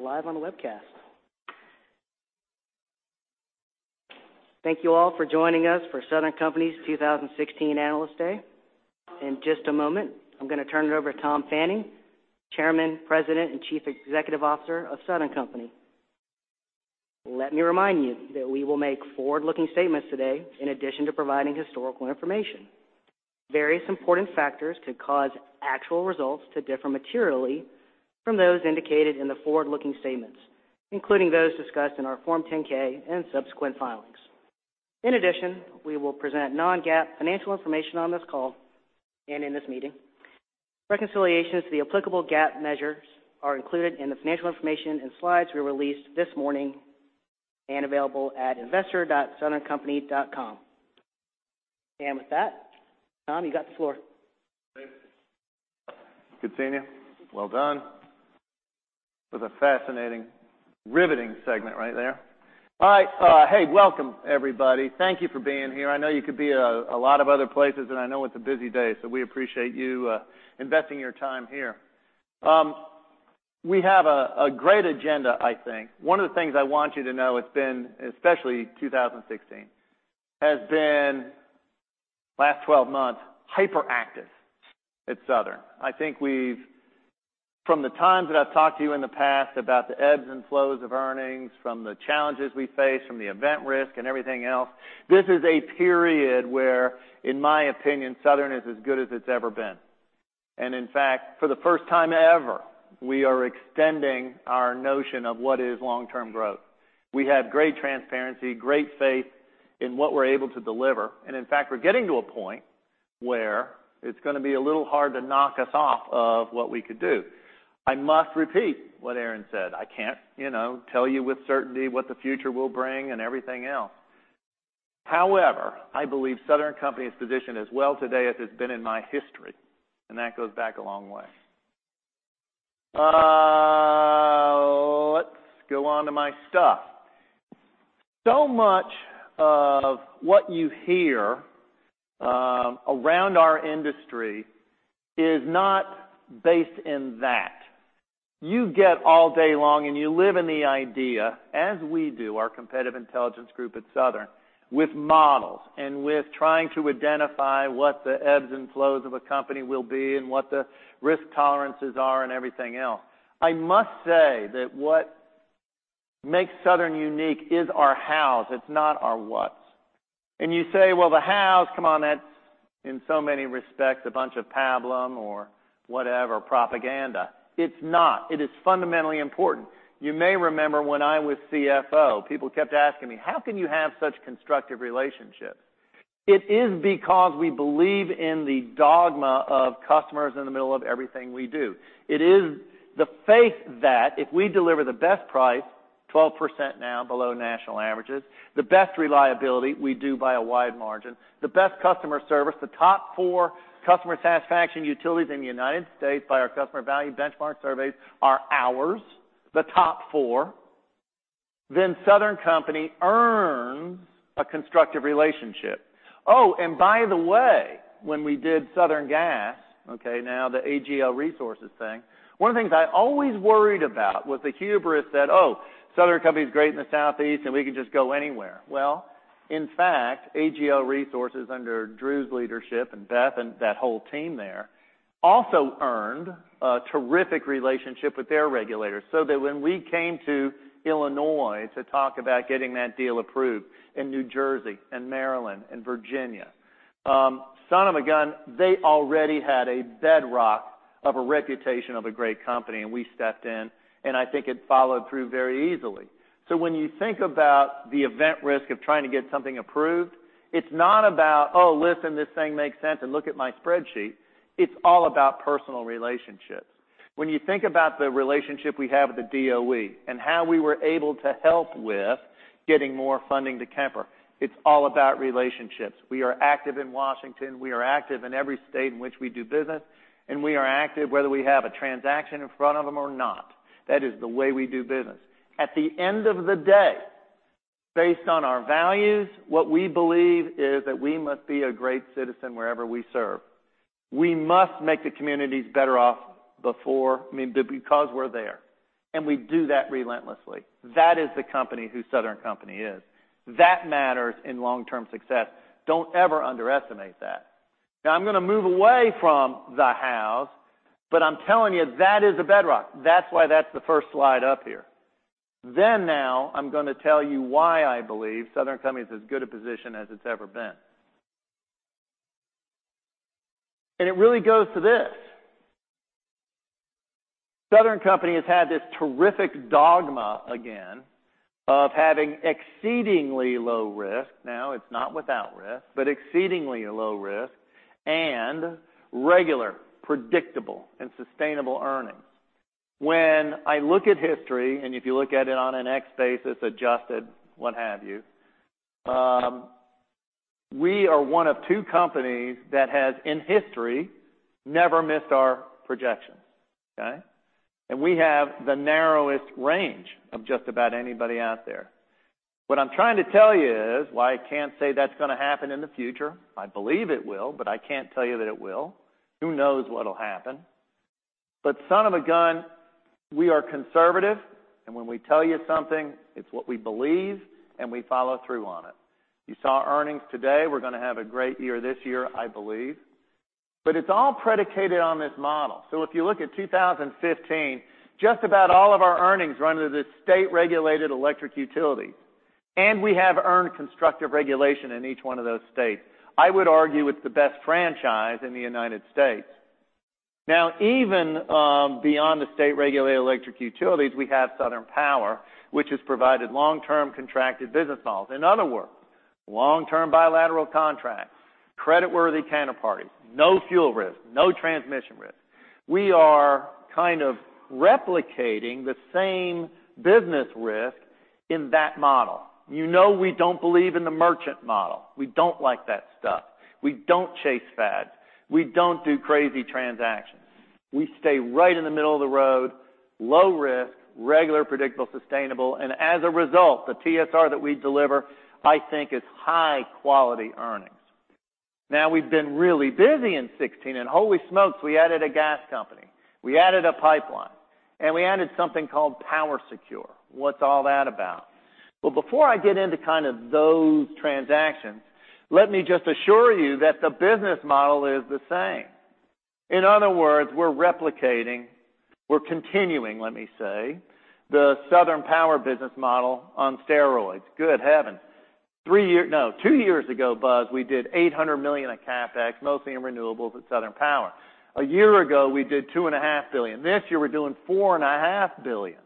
We are live on the webcast. Thank you all for joining us for Southern Company's 2016 Analyst Day. In just a moment, I'm going to turn it over to Tom Fanning, Chairman, President, and Chief Executive Officer of Southern Company. Let me remind you that we will make forward-looking statements today in addition to providing historical information. Various important factors could cause actual results to differ materially from those indicated in the forward-looking statements, including those discussed in our Form 10-K and subsequent filings. In addition, we will present non-GAAP financial information on this call and in this meeting. Reconciliations to the applicable GAAP measures are included in the financial information and slides we released this morning and available at investor.southerncompany.com. With that, Tom, you got the floor. Thanks. Good seeing you. Well done. That was a fascinating, riveting segment right there. Hi. Hey, welcome everybody. Thank you for being here. I know you could be a lot of other places, and I know it's a busy day, so we appreciate you investing your time here. We have a great agenda, I think. One of the things I want you to know, especially 2016, has been, last 12 months, hyperactive at Southern. I think from the times that I've talked to you in the past about the ebbs and flows of earnings, from the challenges we face, from the event risk and everything else, this is a period where, in my opinion, Southern is as good as it's ever been. In fact, for the first time ever, we are extending our notion of what is long-term growth. We have great transparency, great faith in what we're able to deliver. In fact, we're getting to a point where it's going to be a little hard to knock us off of what we could do. I must repeat what Aaron said. I can't tell you with certainty what the future will bring and everything else. However, I believe Southern Company's position is as well today as it's been in my history, and that goes back a long way. Let's go on to my stuff. Much of what you hear around our industry is not based in that. You get all day long and you live in the idea, as we do, our competitive intelligence group at Southern, with models and with trying to identify what the ebbs and flows of a company will be and what the risk tolerances are and everything else. I must say that what makes Southern unique is our how's, it's not our what's. You say, "Well, the how's, come on, that's in so many respects a bunch of pablum or whatever propaganda." It's not. It is fundamentally important. You may remember when I was CFO, people kept asking me, "How can you have such constructive relationships?" It is because we believe in the dogma of customers in the middle of everything we do. It is the faith that if we deliver the best price, 12% now below national averages, the best reliability, we do by a wide margin, the best customer service. The top four customer satisfaction utilities in the United States by our customer value benchmark surveys are ours, the top four. Southern Company earns a constructive relationship. By the way, when we did Southern Company Gas, okay, now the AGL Resources thing, one of the things I always worried about was the hubris that, oh, Southern Company's great in the Southeast and we can just go anywhere. Well, in fact, AGL Resources, under Drew's leadership and Beth and that whole team there, also earned a terrific relationship with their regulators. When we came to Illinois to talk about getting that deal approved in New Jersey and Maryland and Virginia, son of a gun, they already had a bedrock of a reputation of a great company, and we stepped in, and I think it followed through very easily. When you think about the event risk of trying to get something approved, it's not about, oh, listen, this thing makes sense, and look at my spreadsheet. It's all about personal relationships. When you think about the relationship we have with the DOE and how we were able to help with getting more funding to Kemper, it's all about relationships. We are active in Washington, we are active in every state in which we do business, and we are active whether we have a transaction in front of them or not. That is the way we do business. At the end of the day, based on our values, what we believe is that we must be a great citizen wherever we serve. We must make the communities better off because we're there, and we do that relentlessly. That is the company whose Southern Company is. That matters in long-term success. Don't ever underestimate that. I'm going to move away from the how's, I'm telling you that is a bedrock. That's why that's the first slide up here. I'm going to tell you why I believe Southern Company is as good a position as it's ever been. It really goes to this. Southern Company has had this terrific dogma again of having exceedingly low risk. It's not without risk, exceedingly low risk and regular, predictable, and sustainable earnings. When I look at history, and if you look at it on an X basis adjusted what have you, we are one of two companies that has, in history, never missed our projections. Okay? And we have the narrowest range of just about anybody out there. What I'm trying to tell you is why I can't say that's going to happen in the future. I believe it will, I can't tell you that it will. Who knows what'll happen? Son of a gun, we are conservative, and when we tell you something, it's what we believe, and we follow through on it. You saw earnings today. We're going to have a great year this year, I believe. It's all predicated on this model. If you look at 2015, just about all of our earnings run to the state-regulated electric utility, and we have earned constructive regulation in each one of those states. I would argue it's the best franchise in the U.S. Even beyond the state-regulated electric utilities, we have Southern Power, which has provided long-term contracted business models. In other words, long-term bilateral contracts, creditworthy counterparties, no fuel risk, no transmission risk. We are kind of replicating the same business risk in that model. You know we don't believe in the merchant model. We don't like that stuff. We don't chase fads. We don't do crazy transactions. We stay right in the middle of the road, low risk, regular, predictable, sustainable, and as a result, the TSR that we deliver, I think, is high-quality earnings. We've been really busy in 2016, and holy smokes, we added a gas company. We added a pipeline, and we added something called PowerSecure. What's all that about? Before I get into those transactions, let me just assure you that the business model is the same. In other words, we're replicating, we're continuing, let me say, the Southern Power business model on steroids. Good heavens. Two years ago, Buzz, we did $800 million of CapEx, mostly in renewables at Southern Power. A year ago, we did $2.5 billion. This year, we're doing $4.5 billion.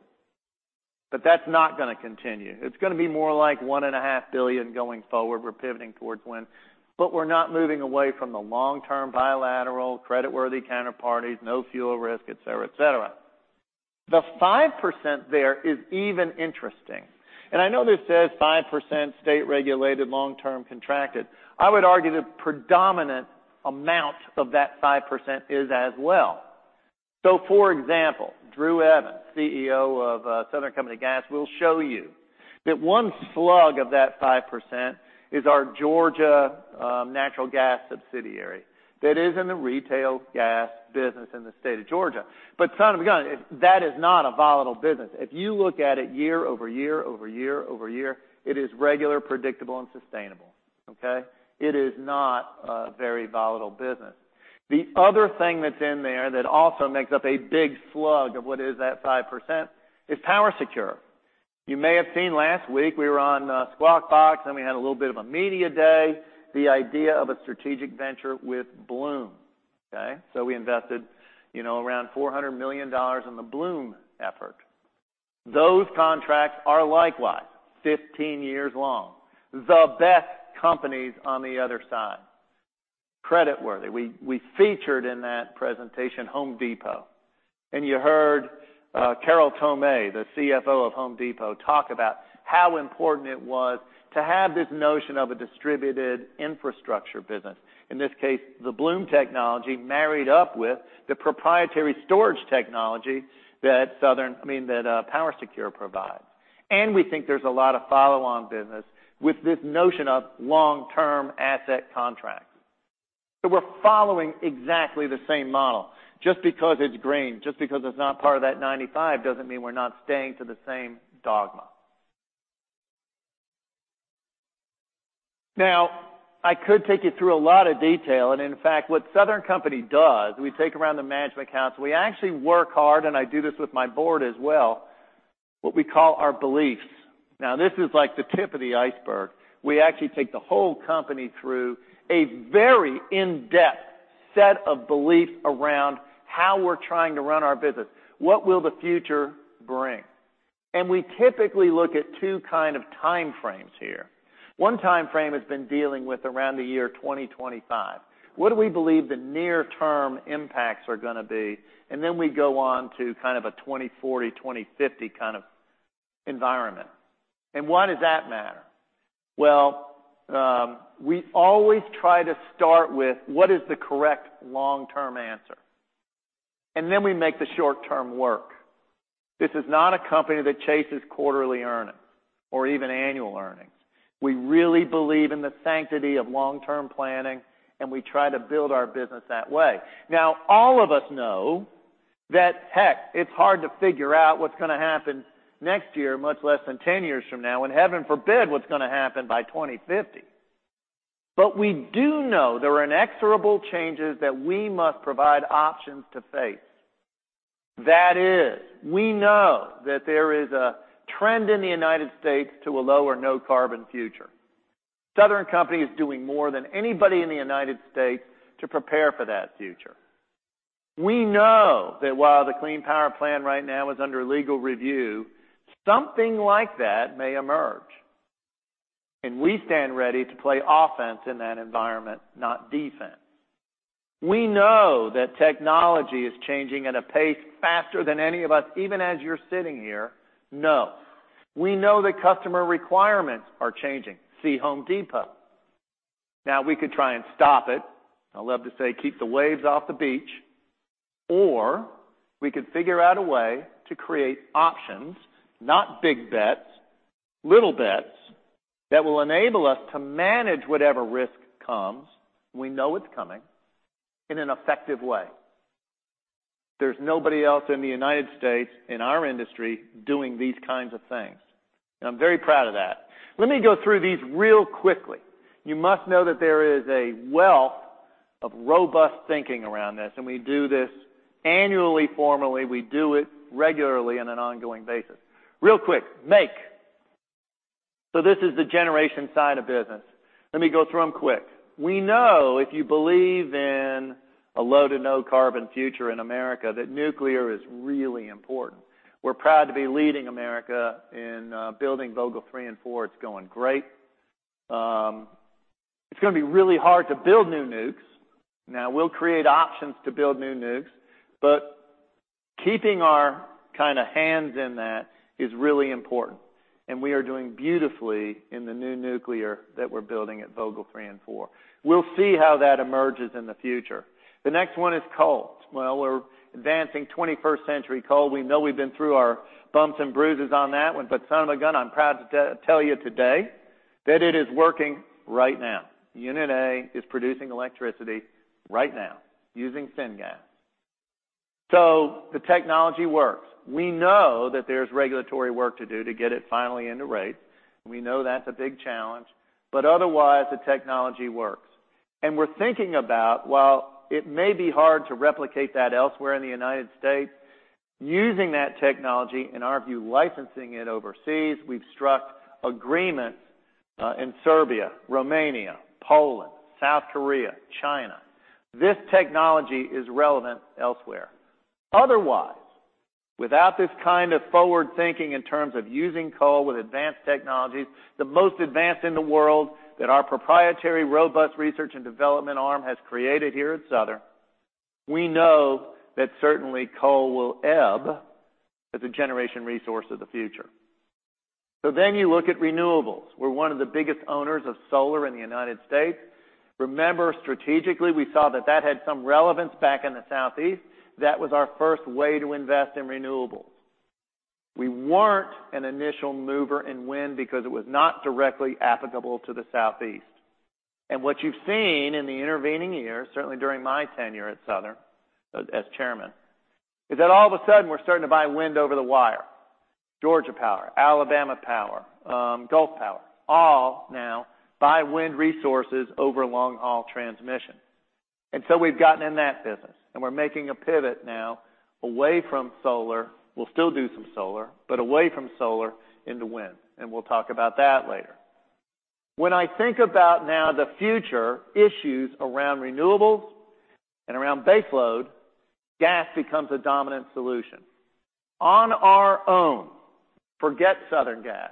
That's not going to continue. It's going to be more like $1.5 billion going forward. We're pivoting towards wind. We're not moving away from the long-term bilateral creditworthy counterparties, no fuel risk, et cetera. The 5% there is even interesting. I know this says 5% state-regulated long-term contracted. I would argue the predominant amount of that 5% is as well. For example, Drew Evans, CEO of Southern Company Gas, will show you that one slug of that 5% is our Georgia natural gas subsidiary that is in the retail gas business in the state of Georgia. Son of a gun, that is not a volatile business. If you look at it year over year over year over year, it is regular, predictable, and sustainable. Okay? It is not a very volatile business. The other thing that's in there that also makes up a big slug of what is that 5% is PowerSecure. You may have seen last week we were on Squawk Box, and we had a little bit of a media day, the idea of a strategic venture with Bloom. Okay? We invested around $400 million in the Bloom effort. Those contracts are likewise 15 years long. The best companies on the other side. Creditworthy. We featured in that presentation Home Depot, and you heard Carol Tomé, the CFO of Home Depot, talk about how important it was to have this notion of a distributed infrastructure business. In this case, the Bloom technology married up with the proprietary storage technology that PowerSecure provides. We think there's a lot of follow-on business with this notion of long-term asset contracts. We're following exactly the same model. Just because it's green, just because it's not part of that 95%, doesn't mean we're not staying to the same dogma. I could take you through a lot of detail, and in fact, what Southern Company does, we take around the management council. We actually work hard, and I do this with my board as well, what we call our beliefs. This is like the tip of the iceberg. We actually take the whole company through a very in-depth set of beliefs around how we're trying to run our business. What will the future bring? We typically look at two time frames here. One time frame has been dealing with around the year 2025. What do we believe the near-term impacts are going to be? Then we go on to a 2040, 2050 environment. Why does that matter? We always try to start with what is the correct long-term answer, and then we make the short-term work. This is not a company that chases quarterly earnings or even annual earnings. We really believe in the sanctity of long-term planning, and we try to build our business that way. All of us know that, heck, it's hard to figure out what's going to happen next year, much less than 10 years from now, and heaven forbid, what's going to happen by 2050. We do know there are inexorable changes that we must provide options to face. That is, we know that there is a trend in the United States to a low or no carbon future. Southern Company is doing more than anybody in the United States to prepare for that future. We know that while the Clean Power Plan right now is under legal review, something like that may emerge, and we stand ready to play offense in that environment, not defense. We know that technology is changing at a pace faster than any of us, even as you're sitting here, know. We know that customer requirements are changing. See Home Depot. We could try and stop it. I love to say keep the waves off the beach, or we could figure out a way to create options, not big bets, little bets that will enable us to manage whatever risk comes, we know it's coming, in an effective way. There's nobody else in the United States in our industry doing these kinds of things. I'm very proud of that. Let me go through these real quickly. You must know that there is a wealth of robust thinking around this. We do this annually, formally, we do it regularly on an ongoing basis. Real quick. Make. This is the generation side of business. Let me go through them quick. We know if you believe in a low to no carbon future in America, that nuclear is really important. We're proud to be leading America in building Vogtle 3 and 4. It's going great. It's going to be really hard to build new nukes. We'll create options to build new nukes, but keeping our hands in that is really important, and we are doing beautifully in the new nuclear that we're building at Vogtle 3 and 4. We'll see how that emerges in the future. The next one is coal. We're advancing 21st century coal. We know we've been through our bumps and bruises on that one. Son of a gun, I'm proud to tell you today that it is working right now. Unit A is producing electricity right now using syngas. The technology works. We know that there's regulatory work to do to get it finally into rate. We know that's a big challenge, but otherwise, the technology works. We're thinking about, while it may be hard to replicate that elsewhere in the United States, using that technology, in our view, licensing it overseas. We've struck agreements in Serbia, Romania, Poland, South Korea, China. This technology is relevant elsewhere. Otherwise, without this kind of forward thinking in terms of using coal with advanced technologies, the most advanced in the world that our proprietary robust research and development arm has created here at Southern, we know that certainly coal will ebb as a generation resource of the future. You look at renewables. We're one of the biggest owners of solar in the U.S. Remember, strategically, we saw that that had some relevance back in the Southeast. That was our first way to invest in renewables. We weren't an initial mover in wind because it was not directly applicable to the Southeast. What you've seen in the intervening years, certainly during my tenure at Southern, as Chairman, is that all of a sudden, we're starting to buy wind over the wire. Georgia Power, Alabama Power, Gulf Power, all now buy wind resources over long-haul transmission. We've gotten in that business, we're making a pivot now away from solar. We'll still do some solar, away from solar into wind, we'll talk about that later. When I think about now the future issues around renewables and around base load, gas becomes a dominant solution. On our own, forget Southern Gas.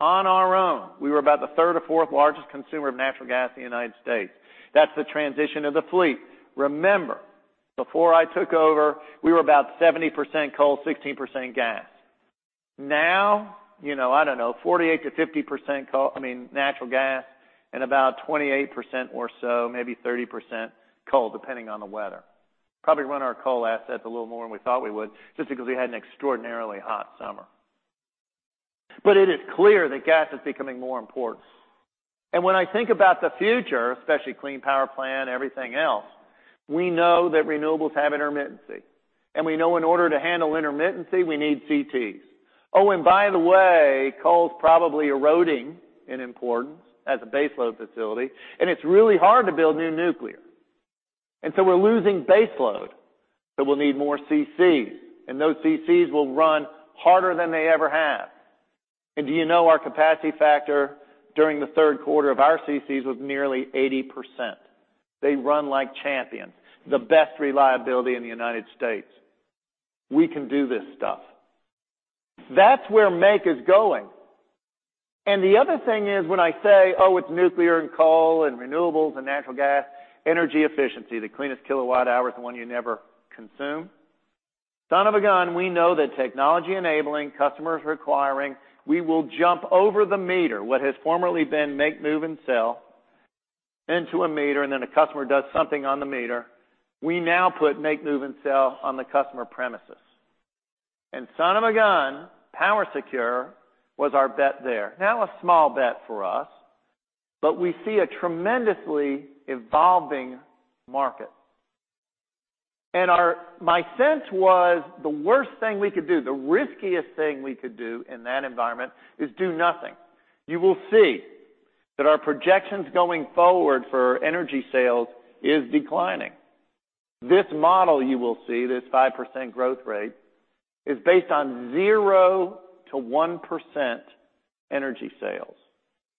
On our own, we were about the third or fourth largest consumer of natural gas in the U.S. That's the transition of the fleet. Remember, before I took over, we were about 70% coal, 16% gas. Now, I don't know, 48%-50% natural gas and about 28% or so, maybe 30% coal, depending on the weather. Probably run our coal assets a little more than we thought we would just because we had an extraordinarily hot summer. It is clear that gas is becoming more important. When I think about the future, especially Clean Power Plan, everything else, we know that renewables have intermittency. We know in order to handle intermittency, we need CTs. By the way, coal's probably eroding in importance as a base load facility, it's really hard to build new nuclear. We're losing base load. We'll need more CCs, those CCs will run harder than they ever have. Do you know our capacity factor during the third quarter of our CCs was nearly 80%? They run like champions. The best reliability in the U.S. We can do this stuff. That's where Make is going. The other thing is when I say, oh, it's nuclear and coal and renewables and natural gas, energy efficiency, the cleanest kilowatt hour is the one you never consume. Son of a gun, we know that technology enabling, customers requiring, we will jump over the meter. What has formerly been make, move, and sell into a meter, a customer does something on the meter. We now put make, move, and sell on the customer premises. Son of a gun, PowerSecure was our bet there. Now a small bet for us, but we see a tremendously evolving market. My sense was the worst thing we could do, the riskiest thing we could do in that environment is do nothing. You will see that our projections going forward for energy sales is declining. This model you will see, this 5% growth rate, is based on 0%-1% energy sales.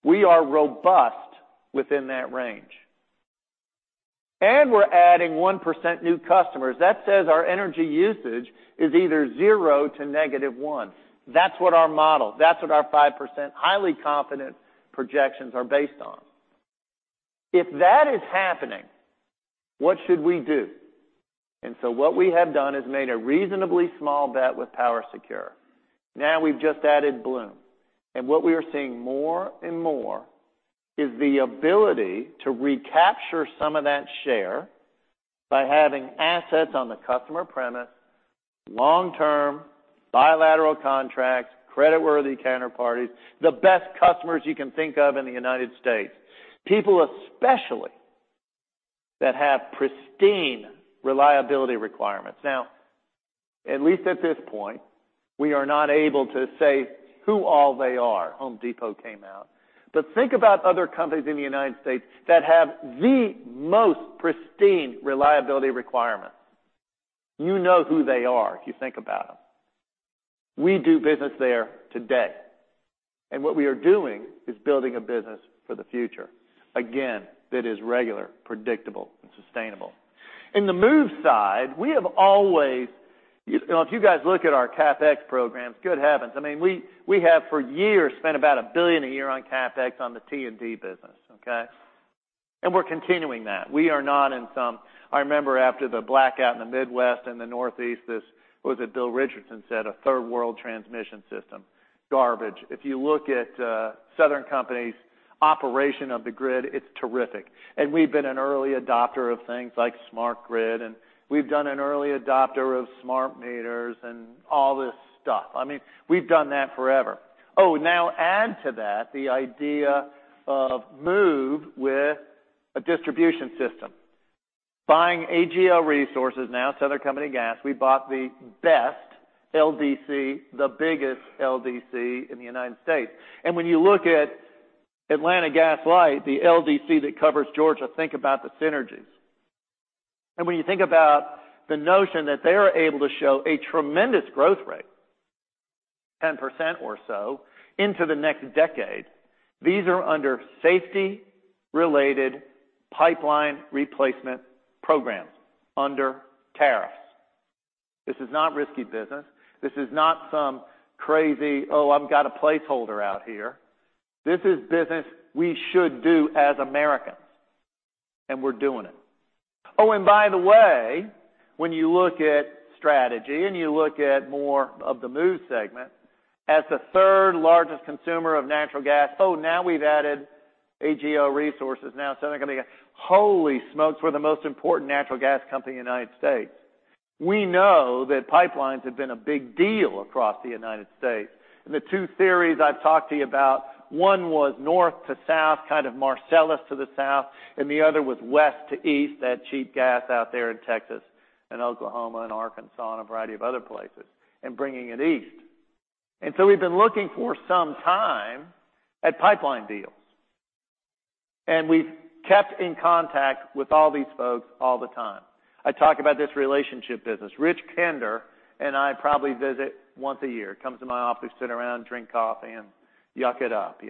We are robust within that range. We're adding 1% new customers. That says our energy usage is either 0% to negative 1%. That's what our model, that's what our 5% highly confident projections are based on. If that is happening, what should we do? What we have done is made a reasonably small bet with PowerSecure. Now we've just added Bloom. What we are seeing more and more is the ability to recapture some of that share by having assets on the customer premise, long-term bilateral contracts, creditworthy counterparties, the best customers you can think of in the U.S., people especially that have pristine reliability requirements. Now, at least at this point, we are not able to say who all they are. Home Depot came out. Think about other companies in the U.S. that have the most pristine reliability requirements. You know who they are if you think about them. We do business there today, and what we are doing is building a business for the future, again, that is regular, predictable, and sustainable. In the move side, if you guys look at our CapEx programs, good heavens, we have for years spent about $1 billion a year on CapEx on the T&D business, okay? We're continuing that. I remember after the blackout in the Midwest and the Northeast, was it Bill Richardson said, "A third world transmission system." Garbage. If you look at Southern Company's operation of the grid, it's terrific. We've been an early adopter of things like smart grid, and we've done an early adopter of smart meters and all this stuff. We've done that forever. Oh, now add to that the idea of move with a distribution system. Buying AGL Resources, now Southern Company Gas, we bought the best LDC, the biggest LDC in the U.S. When you look at Atlanta Gas Light, the LDC that covers Georgia, think about the synergies. When you think about the notion that they are able to show a tremendous growth rate, 10% or so, into the next decade, these are under safety-related pipeline replacement programs under tariffs. This is not risky business. This is not some crazy, "Oh, I've got a placeholder out here." This is business we should do as Americans, and we're doing it. Oh, by the way, when you look at strategy and you look at more of the move segment, as the third largest consumer of natural gas, oh, now we've added AGL Resources, now Southern Company Gas. Holy smokes, we're the most important natural gas company in the U.S. We know that pipelines have been a big deal across the U.S. The two theories I've talked to you about, one was north to south, kind of Marcellus to the south, and the other was west to east, that cheap gas out there in Texas and Oklahoma and Arkansas and a variety of other places, and bringing it east. We've been looking for some time at pipeline deals. We've kept in contact with all these folks all the time. I talk about this relationship business. Rich Kinder and I probably visit once a year. Comes to my office, sit around, drink coffee, and yuk it up.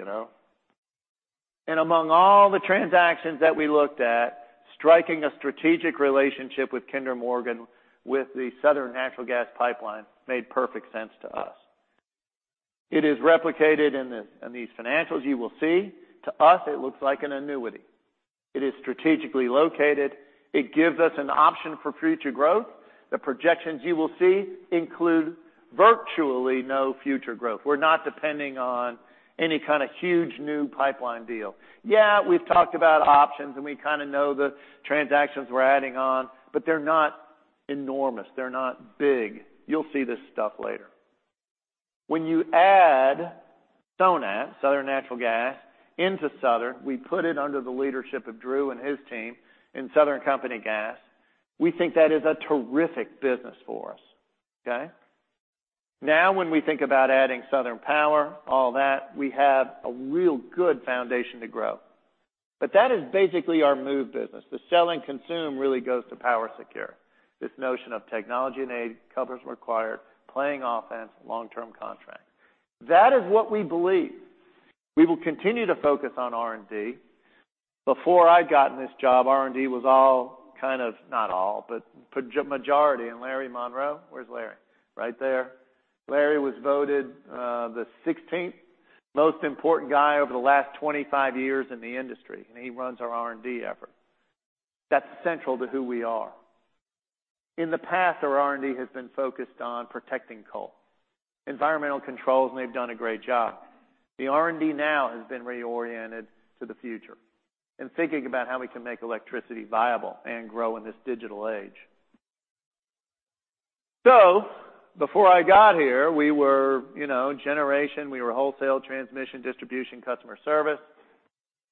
Among all the transactions that we looked at, striking a strategic relationship with Kinder Morgan with the Southern Natural Gas pipeline made perfect sense to us. It is replicated in these financials you will see. To us, it looks like an annuity. It is strategically located. It gives us an option for future growth. The projections you will see include virtually no future growth. We're not depending on any kind of huge new pipeline deal. Yeah, we've talked about options, and we kind of know the transactions we're adding on, but they're not enormous. They're not big. You'll see this stuff later. When you add Sonat, Southern Natural Gas, into Southern, we put it under the leadership of Drew and his team in Southern Company Gas. We think that is a terrific business for us. Okay? Now when we think about adding Southern Power, all that, we have a real good foundation to grow. That is basically our move business. The sell and consume really goes to PowerSecure, this notion of technology enabled, covers required, playing offense, long-term contract. That is what we believe. We will continue to focus on R&D. Before I'd gotten this job, R&D was all kind of, not all, but majority. Larry Monroe, where's Larry? Right there. Larry was voted the 16th most important guy over the last 25 years in the industry. He runs our R&D effort. That's central to who we are. In the past, our R&D has been focused on protecting coal. Environmental controls, and they've done a great job. The R&D now has been reoriented to the future and thinking about how we can make electricity viable and grow in this digital age. Before I got here, we were generation, we were wholesale transmission, distribution, customer service,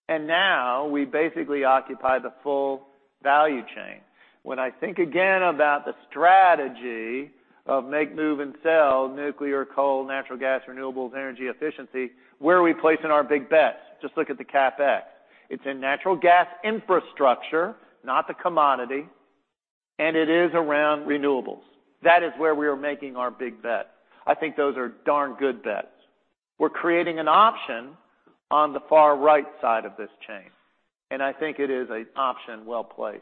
and now we basically occupy the full value chain. When I think again about the strategy of make, move, and sell nuclear, coal, natural gas, renewables, energy efficiency, where are we placing our big bets? Just look at the CapEx. It's in natural gas infrastructure, not the commodity, and it is around renewables. That is where we are making our big bet. I think those are darn good bets. We're creating an option on the far right side of this chain, and I think it is an option well-placed.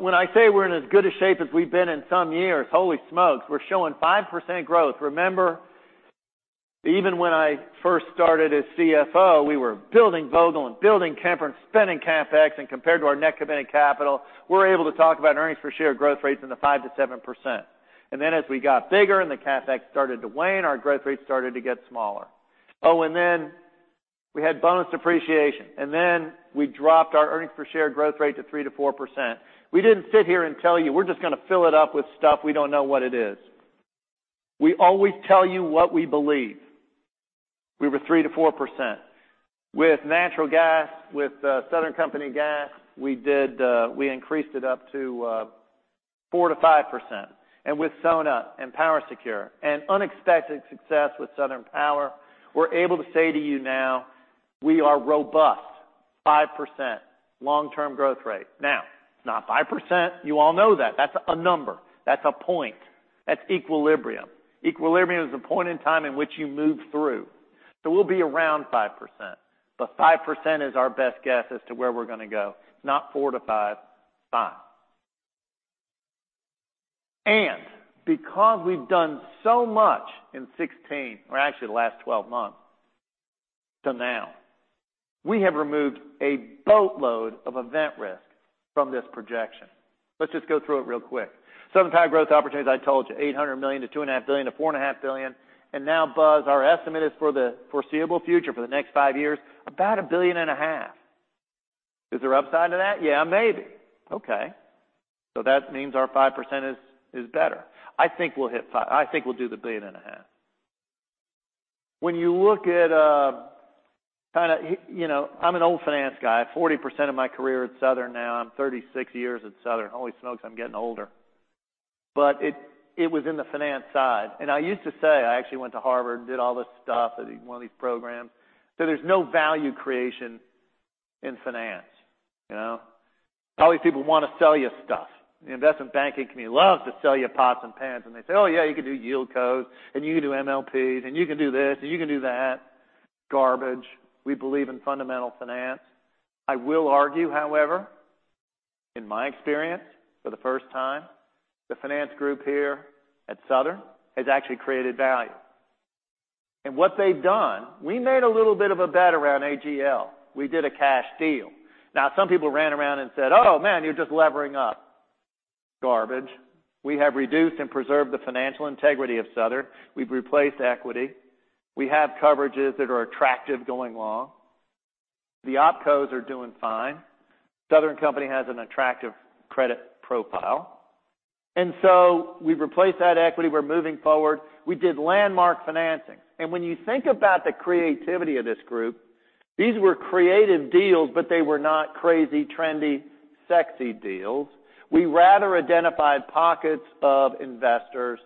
When I say we're in as good a shape as we've been in some years, holy smokes, we're showing 5% growth. Remember, even when I first started as CFO, we were building Vogtle and building Kemper and spending CapEx. Compared to our net committed capital, we're able to talk about earnings per share growth rates in the 5%-7%. As we got bigger and the CapEx started to wane, our growth rates started to get smaller. We had bonus depreciation, and then we dropped our earnings per share growth rate to 3%-4%. We didn't sit here and tell you we're just going to fill it up with stuff we don't know what it is. We always tell you what we believe. We were 3%-4%. With natural gas, with Southern Company Gas, we increased it up to 4%-5%. With Sonat and PowerSecure and unexpected success with Southern Power, we're able to say to you now we are robust 5% long-term growth rate. Now, it's not 5%. You all know that. That's a number. That's a point. That's equilibrium. Equilibrium is a point in time in which you move through. We'll be around 5%, but 5% is our best guess as to where we're going to go. It's not 4%-5%. It's 5%. Because we've done so much in 2016, or actually the last 12 months to now, we have removed a boatload of event risk from this projection. Let's just go through it real quick. Southern Power growth opportunities, I told you, $800 million to $2.5 billion to $4.5 billion. Now, Buzz, our estimate is for the foreseeable future, for the next five years, about $1.5 billion. Is there upside to that? Yeah, maybe. Okay. That means our 5% is better. I think we'll do the $1.5 billion. I'm an old finance guy, 40% of my career at Southern now. I'm 36 years at Southern. Holy smokes, I'm getting older. It was in the finance side. I used to say, I actually went to Harvard and did all this stuff at one of these programs. There's no value creation in finance. All these people want to sell you stuff. The investment banking community loves to sell you pots and pans, they say, "Oh, yeah, you can do yieldcos, and you can do MLPs, and you can do this, and you can do that." Garbage. We believe in fundamental finance. I will argue, however, in my experience, for the first time, the finance group here at Southern has actually created value. What they've done, we made a little bit of a bet around AGL. We did a cash deal. Some people ran around and said, "Oh, man, you're just levering up." Garbage. We have reduced and preserved the financial integrity of Southern. We've replaced equity. We have coverages that are attractive going long. The opcos are doing fine. Southern Company has an attractive credit profile. So we've replaced that equity. We're moving forward. We did landmark financing. When you think about the creativity of this group, these were creative deals, they were not crazy, trendy, sexy deals. We rather identified pockets of investors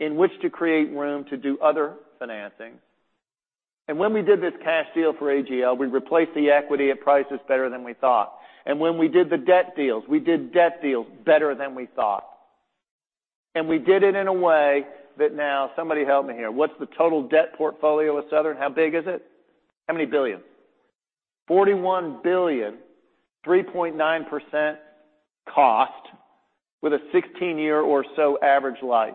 in which to create room to do other financing. When we did this cash deal for AGL, we replaced the equity at prices better than we thought. When we did the debt deals, we did debt deals better than we thought. We did it in a way that now somebody help me here. What's the total debt portfolio of Southern? How big is it? How many billion? $41 billion, 3.9% cost with a 16-year or so average life.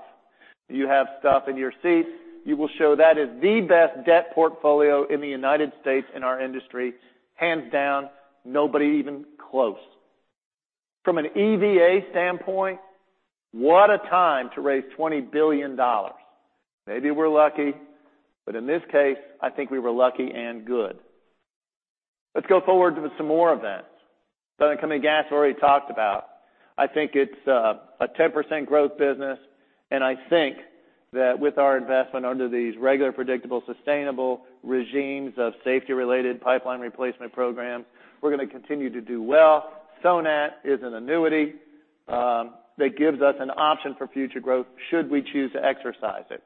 You have stuff in your seats. You will show that is the best debt portfolio in the U.S. in our industry, hands down, nobody even close. From an EVA standpoint, what a time to raise $20 billion. Maybe we're lucky, in this case, I think we were lucky and good. Let's go forward with some more events. Southern Company Gas, we already talked about. I think it's a 10% growth business, I think that with our investment under these regular, predictable, sustainable regimes of safety-related pipeline replacement program, we're going to continue to do well. Sonat is an annuity that gives us an option for future growth should we choose to exercise it.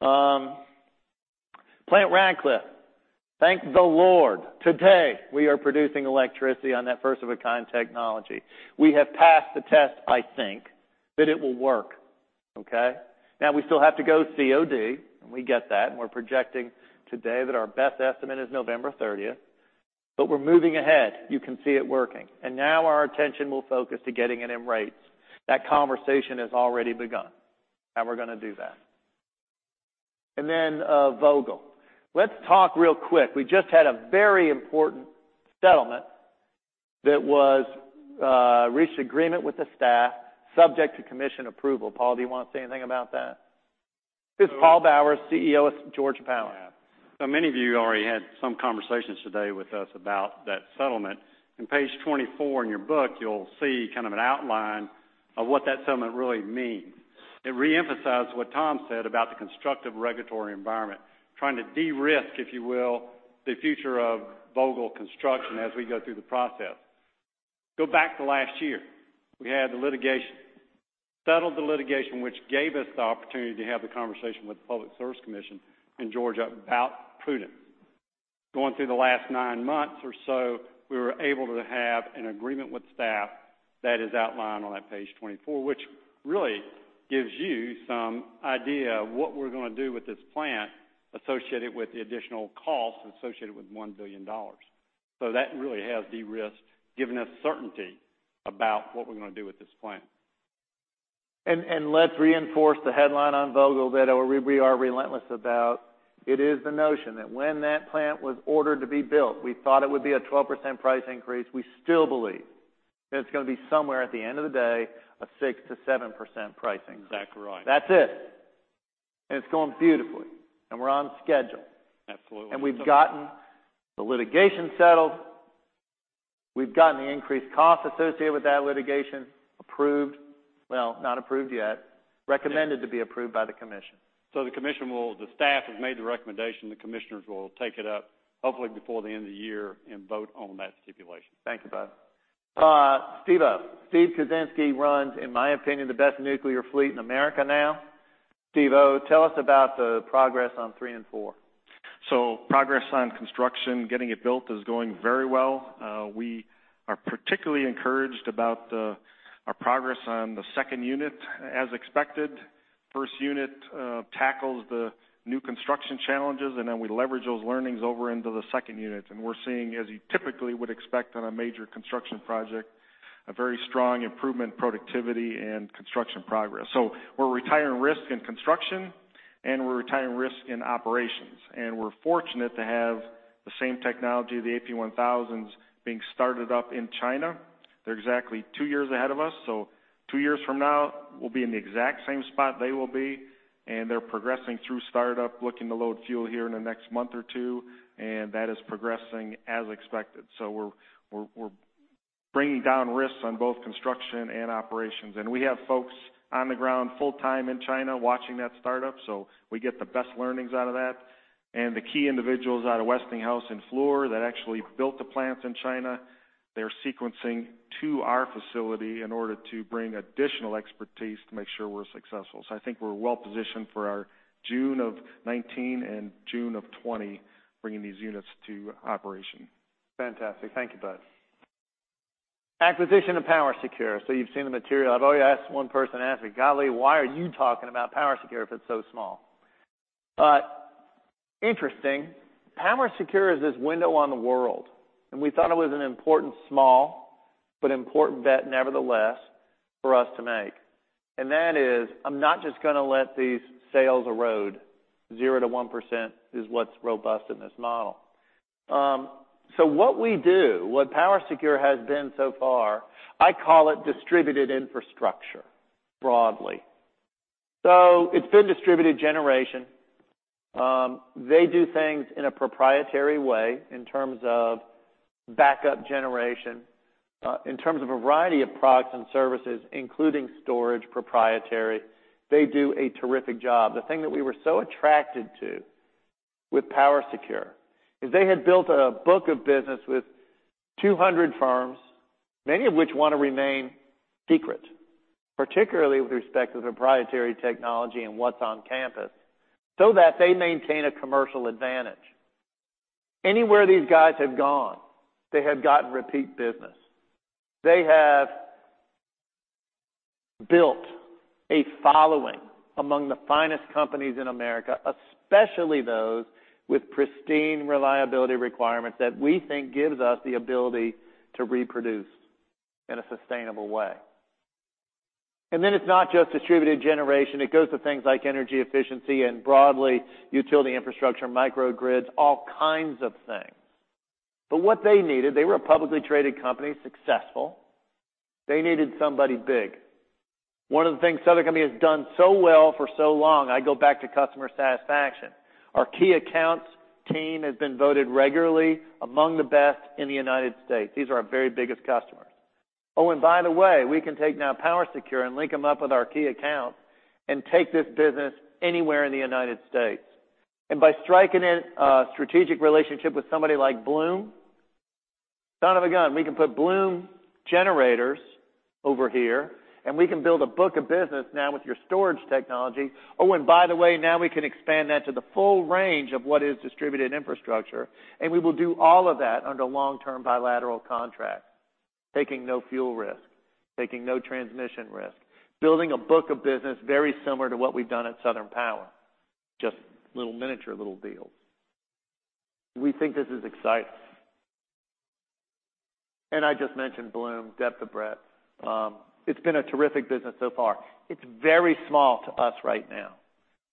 Plant Ratcliffe. Thank the Lord today we are producing electricity on that first-of-a-kind technology. We have passed the test, I think, that it will work. Okay? Now we still have to go COD, and we get that, and we're projecting today that our best estimate is November 30th, we're moving ahead. You can see it working. Now our attention will focus to getting it in rates. That conversation has already begun, we're going to do that. Then Vogtle. Let's talk real quick. We just had a very important settlement that was reached agreement with the staff subject to commission approval. Paul, do you want to say anything about that? This is Paul Bowers, CEO of Georgia Power. Yeah. Many of you already had some conversations today with us about that settlement. In page 24 in your book, you'll see kind of an outline of what that settlement really means. It reemphasized what Tom said about the constructive regulatory environment, trying to de-risk, if you will, the future of Vogtle construction as we go through the process. Go back to last year. We had the litigation, settled the litigation, which gave us the opportunity to have the conversation with the Public Service Commission in Georgia about prudence. Going through the last nine months or so, we were able to have an agreement with staff that is outlined on that page 24, which really gives you some idea of what we're going to do with this plant associated with the additional cost associated with $1 billion. That really has de-risked, giving us certainty about what we're going to do with this plant. Let's reinforce the headline on Vogtle that we are relentless about. It is the notion that when that plant was ordered to be built, we thought it would be a 12% price increase. We still believe that it's going to be somewhere at the end of the day, a 6%-7% price increase. Exactly right. That's it. It's going beautifully. We're on schedule. Absolutely. We've gotten the litigation settled. We've gotten the increased cost associated with that litigation approved. Well, not approved yet. Recommended to be approved by the Commission. The staff has made the recommendation, the Commissioners will take it up, hopefully before the end of the year, and vote on that stipulation. Thank you, Bud. Steve O. Steve Kuczynski runs, in my opinion, the best nuclear fleet in America now. Steve O., tell us about the progress on three and four. Progress on construction, getting it built is going very well. We are particularly encouraged about our progress on the second unit. As expected, first unit tackles the new construction challenges, we leverage those learnings over into the second unit. We're seeing, as you typically would expect on a major construction project, a very strong improvement in productivity and construction progress. We're retiring risk in construction, and we're retiring risk in operations. We're fortunate to have the same technology, the AP1000s being started up in China. They're exactly two years ahead of us. Two years from now, we'll be in the exact same spot they will be. They're progressing through startup, looking to load fuel here in the next month or two, and that is progressing as expected. We're bringing down risks on both construction and operations. We have folks on the ground full-time in China watching that startup, so we get the best learnings out of that. The key individuals out of Westinghouse and Fluor that actually built the plants in China, they're sequencing to our facility in order to bring additional expertise to make sure we're successful. I think we're well-positioned for our June of 2019 and June of 2020, bringing these units to operation. Fantastic. Thank you, Bud. Acquisition of PowerSecure. You've seen the material. I've already asked one person, asking, "Golly, why are you talking about PowerSecure if it's so small?" Interesting. PowerSecure is this window on the world, and we thought it was an important small, but important bet nevertheless for us to make. That is, I'm not just going to let these sales erode. Zero to 1% is what's robust in this model. What we do, what PowerSecure has been so far, I call it distributed infrastructure, broadly. It's been distributed generation. They do things in a proprietary way in terms of backup generation, in terms of a variety of products and services, including storage proprietary. They do a terrific job. The thing that we were so attracted to with PowerSecure is they had built a book of business with 200 firms, many of which want to remain secret, particularly with respect to the proprietary technology and what's on campus, so that they maintain a commercial advantage. Anywhere these guys have gone, they have gotten repeat business. They have built a following among the finest companies in America, especially those with pristine reliability requirements that we think gives us the ability to reproduce in a sustainable way. It's not just distributed generation. It goes to things like energy efficiency and broadly, utility infrastructure, microgrids, all kinds of things. What they needed, they were a publicly traded company, successful. They needed somebody big. One of the things Southern Company has done so well for so long, I go back to customer satisfaction. Our key accounts team has been voted regularly among the best in the U.S. These are our very biggest customers. We can take now PowerSecure and link them up with our key accounts and take this business anywhere in the U.S. By striking a strategic relationship with somebody like Bloom, son of a gun, we can put Bloom generators over here, and we can build a book of business now with your storage technology. Now we can expand that to the full range of what is distributed infrastructure, and we will do all of that under a long-term bilateral contract, taking no fuel risk, taking no transmission risk, building a book of business very similar to what we've done at Southern Power, just little miniature little deals. We think this is exciting. I just mentioned Bloom, depth of breadth. It's been a terrific business so far. It's very small to us right now,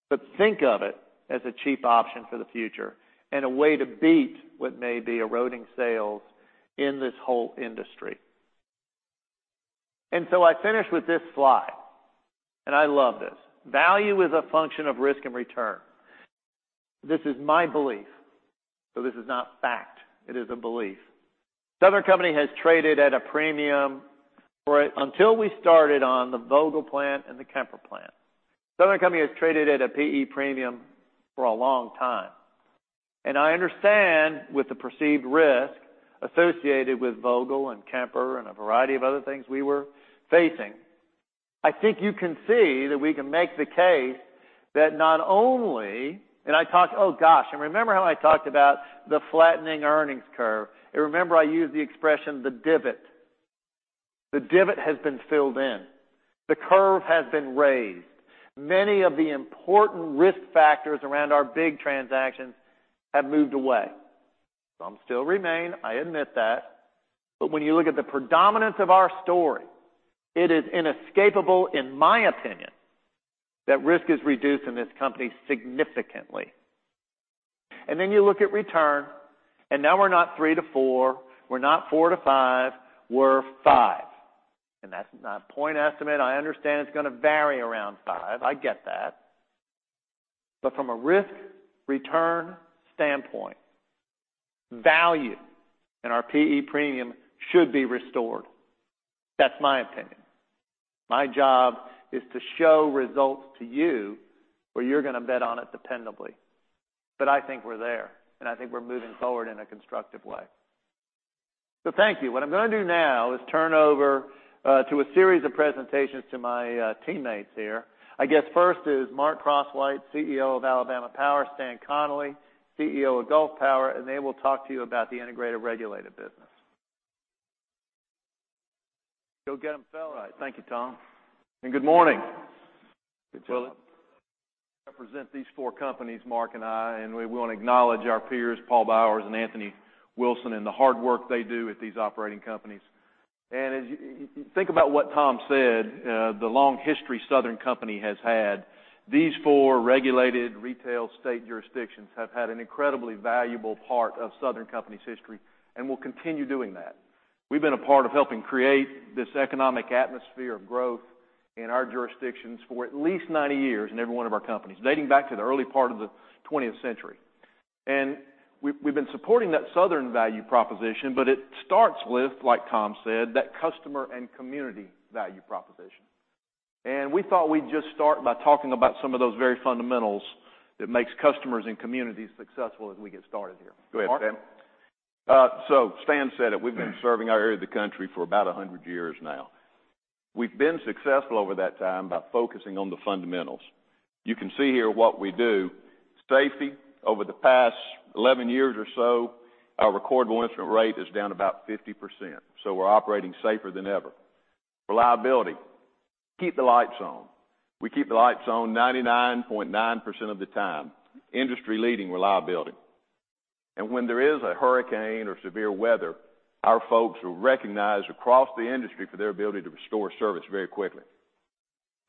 but think of it as a cheap option for the future and a way to beat what may be eroding sales in this whole industry. I finish with this slide, and I love this. Value is a function of risk and return. This is my belief. This is not fact. It is a belief. Southern Company has traded at a premium for it until we started on the Vogtle plant and the Kemper plant. Southern Company has traded at a PE premium for a long time. I understand with the perceived risk associated with Vogtle and Kemper and a variety of other things we were facing, I think you can see that we can make the case that not only. Remember how I talked about the flattening earnings curve? Remember I used the expression the divot? The divot has been filled in. The curve has been raised. Many of the important risk factors around our big transactions have moved away. Some still remain, I admit that. When you look at the predominance of our story, it is inescapable, in my opinion, that risk is reduced in this company significantly. You look at return, and now we're not three to four, we're not four to five, we're five. That's not a point estimate. I understand it's going to vary around five. I get that. From a risk-return standpoint, value in our PE premium should be restored. That's my opinion. My job is to show results to you where you're going to bet on it dependably. I think we're there, and I think we're moving forward in a constructive way. Thank you. What I'm going to do now is turn over to a series of presentations to my teammates here. I guess first is Mark Crosswhite, CEO of Alabama Power, Stan Connally, CEO of Gulf Power, they will talk to you about the integrated regulated business. Go get them, fella. Thank you, Tom. Good morning. Good morning. We represent these four companies, Mark and I, we want to acknowledge our peers, Paul Bowers and Anthony Wilson, and the hard work they do at these operating companies. As you think about what Tom said, the long history Southern Company has had, these four regulated retail state jurisdictions have had an incredibly valuable part of Southern Company's history and will continue doing that. We've been a part of helping create this economic atmosphere of growth in our jurisdictions for at least 90 years in every one of our companies, dating back to the early part of the 20th century. We've been supporting that Southern value proposition, it starts with, like Tom said, that customer and community value proposition. We thought we'd just start by talking about some of those very fundamentals that makes customers and communities successful as we get started here. Go ahead, Stan. Mark. Stan said it. We've been serving our area of the country for about 100 years now. We've been successful over that time by focusing on the fundamentals. You can see here what we do. Safety, over the past 11 years or so, our recordable incident rate is down about 50%, so we're operating safer than ever. Reliability, keep the lights on. We keep the lights on 99.9% of the time. Industry-leading reliability. When there is a hurricane or severe weather, our folks are recognized across the industry for their ability to restore service very quickly.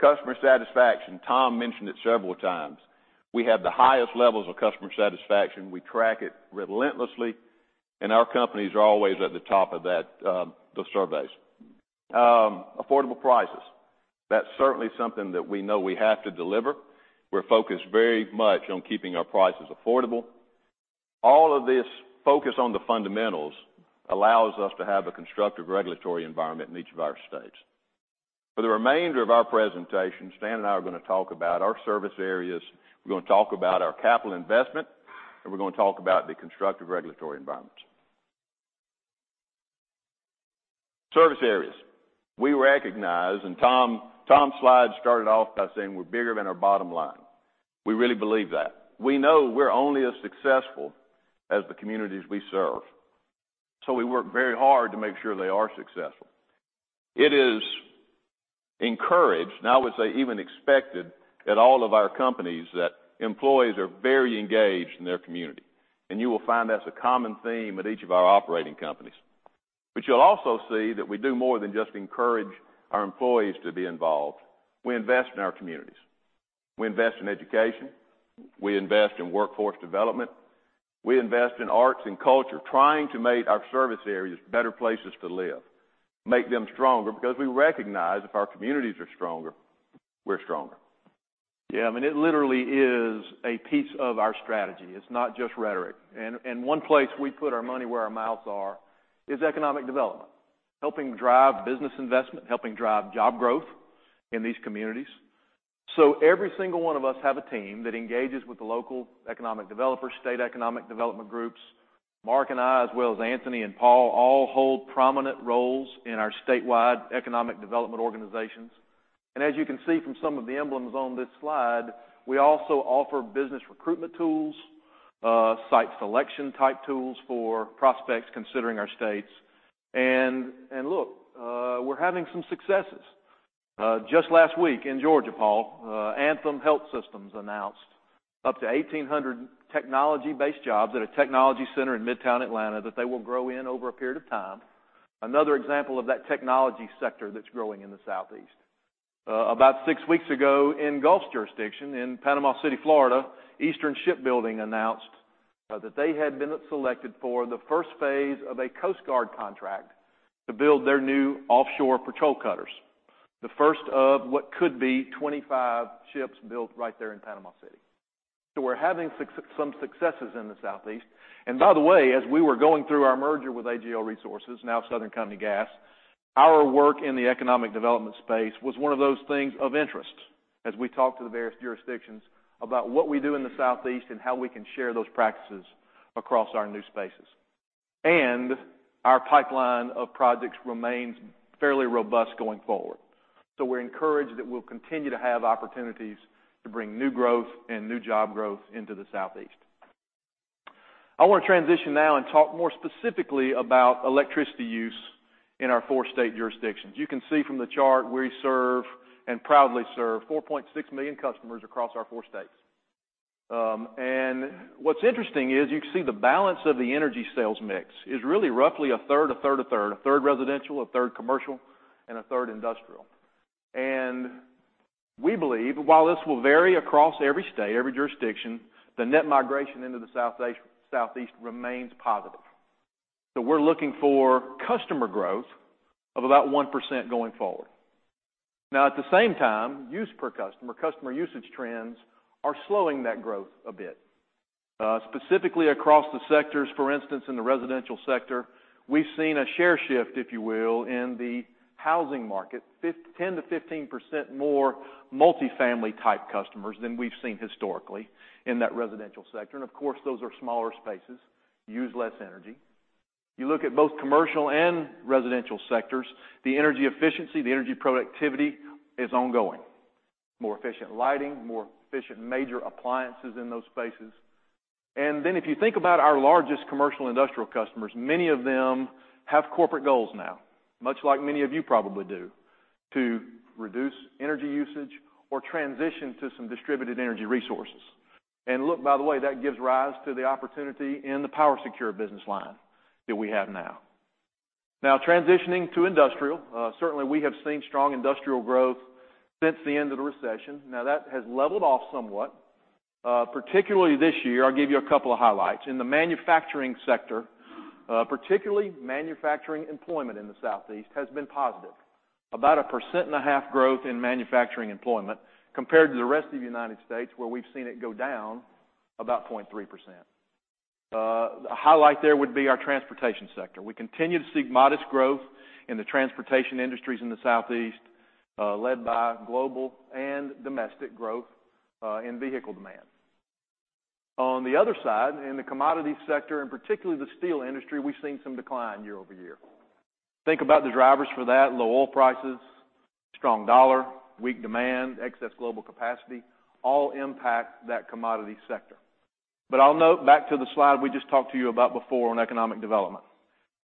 Customer satisfaction, Tom mentioned it several times. We have the highest levels of customer satisfaction. We track it relentlessly, our companies are always at the top of those surveys. Affordable prices. That's certainly something that we know we have to deliver. We're focused very much on keeping our prices affordable. All of this focus on the fundamentals allows us to have a constructive regulatory environment in each of our states. For the remainder of our presentation, Stan and I are going to talk about our service areas, we're going to talk about our capital investment, and we're going to talk about the constructive regulatory environments. Service areas. We recognize, Tom's slide started off by saying we're bigger than our bottom line. We really believe that. We know we're only as successful as the communities we serve, so we work very hard to make sure they are successful. It is encouraged, I would say even expected, at all of our companies that employees are very engaged in their community. You will find that's a common theme at each of our operating companies. You'll also see that we do more than just encourage our employees to be involved. We invest in our communities. We invest in education. We invest in workforce development. We invest in arts and culture, trying to make our service areas better places to live, make them stronger, because we recognize if our communities are stronger, we're stronger. Yeah. I mean, it literally is a piece of our strategy. It's not just rhetoric. One place we put our money where our mouths are is economic development, helping drive business investment, helping drive job growth in these communities. Every single one of us have a team that engages with the local economic developers, state economic development groups. Mark and I, as well as Anthony Wilson and Paul Bowers, all hold prominent roles in our statewide economic development organizations. As you can see from some of the emblems on this slide, we also offer business recruitment tools, site selection type tools for prospects considering our states. Look, we're having some successes. Just last week in Georgia, Paul, Anthem Health Systems announced up to 1,800 technology-based jobs at a technology center in midtown Atlanta that they will grow in over a period of time. Another example of that technology sector that's growing in the Southeast. About six weeks ago in Gulf's jurisdiction in Panama City, Florida, Eastern Shipbuilding announced that they had been selected for the first phase of a Coast Guard contract to build their new offshore patrol cutters, the first of what could be 25 ships built right there in Panama City. We're having some successes in the Southeast. By the way, as we were going through our merger with AGL Resources, now Southern Company Gas, our work in the economic development space was one of those things of interest as we talked to the various jurisdictions about what we do in the Southeast and how we can share those practices across our new spaces. Our pipeline of projects remains fairly robust going forward. We're encouraged that we'll continue to have opportunities to bring new growth and new job growth into the Southeast. I want to transition now and talk more specifically about electricity use in our four state jurisdictions. You can see from the chart we serve, and proudly serve, 4.6 million customers across our four states. What's interesting is you can see the balance of the energy sales mix is really roughly a third, a third, a third. A third residential, a third commercial, and a third industrial. We believe, while this will vary across every state, every jurisdiction, the net migration into the Southeast remains positive. We're looking for customer growth of about 1% going forward. Now at the same time, use per customer usage trends are slowing that growth a bit. Specifically across the sectors, for instance, in the residential sector, we've seen a share shift, if you will, in the housing market. 10%-15% more multi-family type customers than we've seen historically in that residential sector. Of course, those are smaller spaces, use less energy. You look at both commercial and residential sectors, the energy efficiency, the energy productivity is ongoing. More efficient lighting, more efficient major appliances in those spaces. Then if you think about our largest commercial industrial customers, many of them have corporate goals now, much like many of you probably do, to reduce energy usage or transition to some distributed energy resources. Look, by the way, that gives rise to the opportunity in the PowerSecure business line that we have now. Transitioning to industrial. Certainly, we have seen strong industrial growth since the end of the recession. That has leveled off somewhat, particularly this year. I'll give you a couple of highlights. In the manufacturing sector, particularly manufacturing employment in the Southeast, has been positive. About a 1.5% growth in manufacturing employment compared to the rest of the U.S., where we've seen it go down about 0.3%. A highlight there would be our transportation sector. We continue to see modest growth in the transportation industries in the Southeast, led by global and domestic growth in vehicle demand. On the other side, in the commodity sector and particularly the steel industry, we've seen some decline year-over-year. Think about the drivers for that. Low oil prices, strong dollar, weak demand, excess global capacity, all impact that commodity sector. I'll note back to the slide we just talked to you about before on economic development.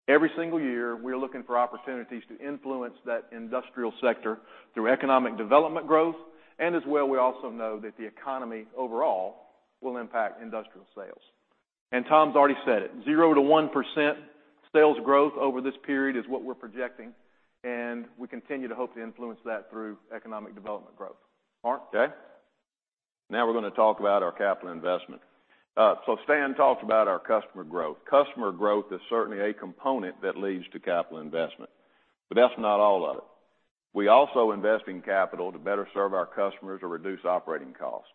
Every single year, we are looking for opportunities to influence that industrial sector through economic development growth, as well, we also know that the economy overall will impact industrial sales. Tom's already said it, 0%-1% sales growth over this period is what we're projecting, and we continue to hope to influence that through economic development growth. Mark? Okay. We're going to talk about our capital investment. Stan talked about our customer growth. Customer growth is certainly a component that leads to capital investment, but that's not all of it. We also invest in capital to better serve our customers or reduce operating costs.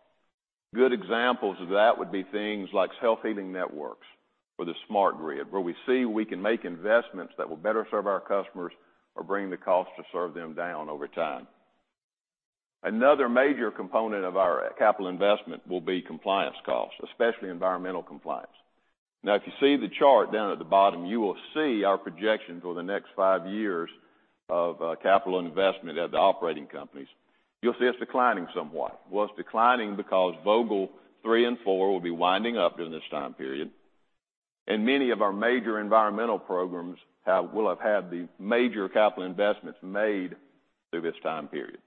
Good examples of that would be things like self-healing networks for the smart grid, where we see we can make investments that will better serve our customers or bring the cost to serve them down over time. Another major component of our capital investment will be compliance costs, especially environmental compliance. If you see the chart down at the bottom, you will see our projections over the next five years of capital investment at the operating companies. You'll see it's declining somewhat. Well, it's declining because Vogtle three and four will be winding up during this time period, and many of our major environmental programs will have had the major capital investments made through this time period.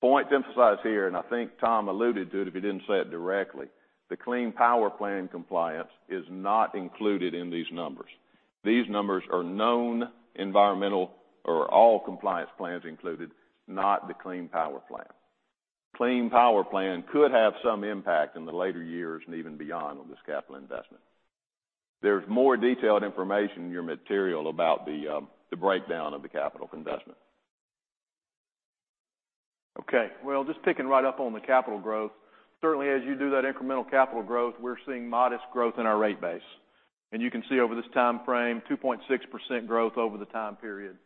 Point to emphasize here, and I think Tom alluded to it if he didn't say it directly, the Clean Power Plan compliance is not included in these numbers. These numbers are known environmental or all compliance plans included, not the Clean Power Plan. Clean Power Plan could have some impact in the later years and even beyond on this capital investment. There's more detailed information in your material about the breakdown of the capital investment. Okay. Well, just picking right up on the capital growth. Certainly as you do that incremental capital growth, we're seeing modest growth in our rate base. You can see over this time frame, 2.6% growth over the time period,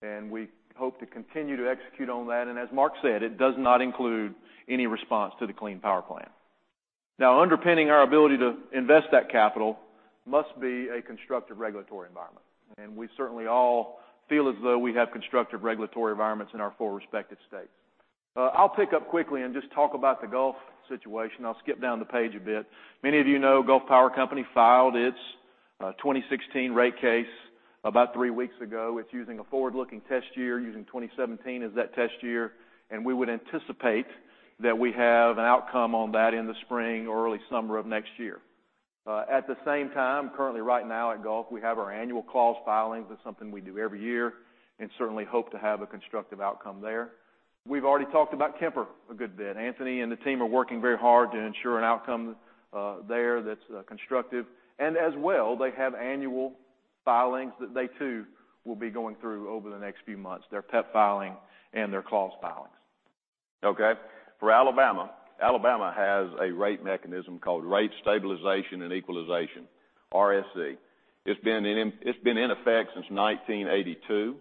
and we hope to continue to execute on that. As Mark said, it does not include any response to the Clean Power Plan. Underpinning our ability to invest that capital must be a constructive regulatory environment, and we certainly all feel as though we have constructive regulatory environments in our four respective states. I'll pick up quickly and just talk about the Gulf situation. I'll skip down the page a bit. Many of you know Gulf Power Company filed its 2016 rate case about three weeks ago. It's using a forward-looking test year, using 2017 as that test year. We would anticipate that we have an outcome on that in the spring or early summer of next year. At the same time, currently right now at Gulf, we have our annual clause filings. That's something we do every year and certainly hope to have a constructive outcome there. We've already talked about Kemper a good bit. Anthony and the team are working very hard to ensure an outcome there that's constructive. As well, they have annual filings that they too will be going through over the next few months, their PEP filing and their clause filings. Okay. For Alabama has a rate mechanism called Rate Stabilization and Equalization, RSE. It's been in effect since 1982.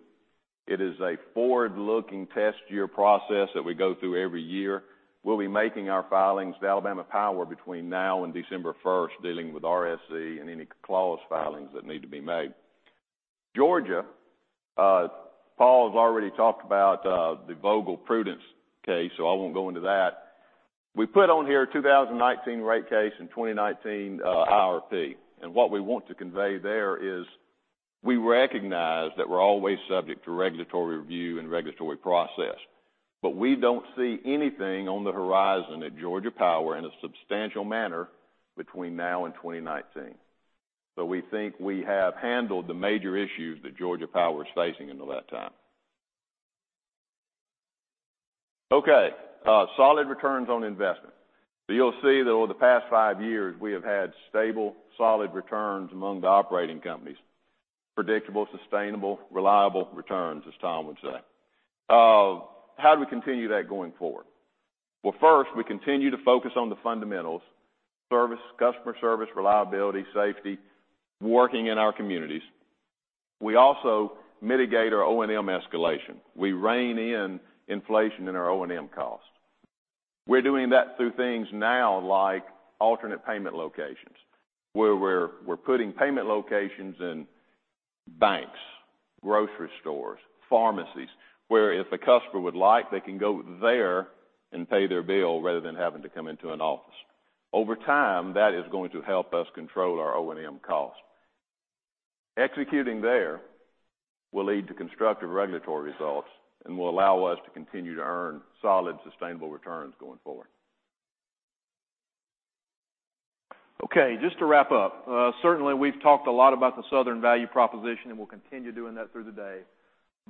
It is a forward-looking test year process that we go through every year. We'll be making our filings to Alabama Power between now and December 1st, dealing with RSE and any clause filings that need to be made. Georgia, Paul has already talked about the Vogtle prudence case, so I won't go into that. We put on here 2019 rate case and 2019 IRP. What we want to convey there is we recognize that we're always subject to regulatory review and regulatory process, but we don't see anything on the horizon at Georgia Power in a substantial manner between now and 2019. We think we have handled the major issues that Georgia Power is facing until that time. Okay. Solid returns on investment. You'll see that over the past five years, we have had stable, solid returns among the operating companies. Predictable, sustainable, reliable returns, as Tom would say. How do we continue that going forward? Well, first, we continue to focus on the fundamentals, service, customer service, reliability, safety, working in our communities. We also mitigate our O&M escalation. We rein in inflation in our O&M costs. We're doing that through things now like alternate payment locations, where we're putting payment locations in banks, grocery stores, pharmacies, where if a customer would like, they can go there and pay their bill rather than having to come into an office. Over time, that is going to help us control our O&M costs. Executing there will lead to constructive regulatory results and will allow us to continue to earn solid, sustainable returns going forward. Okay, just to wrap up. Certainly, we've talked a lot about the Southern value proposition, and we'll continue doing that through the day.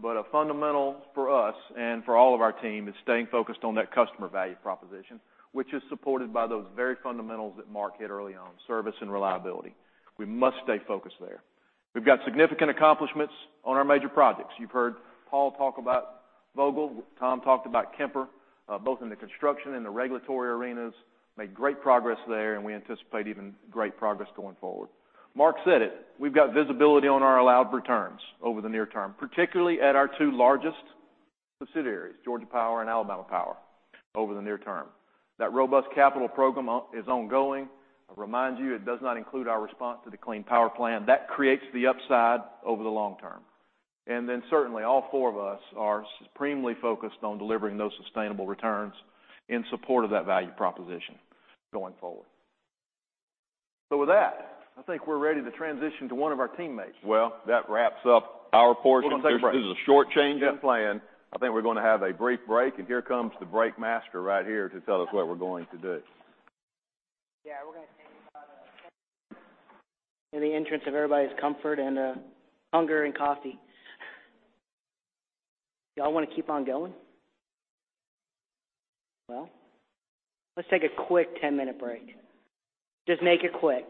A fundamental for us and for all of our team is staying focused on that customer value proposition, which is supported by those very fundamentals that Mark hit early on, service and reliability. We must stay focused there. We've got significant accomplishments on our major projects. You've heard Paul talk about Vogtle. Tom talked about Kemper, both in the construction and the regulatory arenas. Made great progress there, and we anticipate even great progress going forward. Mark said it. We've got visibility on our allowed returns over the near term, particularly at our two largest subsidiaries, Georgia Power and Alabama Power over the near term. That robust capital program is ongoing. I remind you it does not include our response to the Clean Power Plan. That creates the upside over the long term. Certainly all four of us are supremely focused on delivering those sustainable returns in support of that value proposition going forward. With that, I think we're ready to transition to one of our teammates. Well, that wraps up our portion. We're going to take a break. This is a short change in plan. I think we're going to have a brief break. Here comes the break master right here to tell us what we're going to do. Yeah, we're going to take about a 10-minute break in the interest of everybody's comfort and hunger and coffee. You all want to keep on going? Well, let's take a quick 10-minute break. Just make it quick.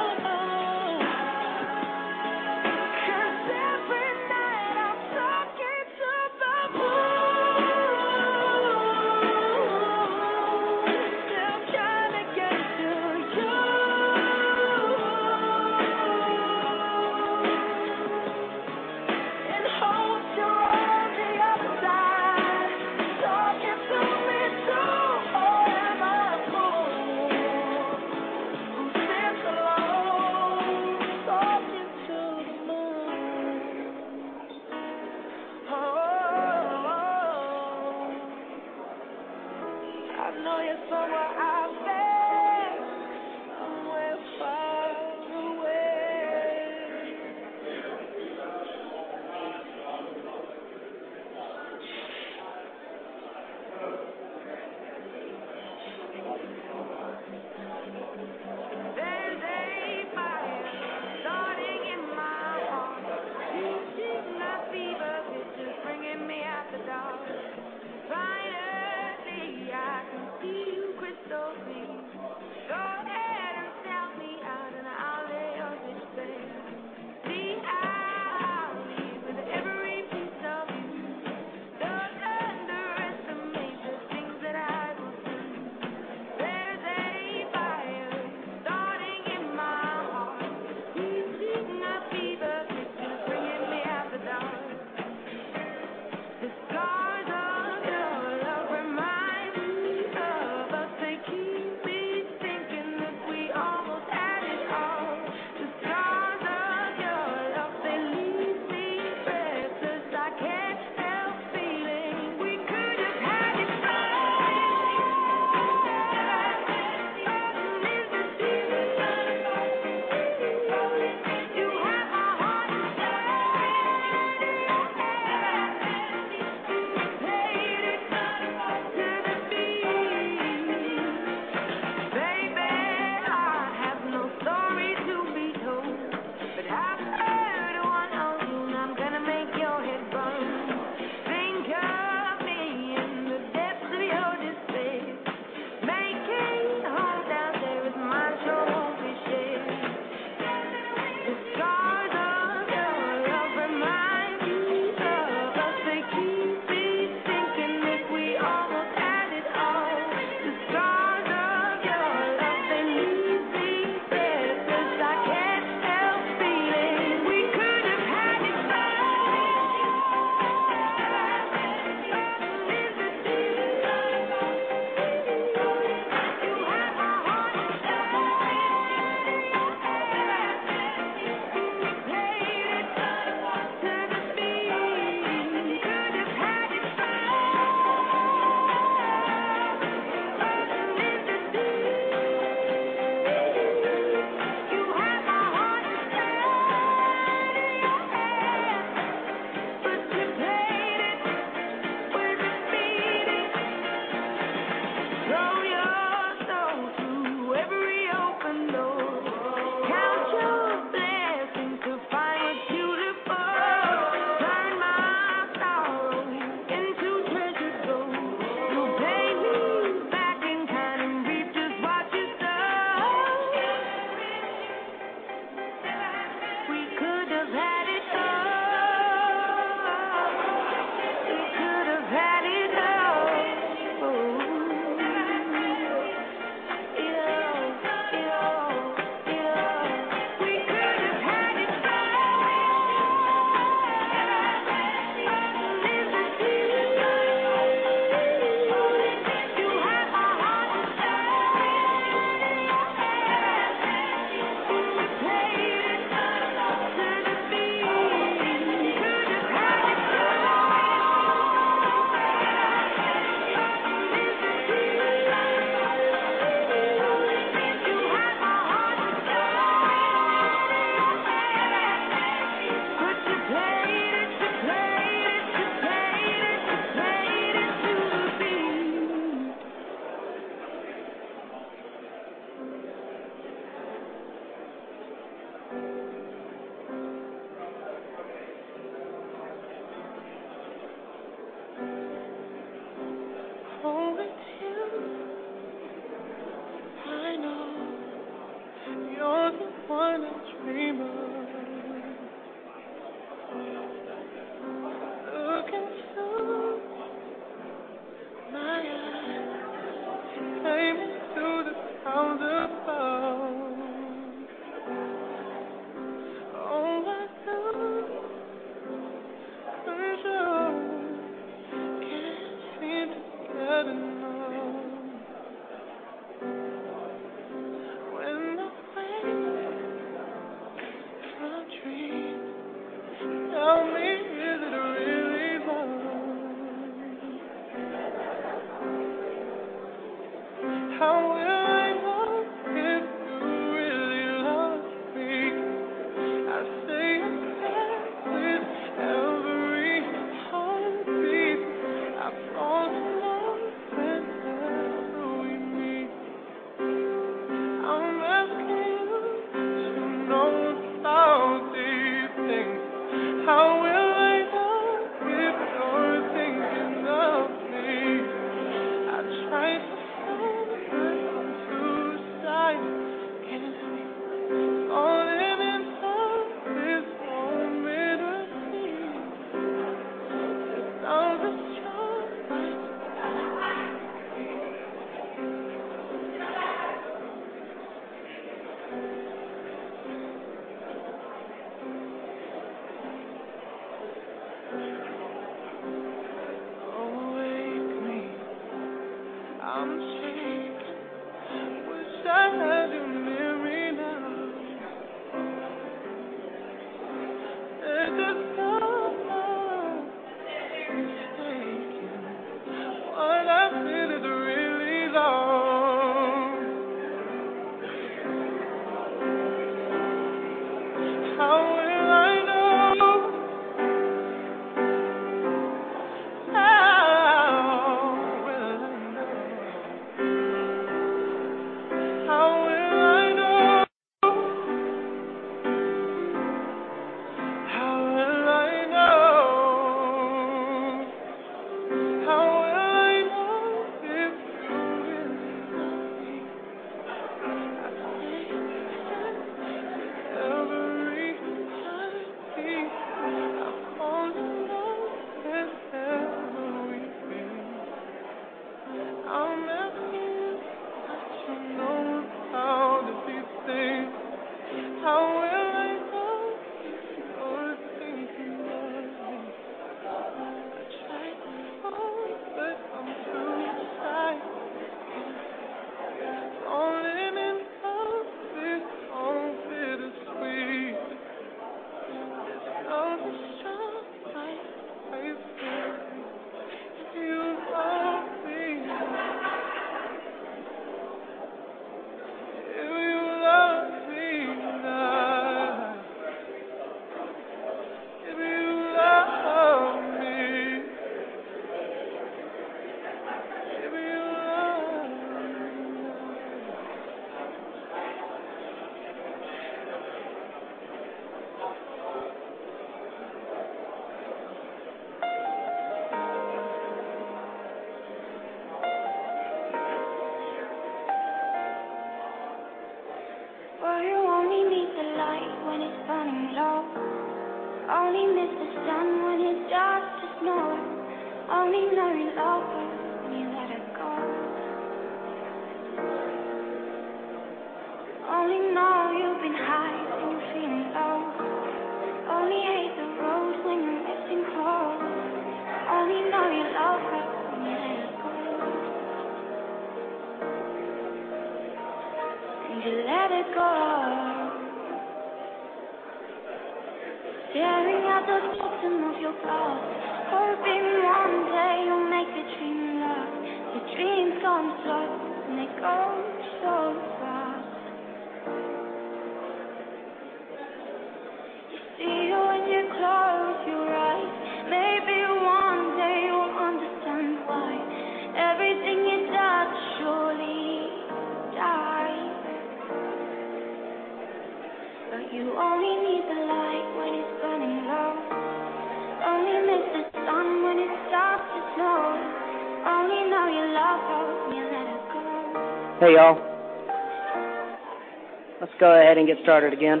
Let's go ahead and get started again.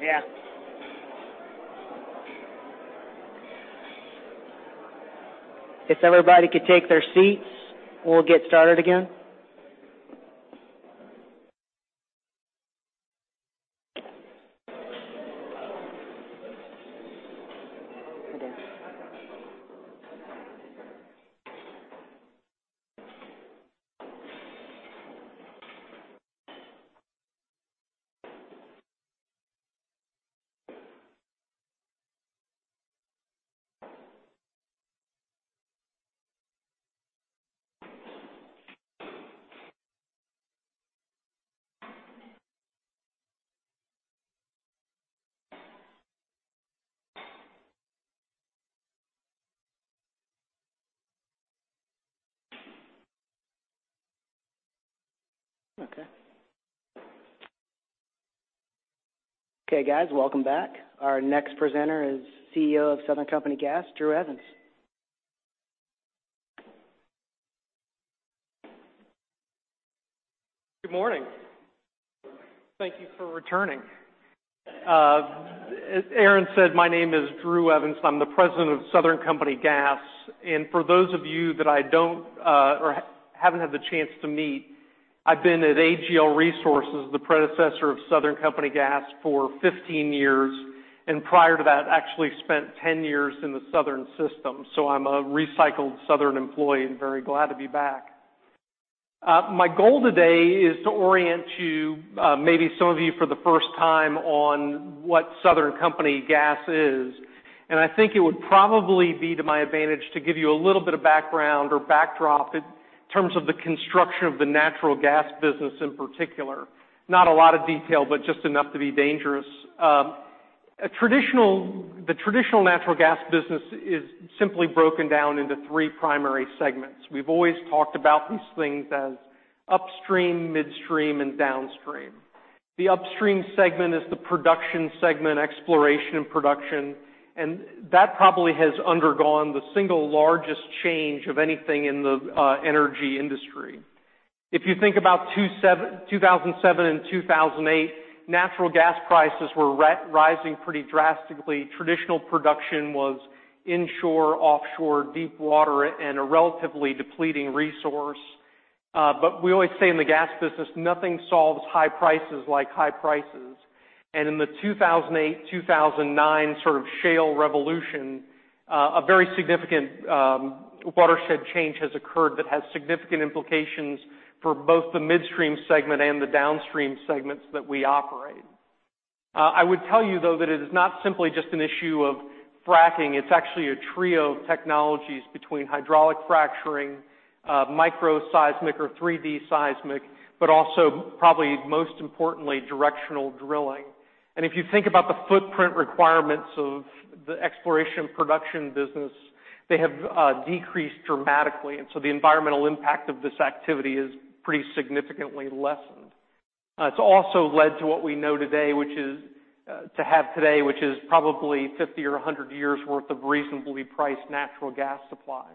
Yeah. If everybody could take their seats, we'll get started again. Okay. Okay, guys. Welcome back. Our next presenter is CEO of Southern Company Gas, Drew Evans. Good morning. Thank you for returning. As Aaron said, my name is Drew Evans. I'm the President of Southern Company Gas. For those of you that I haven't had the chance to meet, I've been at AGL Resources, the predecessor of Southern Company Gas, for 15 years, and prior to that, actually spent 10 years in the Southern system. I'm a recycled Southern employee and very glad to be back. My goal today is to orient you, maybe some of you for the first time, on what Southern Company Gas is. I think it would probably be to my advantage to give you a little bit of background or backdrop in terms of the construction of the natural gas business in particular. Not a lot of detail, but just enough to be dangerous. The traditional natural gas business is simply broken down into 3 primary segments. We've always talked about these things as upstream, midstream, and downstream. The upstream segment is the production segment, exploration and production, that probably has undergone the single largest change of anything in the energy industry. If you think about 2007 and 2008, natural gas prices were rising pretty drastically. Traditional production was inshore, offshore, deep water, and a relatively depleting resource. We always say in the gas business, nothing solves high prices like high prices. In the 2008-2009 sort of shale revolution, a very significant watershed change has occurred that has significant implications for both the midstream segment and the downstream segments that we operate. I would tell you, though, that it is not simply just an issue of fracking. It's actually a trio of technologies between hydraulic fracturing, micro seismic or 3D seismic, but also probably most importantly, directional drilling. If you think about the footprint requirements of the exploration production business, they have decreased dramatically, the environmental impact of this activity is pretty significantly lessened. It's also led to what we have today, which is probably 50 or 100 years worth of reasonably priced natural gas supply.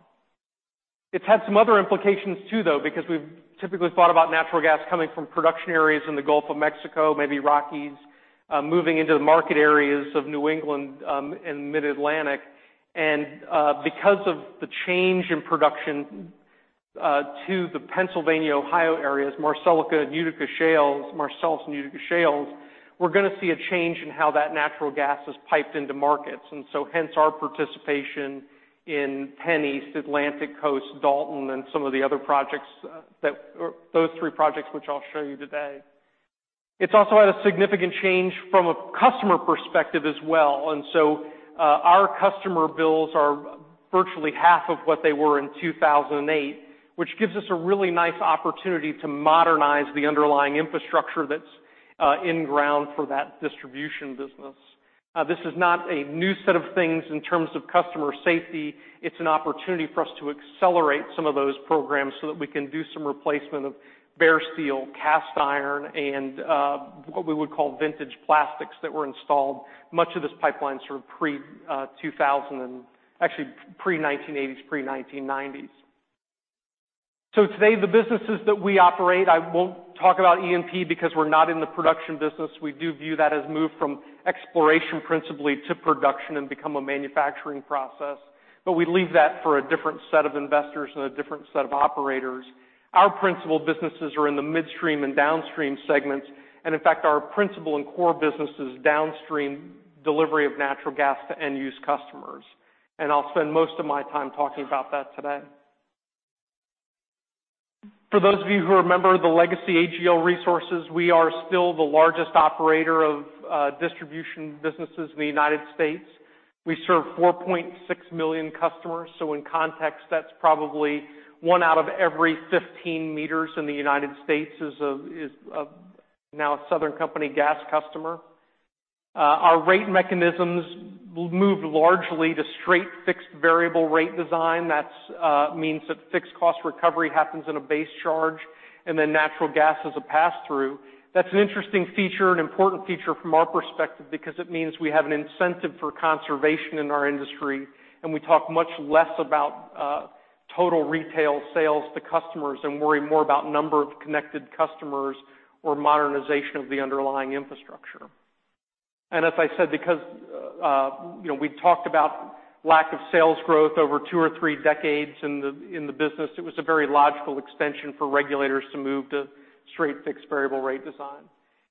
It's had some other implications too, though, because we've typically thought about natural gas coming from production areas in the Gulf of Mexico, maybe Rockies, moving into the market areas of New England and Mid-Atlantic. Because of the change in production to the Pennsylvania, Ohio areas, Marcellus and Utica shales, we're going to see a change in how that natural gas is piped into markets, hence our participation in PennEast, Atlantic Coast, Dalton, and some of the other projects, those three projects which I'll show you today. It's also had a significant change from a customer perspective as well, our customer bills are virtually half of what they were in 2008, which gives us a really nice opportunity to modernize the underlying infrastructure that's in ground for that distribution business. This is not a new set of things in terms of customer safety. It's an opportunity for us to accelerate some of those programs so that we can do some replacement of bare steel, cast iron, and what we would call vintage plastics that were installed much of this pipeline pre-2000 and actually pre-1980s, pre-1990s. Today, the businesses that we operate, I won't talk about E&P because we're not in the production business. We do view that as moved from exploration principally to production and become a manufacturing process. We leave that for a different set of investors and a different set of operators. Our principal businesses are in the midstream and downstream segments, in fact, our principal and core business is downstream delivery of natural gas to end-use customers. I'll spend most of my time talking about that today. For those of you who remember the legacy AGL Resources, we are still the largest operator of distribution businesses in the U.S. We serve 4.6 million customers, so in context, that's probably one out of every 15 meters in the U.S. is now a Southern Company Gas customer. Our rate mechanisms moved largely to Straight Fixed Variable rate design. That means that fixed cost recovery happens in a base charge, then natural gas is a pass-through. That's an interesting feature, an important feature from our perspective, because it means we have an incentive for conservation in our industry, we talk much less about total retail sales to customers and worry more about number of connected customers or modernization of the underlying infrastructure. As I said, because we talked about lack of sales growth over two or three decades in the business, it was a very logical extension for regulators to move to Straight Fixed Variable rate design.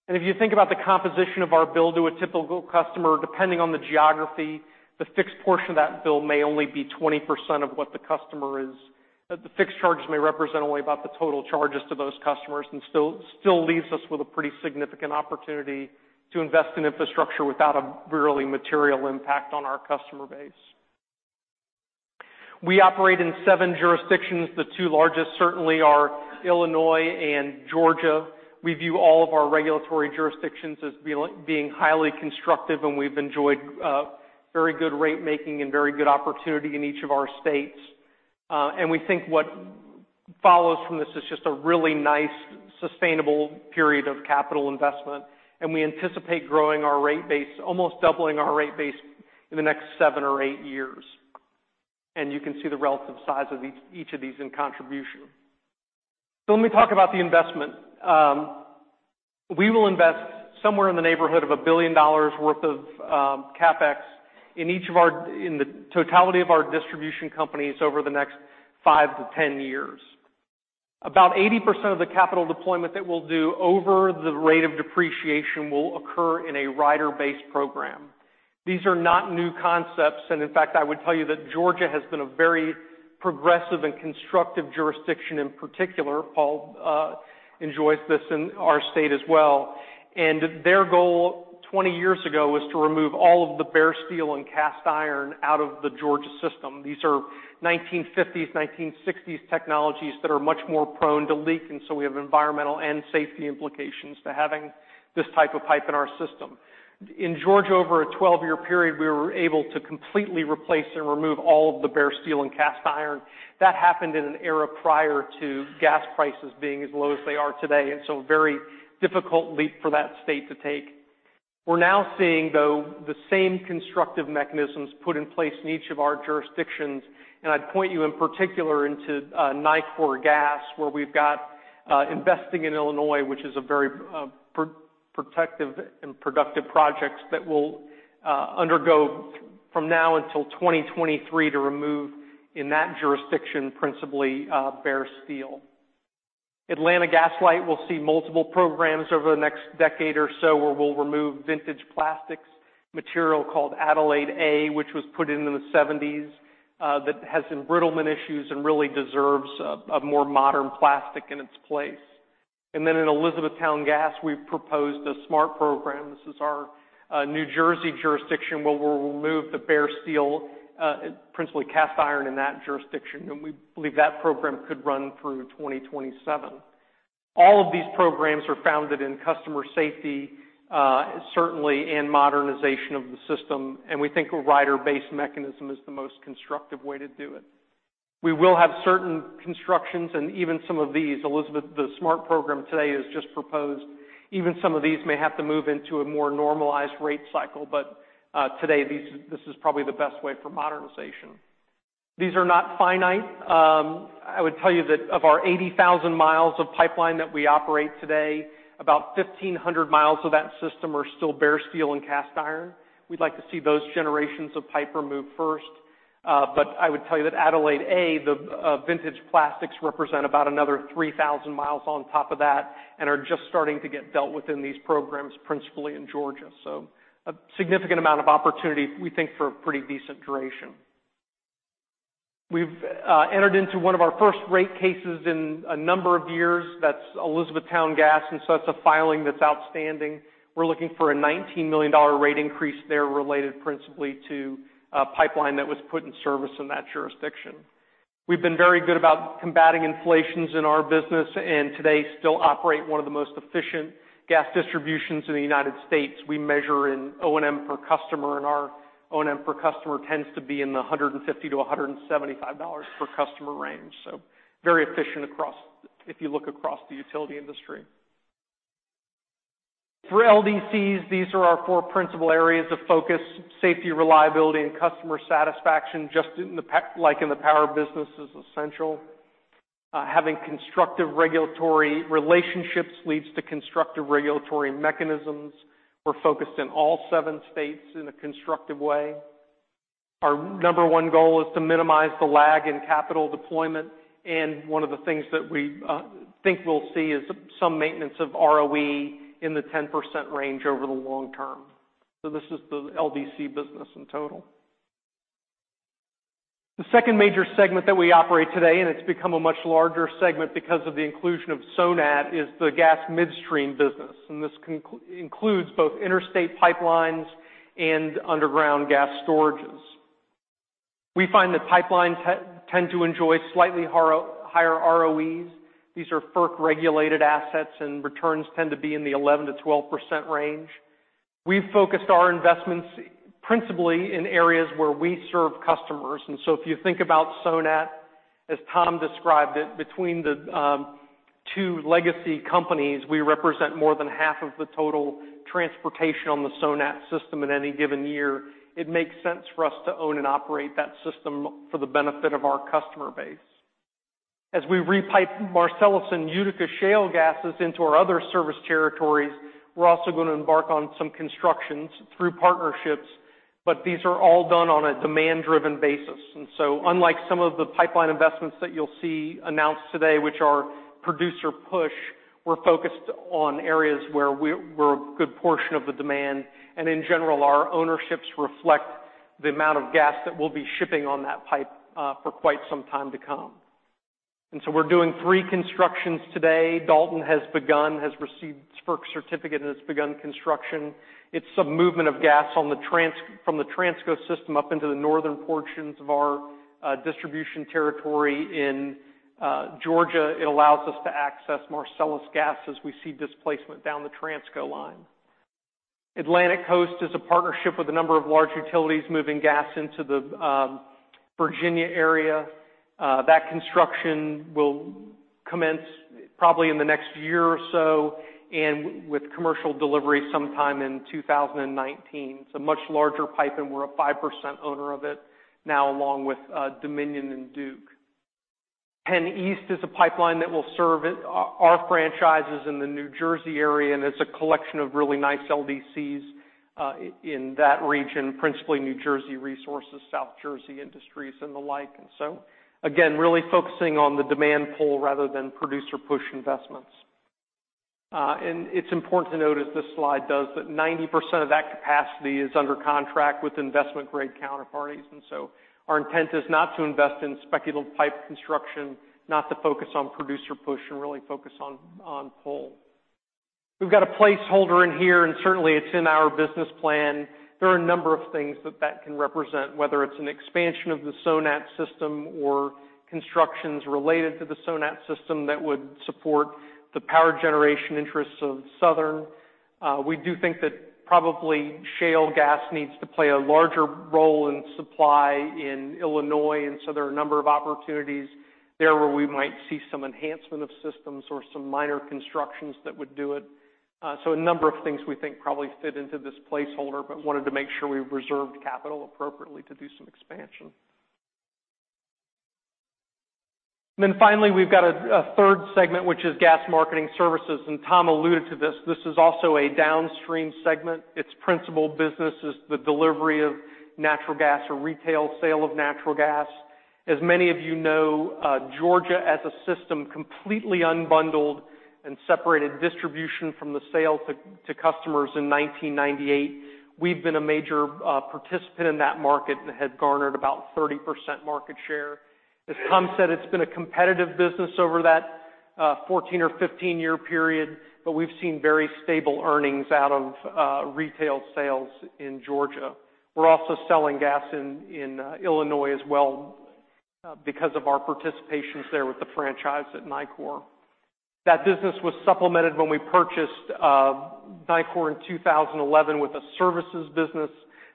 If you think about the composition of our bill to a typical customer, depending on the geography, the fixed portion of that bill may only be 20% of what the customer is. The fixed charge may represent only about the total charges to those customers and still leaves us with a pretty significant opportunity to invest in infrastructure without a really material impact on our customer base. We operate in seven jurisdictions. The two largest certainly are Illinois and Georgia. We view all of our regulatory jurisdictions as being highly constructive, and we've enjoyed very good rate making and very good opportunity in each of our states. We think what follows from this is just a really nice, sustainable period of capital investment, and we anticipate growing our rate base, almost doubling our rate base in the next seven or eight years. You can see the relative size of each of these in contribution. Let me talk about the investment. We will invest somewhere in the neighborhood of $1 billion worth of CapEx in the totality of our distribution companies over the next 5-10 years. About 80% of the capital deployment that we'll do over the rate of depreciation will occur in a rider-based program. These are not new concepts, and in fact, I would tell you that Georgia has been a very progressive and constructive jurisdiction in particular. Paul enjoys this in our state as well. Their goal 20 years ago was to remove all of the bare steel and cast iron out of the Georgia system. These are 1950s, 1960s technologies that are much more prone to leak, and so we have environmental and safety implications to having this type of pipe in our system. In Georgia, over a 12-year period, we were able to completely replace and remove all of the bare steel and cast iron. That happened in an era prior to gas prices being as low as they are today, and so a very difficult leap for that state to take. We're now seeing, though, the same constructive mechanisms put in place in each of our jurisdictions, and I'd point you in particular into Nicor Gas, where we've got investing in Illinois, which is a very protective and productive project that will undergo from now until 2023 to remove, in that jurisdiction, principally bare steel. Atlanta Gas Light will see multiple programs over the next decade or so where we'll remove vintage plastics material called Aldyl A, which was put in in the '70s, that has embrittlement issues and really deserves a more modern plastic in its place. In Elizabethtown Gas, we've proposed a smart program. This is our New Jersey jurisdiction where we'll remove the bare steel, principally cast iron in that jurisdiction, and we believe that program could run through 2027. All of these programs are founded in customer safety, certainly in modernization of the system, and we think a rider-based mechanism is the most constructive way to do it. We will have certain constructions, and even some of these, the smart program today is just proposed. Even some of these may have to move into a more normalized rate cycle. Today, this is probably the best way for modernization. These are not finite. I would tell you that of our 80,000 miles of pipeline that we operate today, about 1,500 miles of that system are still bare steel and cast iron. We'd like to see those generations of pipe removed first. I would tell you that Aldyl A, the vintage plastics represent about another 3,000 miles on top of that and are just starting to get dealt with in these programs, principally in Georgia. A significant amount of opportunity, we think, for a pretty decent duration. We've entered into one of our first rate cases in a number of years. That's Elizabethtown Gas, and that's a filing that's outstanding. We're looking for a $19 million rate increase there related principally to a pipeline that was put in service in that jurisdiction. We've been very good about combating inflations in our business, and today still operate one of the most efficient gas distributions in the U.S. We measure in O&M per customer, and our O&M per customer tends to be in the $150-$175 per customer range, so very efficient if you look across the utility industry. For LDCs, these are our four principal areas of focus: safety, reliability, and customer satisfaction, just like in the power business, is essential. Having constructive regulatory relationships leads to constructive regulatory mechanisms. We're focused in all seven states in a constructive way. Our number one goal is to minimize the lag in capital deployment, and one of the things that we think we'll see is some maintenance of ROE in the 10% range over the long term. This is the LDC business in total. The second major segment that we operate today, and it's become a much larger segment because of the inclusion of Sonat, is the gas midstream business, and this includes both interstate pipelines and underground gas storages. We find that pipelines tend to enjoy slightly higher ROEs. These are FERC-regulated assets, and returns tend to be in the 11%-12% range. We've focused our investments principally in areas where we serve customers, if you think about Sonat, as Tom described it, between the two legacy companies, we represent more than half of the total transportation on the Sonat system in any given year. It makes sense for us to own and operate that system for the benefit of our customer base. As we re-pipe Marcellus and Utica shale gases into our other service territories, we're also going to embark on some constructions through partnerships, but these are all done on a demand-driven basis. Unlike some of the pipeline investments that you'll see announced today, which are producer push, we're focused on areas where we're a good portion of the demand, and in general, our ownerships reflect the amount of gas that we'll be shipping on that pipe for quite some time to come. We're doing three constructions today. Dalton has begun, has received FERC certificate, and it's begun construction. It's a movement of gas from the Transco system up into the northern portions of our distribution territory in Georgia. It allows us to access Marcellus gas as we see displacement down the Transco line. Atlantic Coast is a partnership with a number of large utilities moving gas into the Virginia area. That construction will commence probably in the next year or so and with commercial delivery sometime in 2019. It's a much larger pipe, and we're a 5% owner of it now, along with Dominion and Duke. PennEast is a pipeline that will serve our franchises in the New Jersey area, and it's a collection of really nice LDCs in that region, principally New Jersey Resources, South Jersey Industries, and the like. Again, really focusing on the demand pull rather than producer push investments. It's important to note, as this slide does, that 90% of that capacity is under contract with investment-grade counterparties. Our intent is not to invest in speculative pipe construction, not to focus on producer push, and really focus on pull. We've got a placeholder in here, and certainly it's in our business plan. There are a number of things that can represent, whether it's an expansion of the Sonat system or constructions related to the Sonat system that would support the power generation interests of Southern. We do think that probably shale gas needs to play a larger role in supply in Illinois, and there are a number of opportunities there where we might see some enhancement of systems or some minor constructions that would do it. A number of things we think probably fit into this placeholder, but wanted to make sure we reserved capital appropriately to do some expansion. Finally, we've got a third segment, which is gas marketing services, and Tom alluded to this. This is also a downstream segment. Its principal business is the delivery of natural gas or retail sale of natural gas. As many of you know, Georgia, as a system, completely unbundled and separated distribution from the sale to customers in 1998. We've been a major participant in that market and have garnered about 30% market share. As Tom said, it's been a competitive business over that 14 or 15-year period, but we've seen very stable earnings out of retail sales in Georgia. We're also selling gas in Illinois as well because of our participations there with the franchise at Nicor. That business was supplemented when we purchased Nicor in 2011 with a services business.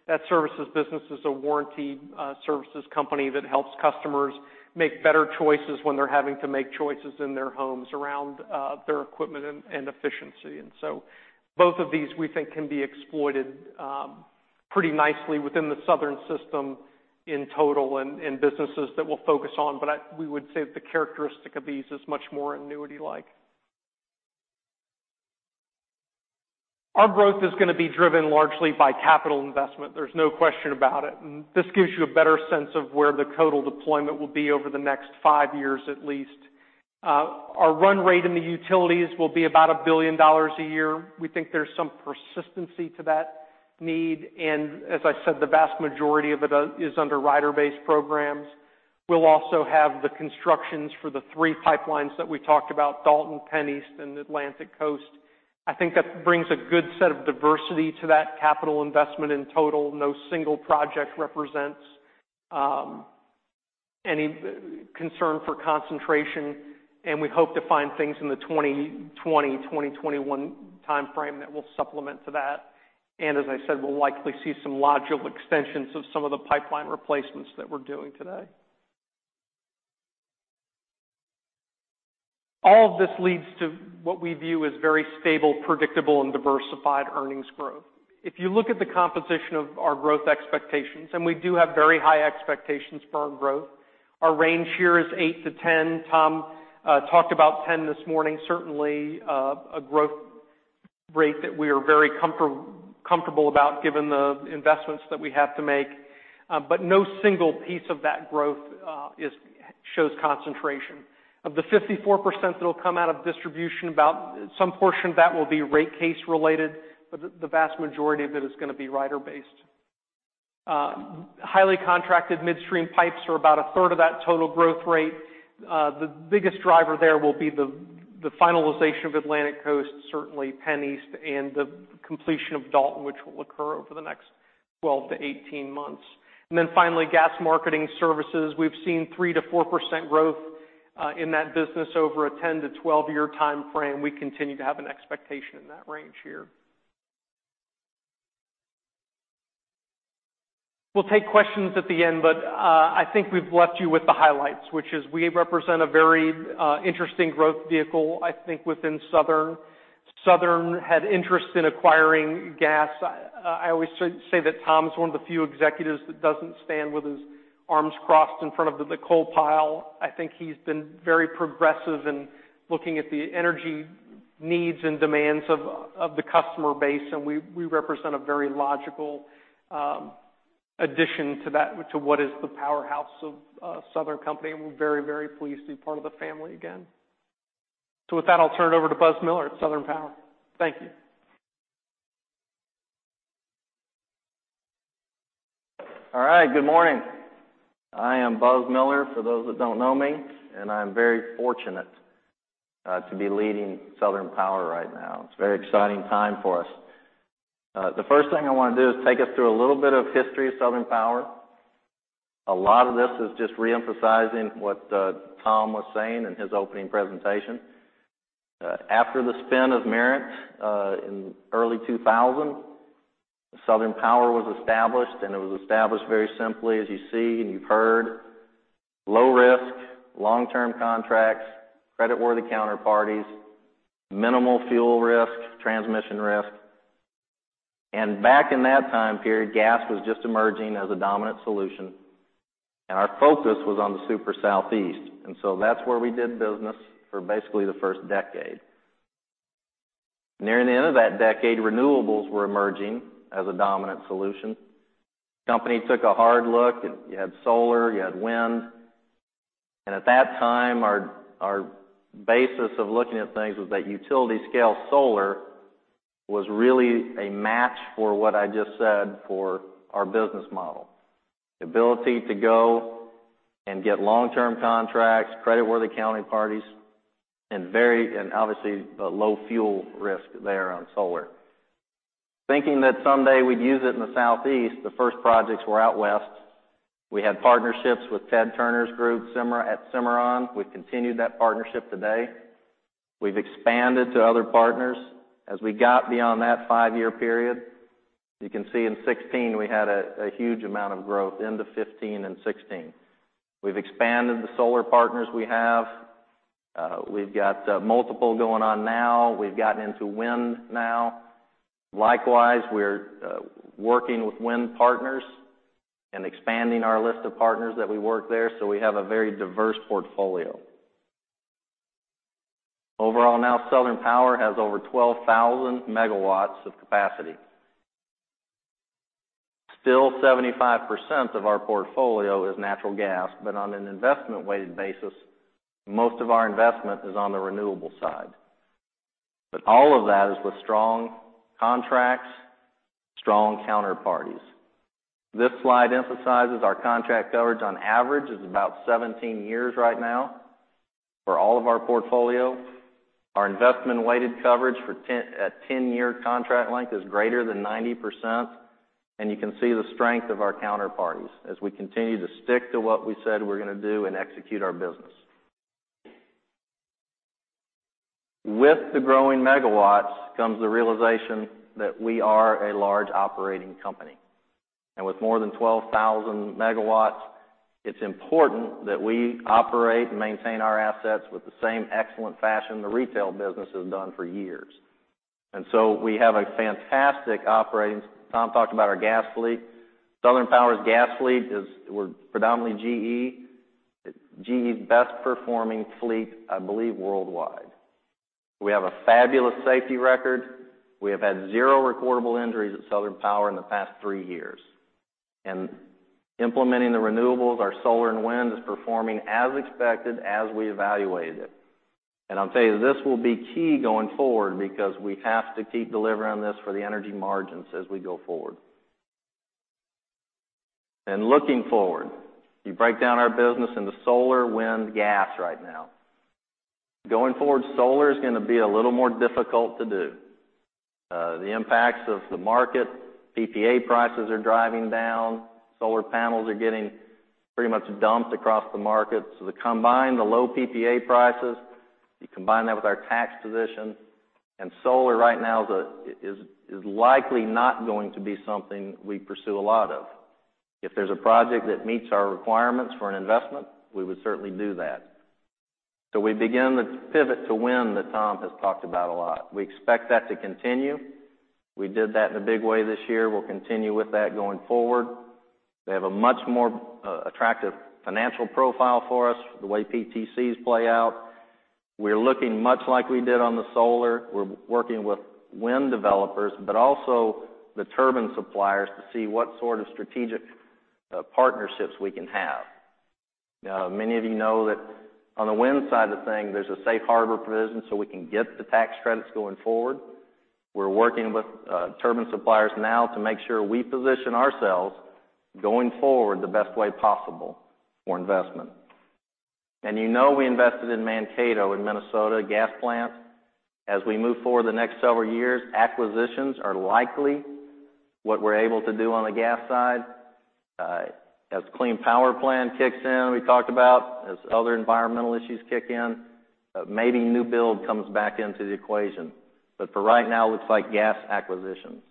That services business is a warranty services company that helps customers make better choices when they're having to make choices in their homes around their equipment and efficiency. Both of these, we think can be exploited pretty nicely within the Southern system in total and businesses that we'll focus on. We would say that the characteristic of these is much more annuity-like. Our growth is going to be driven largely by capital investment. There's no question about it. This gives you a better sense of where the total deployment will be over the next five years at least. Our run rate in the utilities will be about $1 billion a year. We think there's some persistency to that need, and as I said, the vast majority of it is under rider-based programs. We'll also have the constructions for the three pipelines that we talked about, Dalton, PennEast, and Atlantic Coast. I think that brings a good set of diversity to that capital investment in total. No single project represents any concern for concentration, and we hope to find things in the 2020, 2021 timeframe that will supplement to that. As I said, we'll likely see some logical extensions of some of the pipeline replacements that we're doing today. All of this leads to what we view as very stable, predictable, and diversified earnings growth. If you look at the composition of our growth expectations, and we do have very high expectations for our growth, our range here is eight to 10. Tom talked about 10 this morning. Certainly, a growth rate that we are very comfortable about given the investments that we have to make. No single piece of that growth shows concentration. Of the 54% that'll come out of distribution, some portion of that will be rate case related, but the vast majority of it is going to be rider based. Highly contracted midstream pipes are about a third of that total growth rate. The biggest driver there will be the finalization of Atlantic Coast, certainly PennEast, and the completion of Dalton, which will occur over the next 12-18 months. Finally, gas marketing services. We've seen 3%-4% growth in that business over a 10-12-year timeframe. We continue to have an expectation in that range here. We'll take questions at the end, but I think we've left you with the highlights, which is we represent a very interesting growth vehicle, I think, within Southern. Southern had interest in acquiring gas. I always say that Tom is one of the few executives that doesn't stand with his arms crossed in front of the coal pile. I think he's been very progressive in looking at the energy needs and demands of the customer base, and we represent a very logical addition to what is the powerhouse of Southern Company, and we're very pleased to be part of the family again. With that, I'll turn it over to Buzz Miller at Southern Power. Thank you. All right. Good morning. I am Buzz Miller, for those that don't know me, and I'm very fortunate to be leading Southern Power right now. It's a very exciting time for us. The first thing I want to do is take us through a little bit of history of Southern Power. A lot of this is just re-emphasizing what Tom was saying in his opening presentation. After the spin of Mirant in early 2000, Southern Power was established, and it was established very simply, as you see and you've heard. Low risk, long-term contracts, creditworthy counterparties, minimal fuel risk, transmission risk. Back in that time period, gas was just emerging as a dominant solution, and our focus was on the super Southeast. That's where we did business for basically the first decade. Nearing the end of that decade, renewables were emerging as a dominant solution. Company took a hard look. You had solar, you had wind. At that time, our basis of looking at things was that utility-scale solar was really a match for what I just said for our business model. The ability to go and get long-term contracts, creditworthy counterparties, and obviously, a low fuel risk there on solar. Thinking that someday we'd use it in the Southeast, the first projects were out West. We had partnerships with Ted Turner's group at Cimarron. We've continued that partnership today. We've expanded to other partners as we got beyond that five-year period. You can see in 2016 we had a huge amount of growth into 2015 and 2016. We've expanded the solar partners we have. We've got multiple going on now. We've gotten into wind now. Likewise, we are working with wind partners and expanding our list of partners that we work there. We have a very diverse portfolio. Overall now, Southern Power has over 12,000 megawatts of capacity. Still, 75% of our portfolio is natural gas, but on an investment-weighted basis, most of our investment is on the renewable side. All of that is with strong contracts, strong counterparties. This slide emphasizes our contract coverage on average is about 17 years right now for all of our portfolio. Our investment-weighted coverage at 10-year contract length is greater than 90%. You can see the strength of our counterparties as we continue to stick to what we said we are going to do and execute our business. With the growing megawatts comes the realization that we are a large operating company. With more than 12,000 megawatts, it is important that we operate and maintain our assets with the same excellent fashion the retail business has done for years. We have a fantastic operating. Tom talked about our gas fleet. Southern Power's gas fleet, we are predominantly GE. GE's best-performing fleet, I believe, worldwide. We have a fabulous safety record. We have had zero recordable injuries at Southern Power in the past three years. Implementing the renewables, our solar and wind is performing as expected as we evaluated it. I will tell you, this will be key going forward because we have to keep delivering on this for the energy margins as we go forward. Looking forward, you break down our business into solar, wind, gas right now. Going forward, solar is going to be a little more difficult to do. The impacts of the market, PPA prices are driving down. Solar panels are getting pretty much dumped across the market. You combine the low PPA prices, you combine that with our tax position, and solar right now is likely not going to be something we pursue a lot of. If there is a project that meets our requirements for an investment, we would certainly do that. We begin the pivot to wind that Tom has talked about a lot. We expect that to continue. We did that in a big way this year. We will continue with that going forward. They have a much more attractive financial profile for us, the way PTCs play out. We are looking much like we did on the solar. We are working with wind developers, but also the turbine suppliers to see what sort of strategic partnerships we can have. Many of you know that on the wind side of the thing, there is a safe harbor provision. We can get the tax credits going forward. We are working with turbine suppliers now to make sure we position ourselves going forward the best way possible for investment. You know we invested in Mankato in Minnesota gas plant. As we move forward the next several years, acquisitions are likely what we are able to do on the gas side. As the Clean Power Plan kicks in, we talked about, as other environmental issues kick in, maybe new build comes back into the equation. For right now, it looks like gas acquisitions.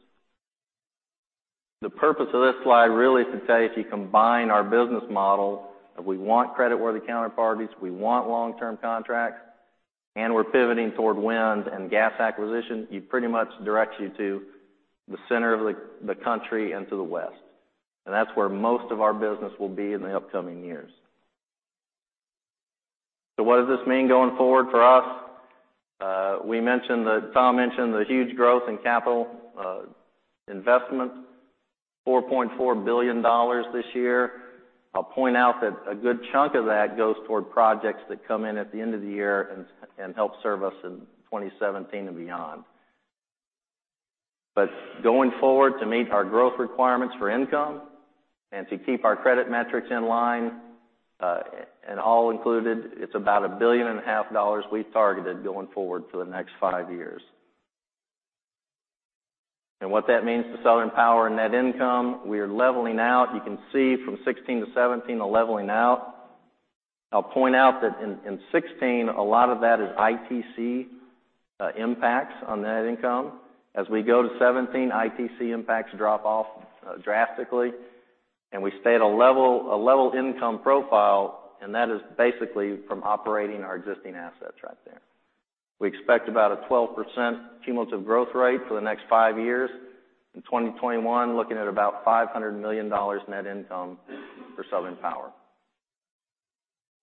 The purpose of this slide really is to tell you if you combine our business model, if we want creditworthy counterparties, we want long-term contracts, and we're pivoting toward wind and gas acquisition, it pretty much directs you to the center of the country and to the west. That's where most of our business will be in the upcoming years. What does this mean going forward for us? Tom mentioned the huge growth in capital investment, $4.4 billion this year. I'll point out that a good chunk of that goes toward projects that come in at the end of the year and help serve us in 2017 and beyond. Going forward to meet our growth requirements for income and to keep our credit metrics in line and all included, it's about a billion and a half dollars we've targeted going forward for the next five years. What that means to Southern Power net income, we are leveling out. You can see from 2016 to 2017, a leveling out. I'll point out that in 2016, a lot of that is ITC impacts on net income. We go to 2017, ITC impacts drop off drastically, we stay at a level income profile, and that is basically from operating our existing assets right there. We expect about a 12% cumulative growth rate for the next five years. In 2021, looking at about $500 million net income for Southern Power.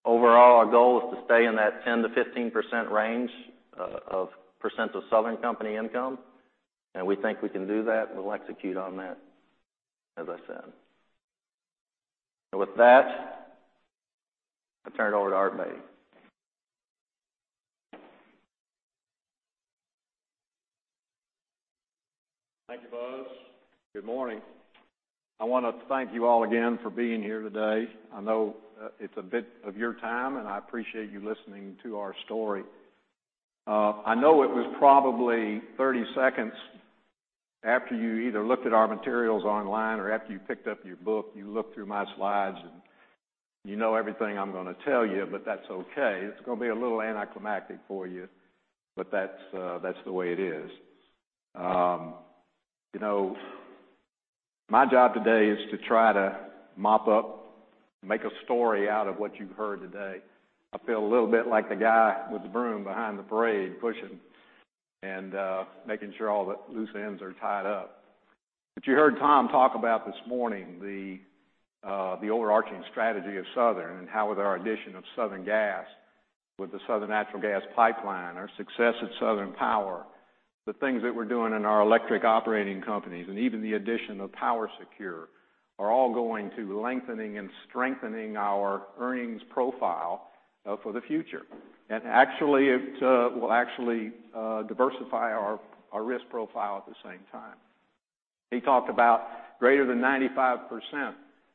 Overall, our goal is to stay in that 10%-15% range of percent of Southern Company income, and we think we can do that. We'll execute on that, as I said. With that, I turn it over to Art Beattie. Thank you, Buzz. Good morning. I want to thank you all again for being here today. I know it's a bit of your time, and I appreciate you listening to our story. I know it was probably 30 seconds after you either looked at our materials online or after you picked up your book, you looked through my slides, you know everything I'm going to tell you, that's okay. It's going to be a little anticlimactic for you, that's the way it is. My job today is to try to mop up, make a story out of what you've heard today. I feel a little bit like the guy with the broom behind the parade, pushing and making sure all the loose ends are tied up. You heard Tom talk about this morning the overarching strategy of Southern and how with our addition of Southern Gas with the Southern Natural Gas pipeline, our success at Southern Power, the things that we're doing in our electric operating companies, and even the addition of PowerSecure, are all going to lengthening and strengthening our earnings profile for the future. It will actually diversify our risk profile at the same time. He talked about greater than 95%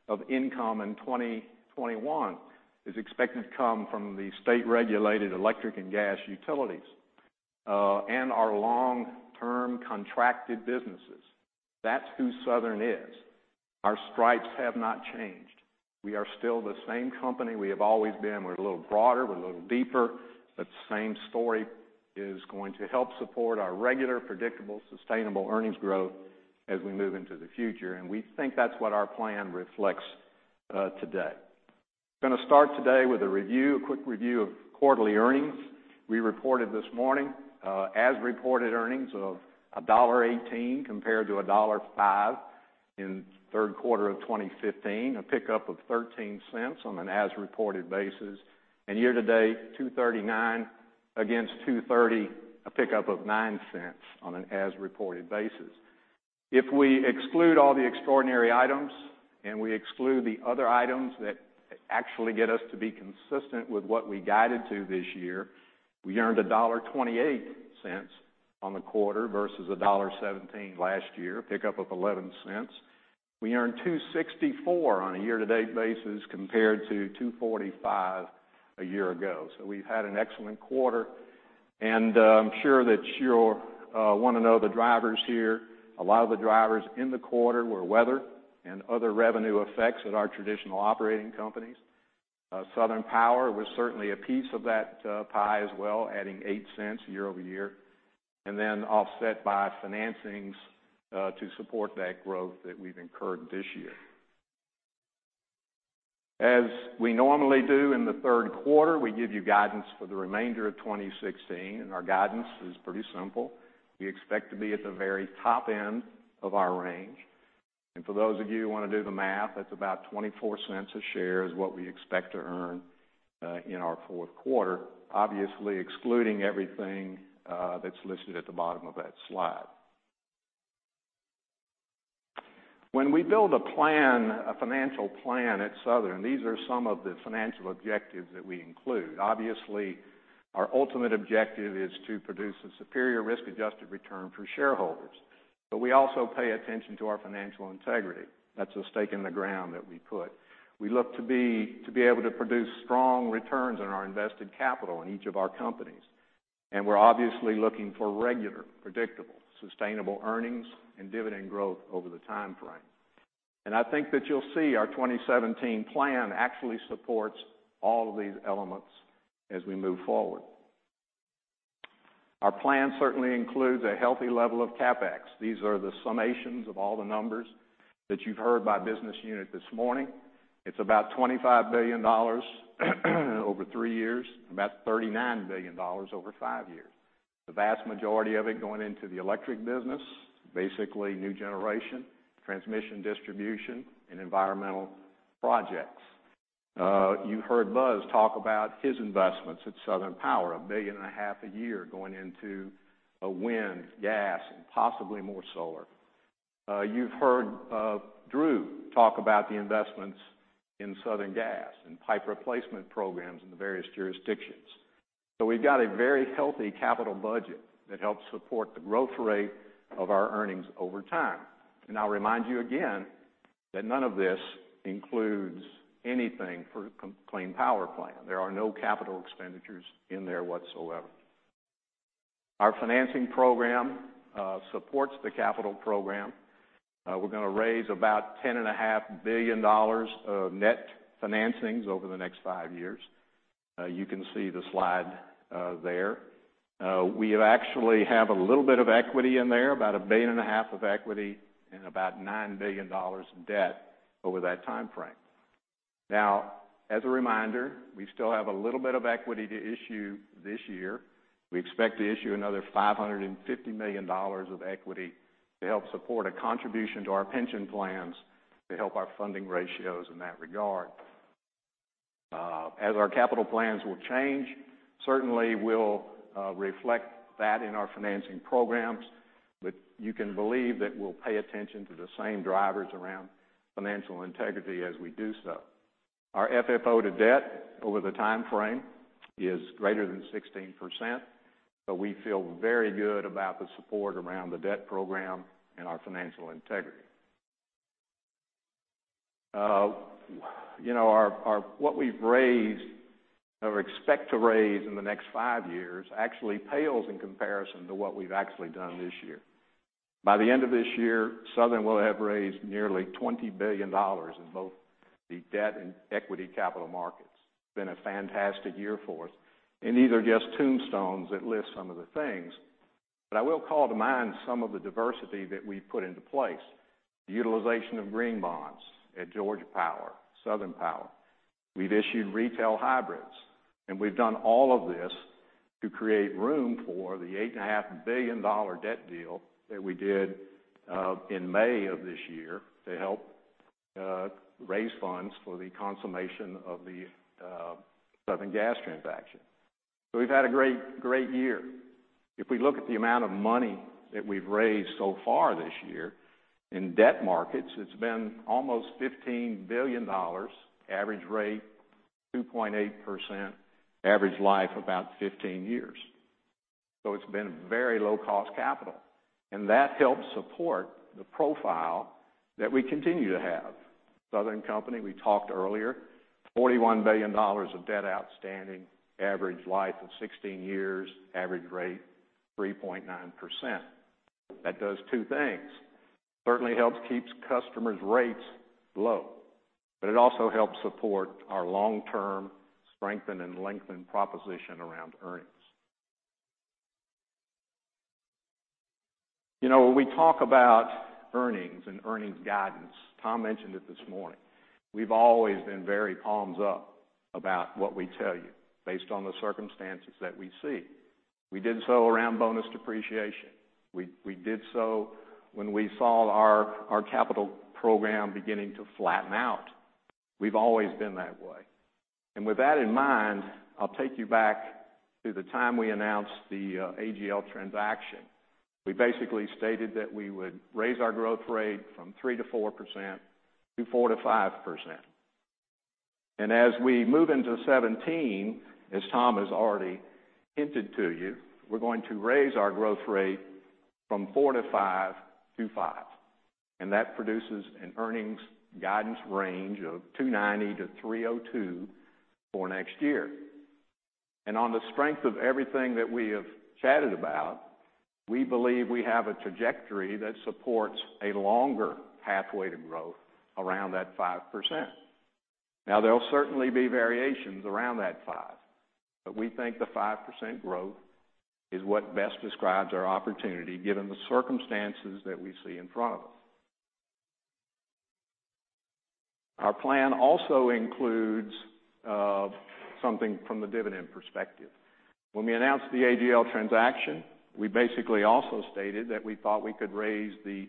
of income in 2021 is expected to come from the state-regulated electric and gas utilities, our long-term contracted businesses. That's who Southern is. Our stripes have not changed. We are still the same company we have always been. We're a little broader, we're a little deeper, the same story is going to help support our regular, predictable, sustainable earnings growth as we move into the future. We think that's what our plan reflects today. We are going to start today with a quick review of quarterly earnings. We reported this morning as-reported earnings of $1.18 compared to $1.05 in the third quarter of 2015, a pickup of $0.13 on an as-reported basis. Year-to-date, $2.39 against $2.30, a pickup of $0.09 on an as-reported basis. If we exclude all the extraordinary items and we exclude the other items that actually get us to be consistent with what we guided to this year, we earned $1.28 on the quarter versus $1.17 last year, a pickup of $0.11. We earned $2.64 on a year-to-date basis compared to $2.45 a year ago. We've had an excellent quarter, and I'm sure that you'll want to know the drivers here. A lot of the drivers in the quarter were weather and other revenue effects at our traditional operating companies. Southern Power was certainly a piece of that pie as well, adding $0.08 year-over-year. Offset by financings to support that growth that we've incurred this year. As we normally do in the third quarter, we give you guidance for the remainder of 2016. Our guidance is pretty simple. We expect to be at the very top end of our range. For those of you who want to do the math, that's about $0.24 a share is what we expect to earn in our fourth quarter. Obviously, excluding everything that's listed at the bottom of that slide. When we build a financial plan at Southern, these are some of the financial objectives that we include. Obviously, our ultimate objective is to produce a superior risk-adjusted return for shareholders. We also pay attention to our financial integrity. That's a stake in the ground that we put. We look to be able to produce strong returns on our invested capital in each of our companies. We're obviously looking for regular, predictable, sustainable earnings and dividend growth over the time frame. I think that you'll see our 2017 plan actually supports all of these elements as we move forward. Our plan certainly includes a healthy level of CapEx. These are the summations of all the numbers that you've heard by business unit this morning. It's about $25 billion over three years, about $39 billion over five years. The vast majority of it going into the electric business, basically new generation, transmission distribution, and environmental projects. You heard Buzz talk about his investments at Southern Power, a billion and a half a year going into wind, gas, and possibly more solar. You've heard Drew talk about the investments in Southern Gas and pipe replacement programs in the various jurisdictions. We've got a very healthy capital budget that helps support the growth rate of our earnings over time. I'll remind you again that none of this includes anything for Clean Power Plan. There are no capital expenditures in there whatsoever. Our financing program supports the capital program. We're going to raise about $10.5 billion of net financings over the next five years. You can see the slide there. We actually have a little bit of equity in there, about a billion and a half of equity and about $9 billion in debt over that timeframe. As a reminder, we still have a little bit of equity to issue this year. We expect to issue another $550 million of equity to help support a contribution to our pension plans to help our funding ratios in that regard. As our capital plans will change, certainly we'll reflect that in our financing programs, but you can believe that we'll pay attention to the same drivers around financial integrity as we do so. Our FFO to debt over the time frame is greater than 16%, so we feel very good about the support around the debt program and our financial integrity. What we've raised or expect to raise in the next five years actually pales in comparison to what we've actually done this year. By the end of this year, Southern will have raised nearly $20 billion in both the debt and equity capital markets. It's been a fantastic year for us. These are just tombstones that list some of the things. I will call to mind some of the diversity that we've put into place. The utilization of green bonds at Georgia Power, Southern Power. We've issued retail hybrids, and we've done all of this to create room for the $8.5 billion debt deal that we did in May of this year to help raise funds for the consummation of the Southern Gas transaction. We've had a great year. If we look at the amount of money that we've raised so far this year, in debt markets, it's been almost $15 billion, average rate 2.8%, average life about 15 years. It's been very low-cost capital, and that helps support the profile that we continue to have. Southern Company, we talked earlier, $41 billion of debt outstanding, average life of 16 years, average rate 3.9%. That does two things. Certainly helps keeps customers' rates low, it also helps support our long-term strengthen and lengthen proposition around earnings. When we talk about earnings and earnings guidance, Tom mentioned it this morning, we've always been very palms up about what we tell you based on the circumstances that we see. We did so around bonus depreciation. We did so when we saw our capital program beginning to flatten out. We've always been that way. With that in mind, I'll take you back to the time we announced the AGL transaction. We basically stated that we would raise our growth rate from 3%-4%, to 4%-5%. As we move into 2017, as Tom has already hinted to you, we're going to raise our growth rate from 4%-5%, to 5%. That produces an earnings guidance range of $290-$302 for next year. On the strength of everything that we have chatted about, we believe we have a trajectory that supports a longer pathway to growth around that 5%. There'll certainly be variations around that five, we think the 5% growth is what best describes our opportunity, given the circumstances that we see in front of us. Our plan also includes something from the dividend perspective. When we announced the AGL transaction, we basically also stated that we thought we could raise the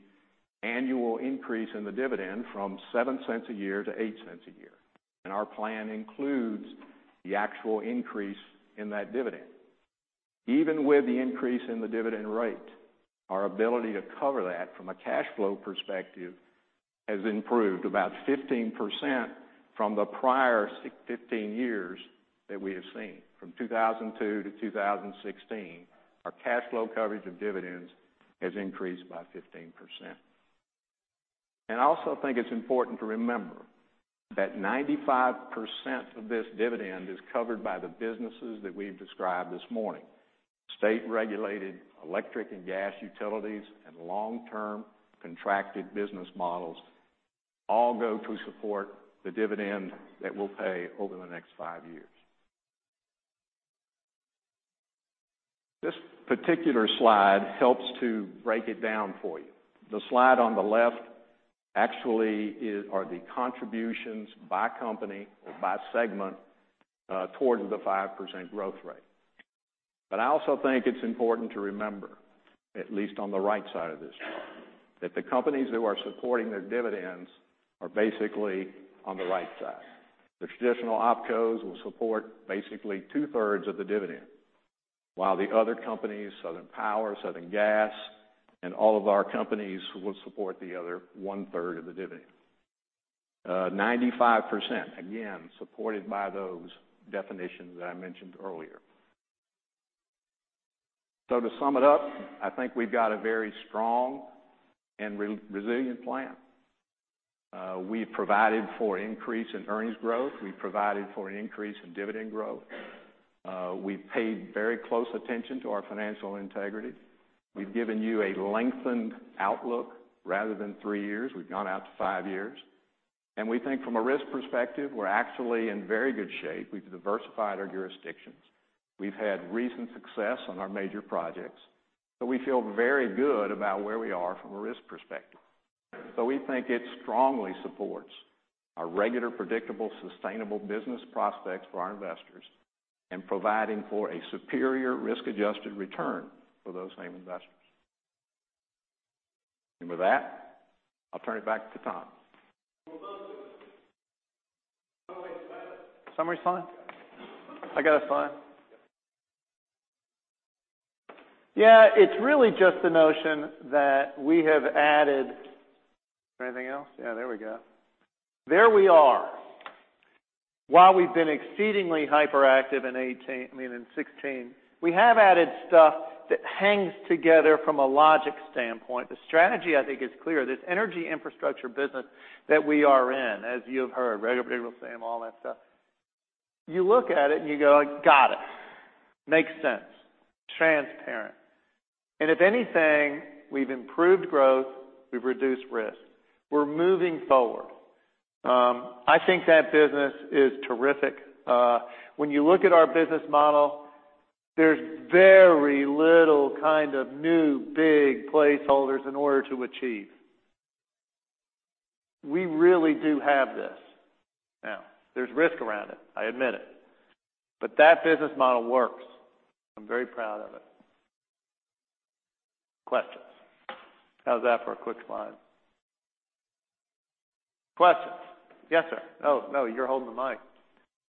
annual increase in the dividend from $0.07 a year to $0.08 a year, our plan includes the actual increase in that dividend. Even with the increase in the dividend rate, our ability to cover that from a cash flow perspective has improved about 15% from the prior 15 years that we have seen. From 2002 to 2016, our cash flow coverage of dividends has increased by 15%. I also think it's important to remember that 95% of this dividend is covered by the businesses that we've described this morning. State-regulated electric and gas utilities, and long-term contracted business models all go to support the dividend that we'll pay over the next five years. This particular slide helps to break it down for you. The slide on the left actually are the contributions by company or by segment towards the 5% growth rate. I also think it's important to remember, at least on the right side of this chart, that the companies who are supporting their dividends are basically on the right side. The traditional opcos will support basically two-thirds of the dividend, while the other companies, Southern Power, Southern Gas, and all of our companies, will support the other one-third of the dividend. 95%, again, supported by those definitions that I mentioned earlier. To sum it up, I think we've got a very strong and resilient plan. We've provided for increase in earnings growth. We've provided for an increase in dividend growth. We've paid very close attention to our financial integrity. We've given you a lengthened outlook. Rather than three years, we've gone out to five years. We think from a risk perspective, we're actually in very good shape. We've diversified our jurisdictions. We've had recent success on our major projects. We feel very good about where we are from a risk perspective. We think it strongly supports our regular, predictable, sustainable business prospects for our investors and providing for a superior risk-adjusted return for those same investors. With that, I'll turn it back to Tom. Well done. Summary slide. Summary slide? Yeah. I got a slide. Yeah. It's really just the notion that we have added Anything else? Yeah, there we go. There we are. While we've been exceedingly hyperactive in 2016, we have added stuff that hangs together from a logic standpoint. The strategy, I think, is clear. This energy infrastructure business that we are in, as you have heard, regular, predictable, sustainable, all that stuff. You look at it and you go, "Got it." Makes sense. Transparent. If anything, we've improved growth, we've reduced risk. We're moving forward. I think that business is terrific. When you look at our business model, there's very little kind of new, big placeholders in order to achieve. We really do have this now. There's risk around it, I admit it. That business model works. I'm very proud of it. Questions? How's that for a quick slide? Questions? Yes, sir. No, you're holding the mic.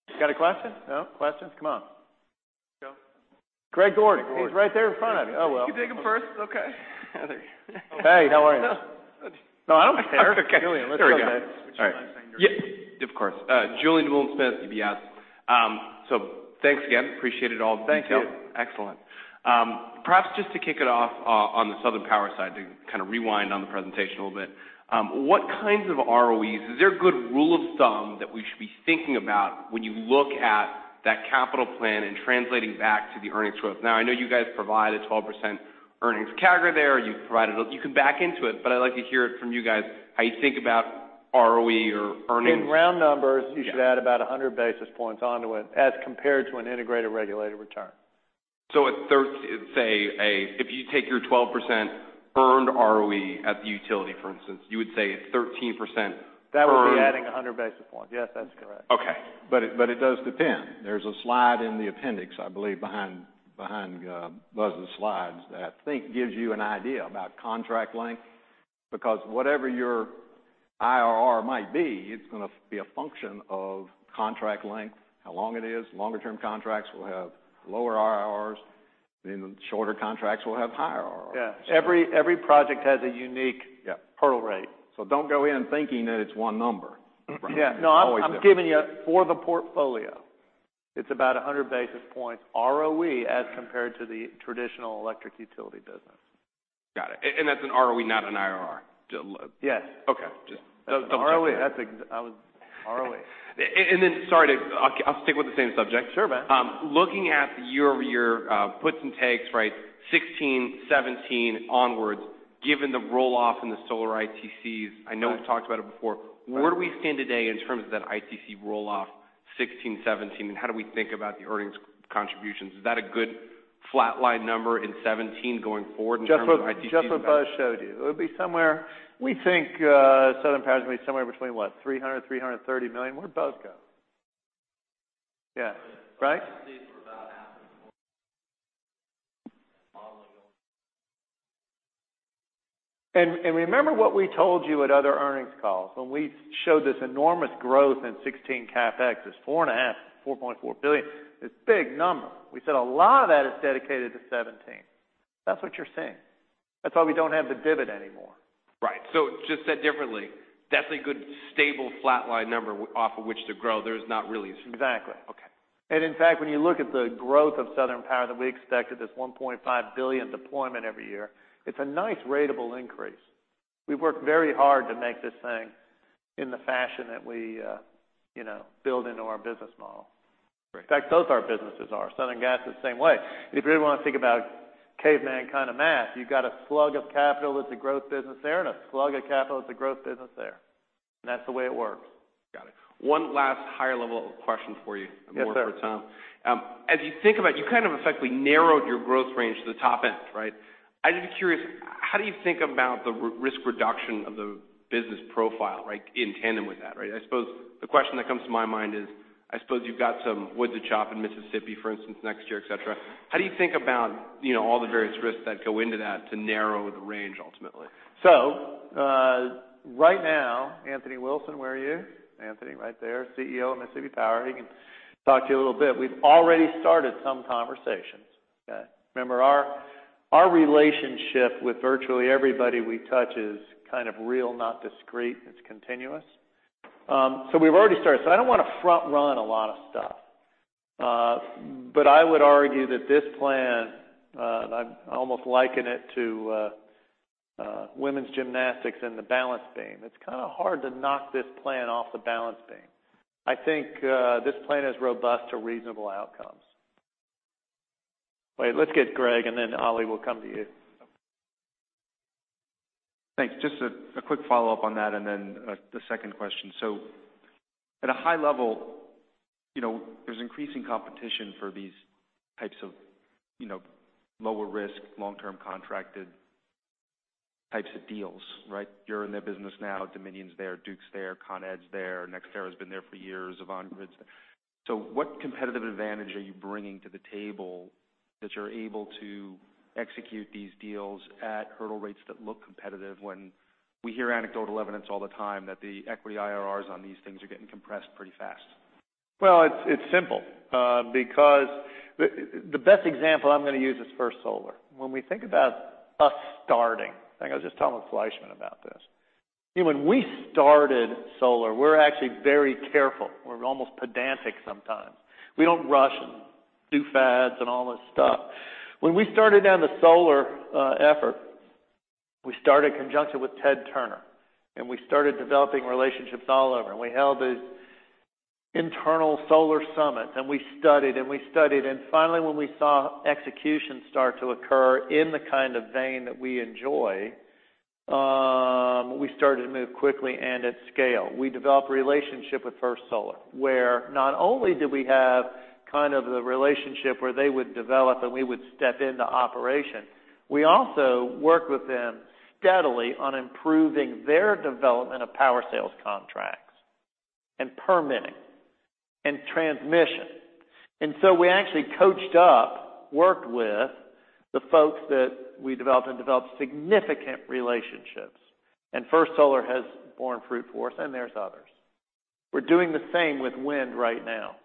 You got a question? No? Questions? Come on. Go. Greg Gordon. Greg Gordon. He's right there in front of you. Oh, well. He can take him first. It's okay. There you go. Hey, how are you? No. No, I don't care. Okay. Julien, let's go ahead. There we go. All right. Would you mind saying your name? Yeah, of course. Julien Dumoulin-Smith, UBS. Thanks again. Appreciate it all. Thank you. The details, excellent. Perhaps just to kick it off on the Southern Power side, to kind of rewind on the presentation a little bit. What kinds of ROEs? Is there a good rule of thumb that we should be thinking about when you look at that capital plan and translating back to the earnings growth? Now, I know you guys provide a 12% earnings CAGR there. You can back into it, but I'd like to hear it from you guys, how you think about ROE or earnings. In round numbers. Yeah you should add about 100 basis points onto it as compared to an integrated regulated return. Say if you take your 12% earned ROE at the utility, for instance, you would say a 13% earned That would be adding 100 basis points. Yes, that's correct. Okay. It does depend. There's a slide in the appendix, I believe behind Buzz's slides that I think gives you an idea about contract length, because whatever your IRR might be, it's going to be a function of contract length, how long it is. Longer term contracts will have lower IRRs, shorter contracts will have higher IRRs. Yeah. So- Every project has a unique Yeah hurdle rate. Don't go in thinking that it's one number up front. Yeah. It's always different. I'm giving you for the portfolio. It's about 100 basis points ROE as compared to the traditional electric utility business. Got it. That's an ROE, not an IRR? Yes. Okay. Just double checking. That's an ROE. Sorry. I'll stick with the same subject. Sure, man. Looking at year-over-year puts and takes, right, 2016, 2017 onwards, given the roll-off in the solar ITCs, I know we've talked about it before. Right. Where do we stand today in terms of that ITC roll-off, 2016, 2017, and how do we think about the earnings contributions? Is that a good flat line number in 2017 going forward in terms of ITC- Just what Buzz showed you. It would be somewhere, we think Southern Power is going to be somewhere between what? $300 million-$330 million. Where'd Buzz go? Yeah. Right? ITCs were about half modeling. Remember what we told you at other earnings calls. When we showed this enormous growth in 2016 CapEx as four and a half, $4.4 billion, it's big numbers. We said a lot of that is dedicated to 2017. That's what you're seeing. That's why we don't have the dividend anymore. Right. Just said differently, that's a good stable flat line number off of which to grow. Exactly. Okay. In fact, when you look at the growth of Southern Power that we expected, this $1.5 billion deployment every year, it's a nice ratable increase. We've worked very hard to make this thing in the fashion that we build into our business model. Right. In fact, both our businesses are. Southern Gas is the same way. If you really want to think about caveman kind of math, you've got a slug of capital that's a growth business there and a slug of capital that's a growth business there, that's the way it works. Got it. One last higher level question for you. Yes, sir. More for Tom. As you think about, you kind of effectively narrowed your growth range to the top end, right? I'm just curious, how do you think about the risk reduction of the business profile, right, in tandem with that, right? I suppose the question that comes to my mind is, I suppose you've got some wood to chop in Mississippi, for instance, next year, et cetera. How do you think about all the various risks that go into that to narrow the range ultimately? Right now, Anthony Wilson, where are you? Anthony, right there, CEO of Mississippi Power. He can talk to you a little bit. We've already started some conversations, okay? Remember our relationship with virtually everybody we touch is kind of real, not discrete. It's continuous. We've already started. I don't want to front run a lot of stuff. I would argue that this plan, and I almost liken it to women's gymnastics and the balance beam. It's kind of hard to knock this plan off the balance beam. I think this plan is robust to reasonable outcomes. Wait, let's get Greg, and then Ali, we'll come to you Thanks. Just a quick follow-up on that, then the second question. At a high level, there's increasing competition for these types of lower risk, long-term contracted types of deals, right? You're in their business now. Dominion's there, Duke's there, Con Ed's there. NextEra's been there for years. Avangrid's there. What competitive advantage are you bringing to the table that you're able to execute these deals at hurdle rates that look competitive when we hear anecdotal evidence all the time that the equity IRRs on these things are getting compressed pretty fast? Well, it's simple. The best example I'm going to use is First Solar. When we think about us starting, I was just telling Fleishman about this. When we started solar, we're actually very careful. We're almost pedantic sometimes. We don't rush and do fads and all this stuff. When we started down the solar effort, we started in conjunction with Ted Turner, and we started developing relationships all over, and we held an internal solar summit, and we studied, and we studied. Finally, when we saw execution start to occur in the kind of vein that we enjoy, we started to move quickly and at scale. We developed a relationship with First Solar, where not only did we have kind of the relationship where they would develop and we would step into operation, we also worked with them steadily on improving their development of power sales contracts, and permitting, and transmission. We actually coached up, worked with the folks that we developed significant relationships. First Solar has borne fruit for us, there's others. We're doing the same with wind right now.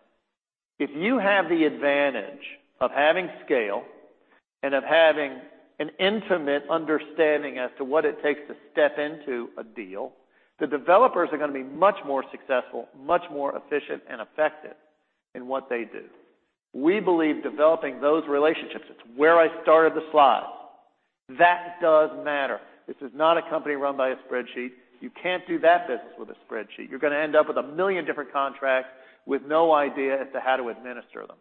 If you have the advantage of having scale and of having an intimate understanding as to what it takes to step into a deal, the developers are going to be much more successful, much more efficient, and effective in what they do. We believe developing those relationships, it's where I started the slide. That does matter. This is not a company run by a spreadsheet. You can't do that business with a spreadsheet. You're going to end up with 1 million different contracts with no idea as to how to administer them.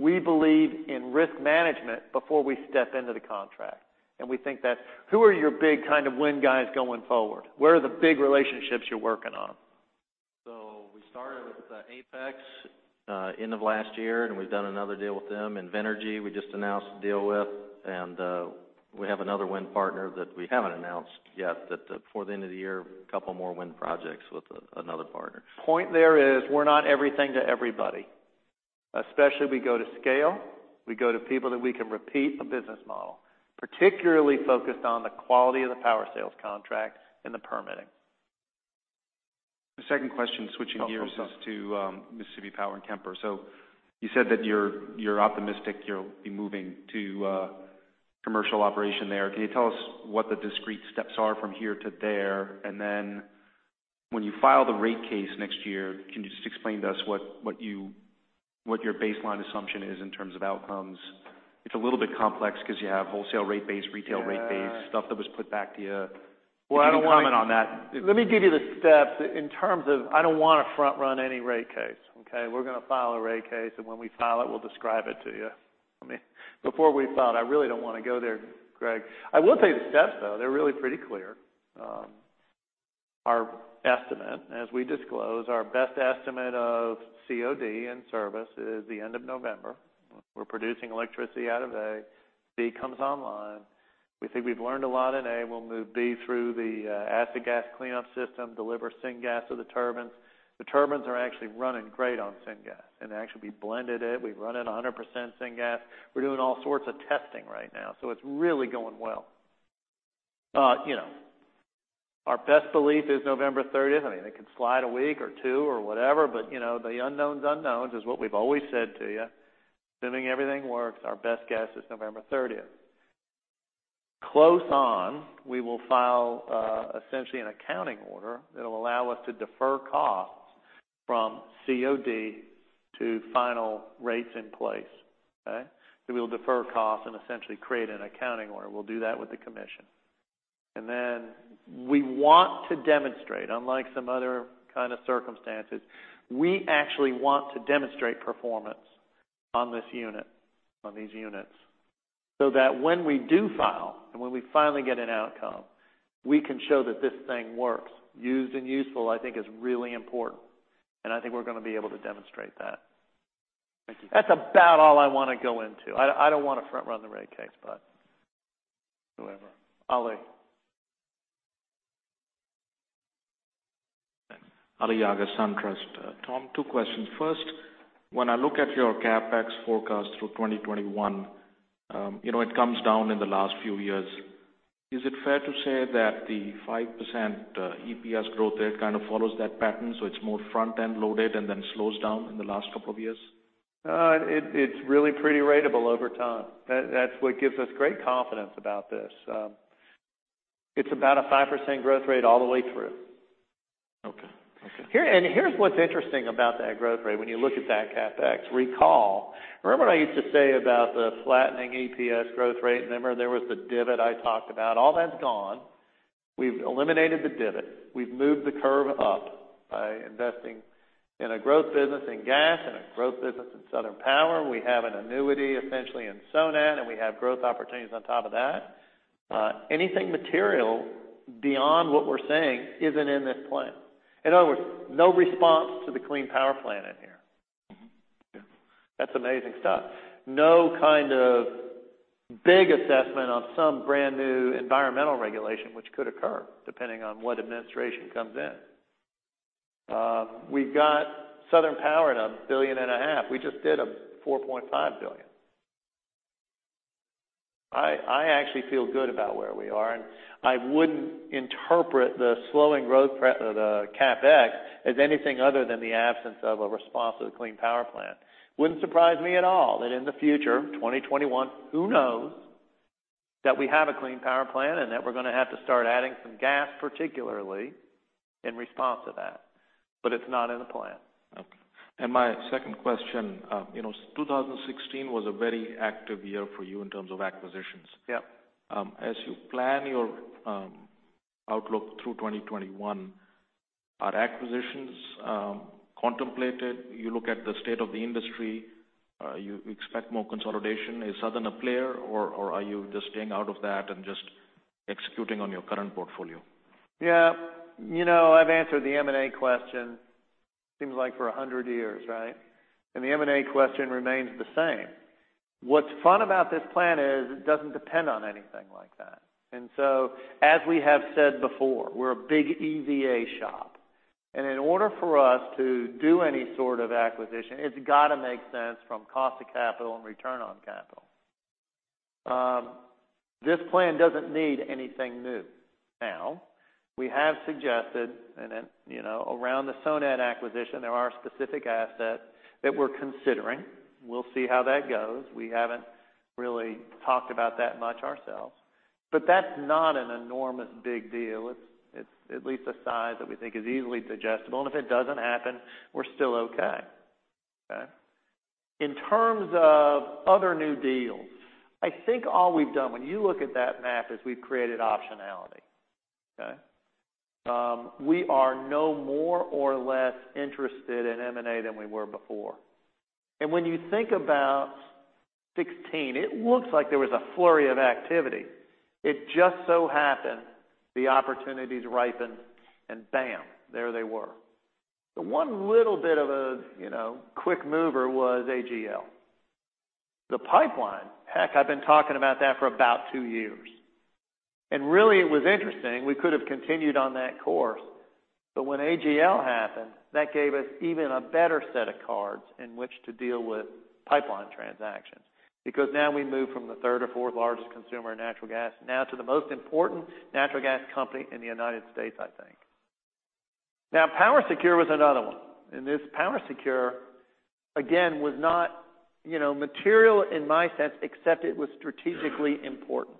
We believe in risk management before we step into the contract. We think that who are your big kind of wind guys going forward? Where are the big relationships you're working on? We started with Apex end of last year, and we've done another deal with them. Invenergy, we just announced a deal with. We have another wind partner that we haven't announced yet, but before the end of the year, a couple more wind projects with another partner. Point there is we're not everything to everybody. Especially, we go to scale. We go to people that we can repeat a business model, particularly focused on the quality of the power sales contracts and the permitting. The second question, switching gears. Oh, okay is to Mississippi Power and Kemper. You said that you're optimistic you'll be moving to commercial operation there. Can you tell us what the discrete steps are from here to there? When you file the rate case next year, can you just explain to us what your baseline assumption is in terms of outcomes? It's a little bit complex because you have wholesale rate base, retail rate base. Yeah stuff that was put back to you. Well, I don't want to. Can you comment on that? Let me give you the steps in terms of I don't want to front-run any rate case, okay? We're going to file a rate case. When we file it, we'll describe it to you. Before we file it, I really don't want to go there, Greg. I will tell you the steps, though. They're really pretty clear. Our estimate, as we disclose, our best estimate of COD in service is the end of November. We're producing electricity out of A. B comes online. We think we've learned a lot in A. We'll move B through the acid gas cleanup system, deliver syngas to the turbines. The turbines are actually running great on syngas, and actually, we blended it. We've run it 100% syngas. We're doing all sorts of testing right now, so it's really going well. Our best belief is November 30th. I mean, it could slide a week or two or whatever, but the unknowns unknowns is what we've always said to you. Assuming everything works, our best guess is November 30th. Close on, we will file essentially an accounting order that'll allow us to defer costs from COD to final rates in place. Okay? We will defer costs and essentially create an accounting order. We'll do that with the commission. Then we want to demonstrate, unlike some other kind of circumstances, we actually want to demonstrate performance on this unit, on these units, so that when we do file and when we finally get an outcome, we can show that this thing works. Used and useful, I think, is really important, and I think we're going to be able to demonstrate that. Thank you. That's about all I want to go into. I don't want to front-run the rate case, but whoever. Ali. Ali Agha, SunTrust. Tom, two questions. First, when I look at your CapEx forecast through 2021, it comes down in the last few years. Is it fair to say that the 5% EPS growth there kind of follows that pattern, so it's more front-end loaded and then slows down in the last couple of years? It's really pretty ratable over time. That's what gives us great confidence about this. It's about a 5% growth rate all the way through. Okay. Okay. Here's what's interesting about that growth rate when you look at that CapEx. Recall, remember what I used to say about the flattening EPS growth rate? Remember there was the divot I talked about? All that's gone. We've eliminated the divot. We've moved the curve up. By investing in a growth business in gas and a growth business in Southern Power. We have an annuity essentially in Sonat, and we have growth opportunities on top of that. Anything material beyond what we're saying isn't in this plan. In other words, no response to the Clean Power Plan in here. Mm-hmm. Yeah. That's amazing stuff. No kind of big assessment on some brand new environmental regulation which could occur depending on what administration comes in. We've got Southern Power at a billion and a half. We just did a $4.5 billion. I actually feel good about where we are, and I wouldn't interpret the slowing growth of the CapEx as anything other than the absence of a response to the Clean Power Plan. Wouldn't surprise me at all that in the future, 2021, who knows that we have a Clean Power Plan and that we're going to have to start adding some gas, particularly in response to that. It's not in the plan. Okay. My second question. 2016 was a very active year for you in terms of acquisitions. Yep. As you plan your outlook through 2021, are acquisitions contemplated? You look at the state of the industry, you expect more consolidation. Is Southern a player, or are you just staying out of that and just executing on your current portfolio? I've answered the M&A question, seems like for 100 years, right? The M&A question remains the same. What's fun about this plan is it doesn't depend on anything like that. As we have said before, we're a big EVA shop, and in order for us to do any sort of acquisition, it's got to make sense from cost to capital and return on capital. This plan doesn't need anything new. We have suggested, and around the Sonat acquisition, there are specific assets that we're considering. We'll see how that goes. We haven't really talked about that much ourselves. That's not an enormous, big deal. It's at least a size that we think is easily digestible, and if it doesn't happen, we're still okay. In terms of other new deals, I think all we've done when you look at that map is we've created optionality. We are no more or less interested in M&A than we were before. When you think about 2016, it looks like there was a flurry of activity. It just so happened the opportunities ripened and bam, there they were. The one little bit of a quick mover was AGL. The pipeline, heck, I've been talking about that for about two years. Really it was interesting. We could have continued on that course. When AGL happened, that gave us even a better set of cards in which to deal with pipeline transactions, because now we move from the third or fourth largest consumer of natural gas now to the most important natural gas company in the U.S., I think. PowerSecure was another one. This PowerSecure, again, was not material in my sense except it was strategically important.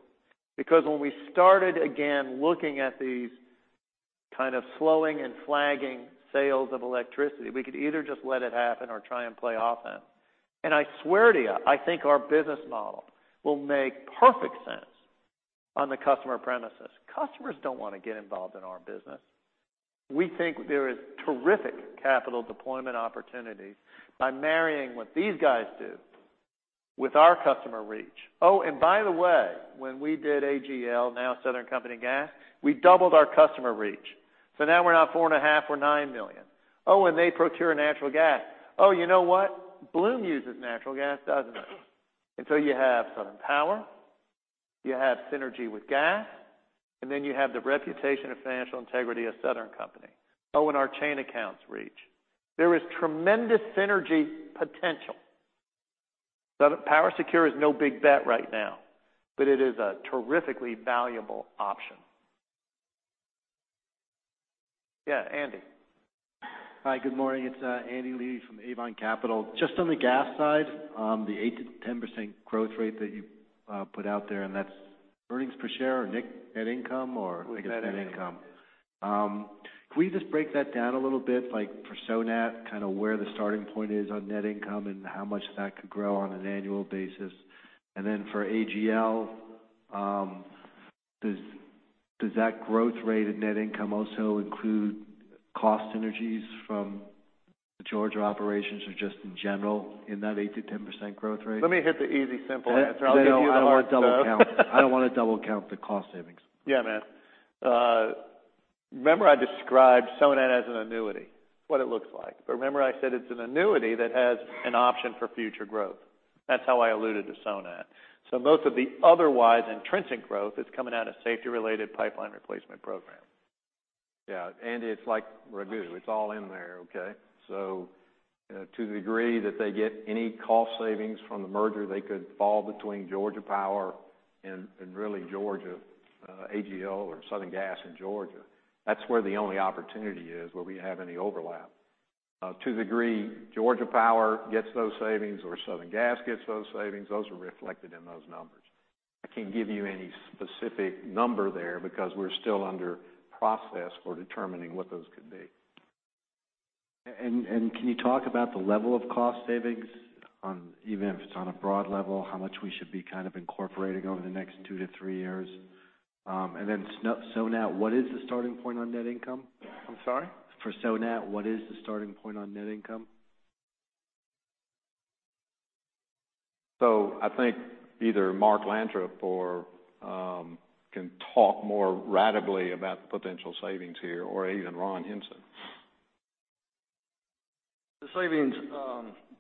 When we started again looking at these kind of slowing and flagging sales of electricity, we could either just let it happen or try and play offense. I swear to you, I think our business model will make perfect sense on the customer premises. Customers don't want to get involved in our business. We think there is terrific capital deployment opportunities by marrying what these guys do with our customer reach. When we did AGL, now Southern Company Gas, we doubled our customer reach. Now we're not four and a half, we're nine million. They procure natural gas. You know what? Bloom uses natural gas, doesn't it? You have Southern Power, you have synergy with gas, and then you have the reputation of financial integrity of Southern Company. Our chain accounts reach. There is tremendous synergy potential. PowerSecure is no big bet right now. It is a terrifically valuable option. Yeah, Andy. Hi, good morning. It's Andy Levi from Avon Capital. Just on the gas side, the 8%-10% growth rate that you put out there, that's earnings per share or net income or- I think net income net income. Can we just break that down a little bit, like for Sonat, kind of where the starting point is on net income and how much that could grow on an annual basis? Then for AGL, does that growth rate and net income also include cost synergies from the Georgia operations or just in general in that 8%-10% growth rate? Let me hit the easy, simple answer. I'll give you a hard one. I don't want to double count the cost savings. Yeah. Remember I described Sonat as an annuity. What it looks like. Remember I said it's an annuity that has an option for future growth. That's how I alluded to Sonat. Most of the otherwise intrinsic growth is coming out of safety-related pipeline replacement program. Yeah, Andy, it's like. [inaudible] It's all in there, okay. To the degree that they get any cost savings from the merger, they could fall between Georgia Power and really Atlanta Gas Light or Southern Gas in Georgia. That's where the only opportunity is where we have any overlap. To the degree Georgia Power gets those savings or Southern Gas gets those savings, those are reflected in those numbers. I can't give you any specific number there because we're still under process for determining what those could be. Can you talk about the level of cost savings, even if it's on a broad level, how much we should be incorporating over the next two to three years? Sonat, what is the starting point on net income? I'm sorry? For Sonat, what is the starting point on net income? I think either Mark Lantrip can talk more ratably about the potential savings here, or even Ron Henson. The savings,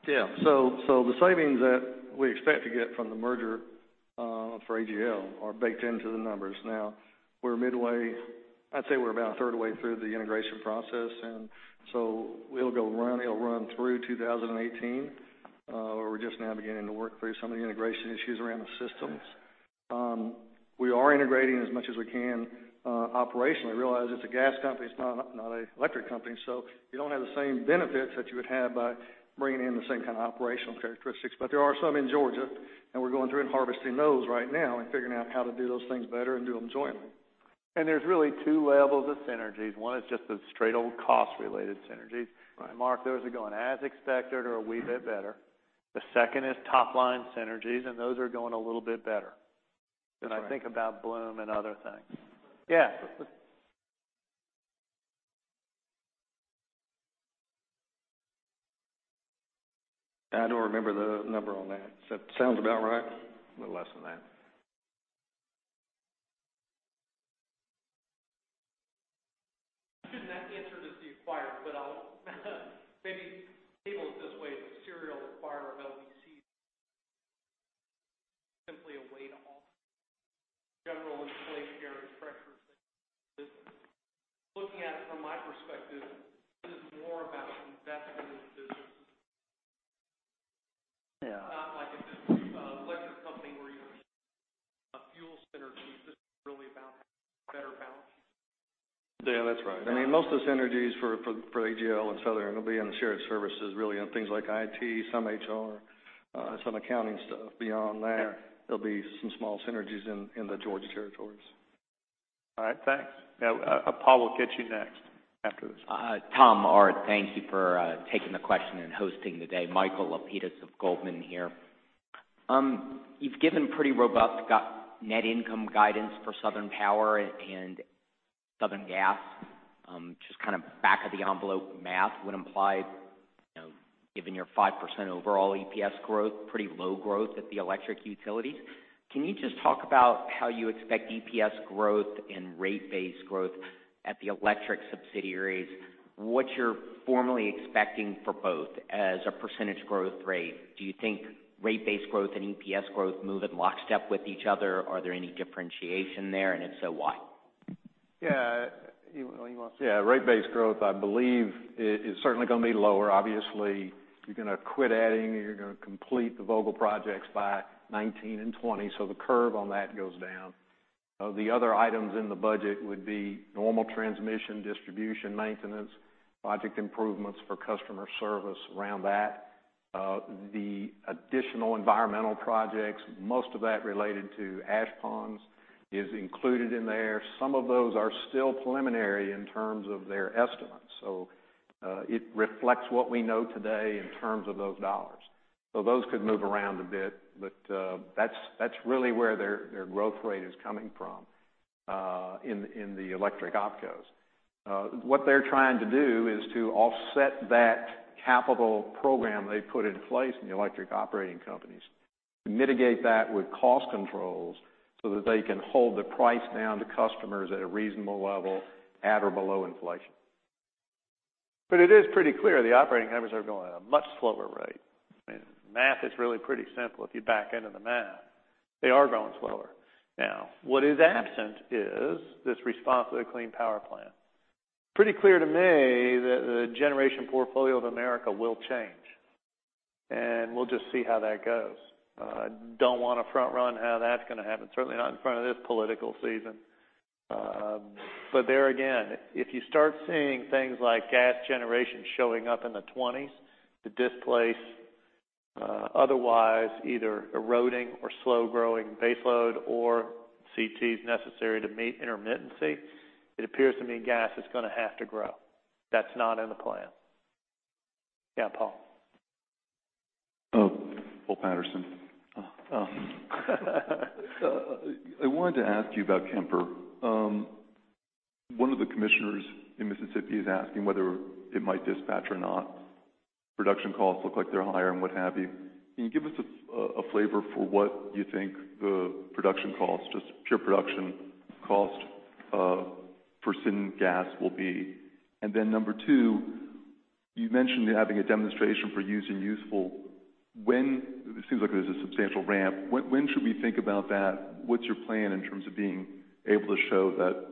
yeah. The savings that we expect to get from the merger for AGL are baked into the numbers. Now, we're midway, I'd say we're about a third of the way through the integration process. It'll run through 2018. We're just now beginning to work through some of the integration issues around the systems. We are integrating as much as we can operationally. Realize it's a gas company, it's not an electric company, so you don't have the same benefits that you would have by bringing in the same kind of operational characteristics. There are some in Georgia, and we're going through and harvesting those right now and figuring out how to do those things better and do them jointly. There's really two levels of synergies. One is just the straight old cost-related synergies. Right. Mark, those are going as expected or a wee bit better. The second is top-line synergies, and those are going a little bit better. That's right. When I think about Bloom and other things. Yeah. I don't remember the number on that. Does that sound about right? A little less than that. Shouldn't have answered as the acquirer, but I'll maybe table it this way, the serial acquirer of LDCs. Simply a way to offset general inflationary pressures that business. Looking at it from my perspective, this is more about investing in the business. Yeah. Not like a different electric company where you're a fuel synergy. This is really about better balances. Yeah, that's right. I mean, most of the synergies for AGL and Southern will be in the shared services really on things like IT, some HR, some accounting stuff. Beyond that, there'll be some small synergies in the Georgia territories. All right, thanks. Yeah, Paul, we'll get you next, after this one. Tom Art, thank you for taking the question and hosting the day. Michael Lapides of Goldman here. You've given pretty robust net income guidance for Southern Power and Southern Gas. Just kind of back of the envelope math would imply, given your 5% overall EPS growth, pretty low growth at the electric utilities. Can you just talk about how you expect EPS growth and rate-based growth at the electric subsidiaries, what you're formally expecting for both as a percentage growth rate? Do you think rate-based growth and EPS growth move in lockstep with each other? Are there any differentiation there, and if so, why? Yeah. You want to? Yeah, rate-based growth I believe is certainly going to be lower. Obviously, you're going to quit adding or you're going to complete the Vogtle projects by 2019 and 2020, the curve on that goes down. The other items in the budget would be normal transmission distribution maintenance, project improvements for customer service around that. The additional environmental projects, most of that related to ash ponds, is included in there. Some of those are still preliminary in terms of their estimates. It reflects what we know today in terms of those dollars. Those could move around a bit, but that's really where their growth rate is coming from in the electric OPCOs. What they're trying to do is to offset that capital program they've put in place in the electric operating companies, to mitigate that with cost controls so that they can hold the price down to customers at a reasonable level at or below inflation. It is pretty clear the operating numbers are going at a much slower rate. I mean, the math is really pretty simple if you back into the math. They are growing slower. Now, what is absent is this response to the Clean Power Plan. Pretty clear to me that the generation portfolio of America will change, and we'll just see how that goes. I don't want to front-run how that's going to happen, certainly not in front of this political season. There again, if you start seeing things like gas generation showing up in the 2020s to displace otherwise either eroding or slow-growing base load or CTs necessary to meet intermittency, it appears to me gas is going to have to grow. That's not in the plan. Yeah, Paul. Paul Patterson. Oh. I wanted to ask you about Kemper. One of the commissioners in Mississippi is asking whether it might dispatch or not. Production costs look like they're higher and what have you. Can you give us a flavor for what you think the production costs, just pure production cost for syngas will be? Then number 2, you mentioned having a demonstration for use and useful. It seems like there's a substantial ramp. When should we think about that? What's your plan in terms of being able to show that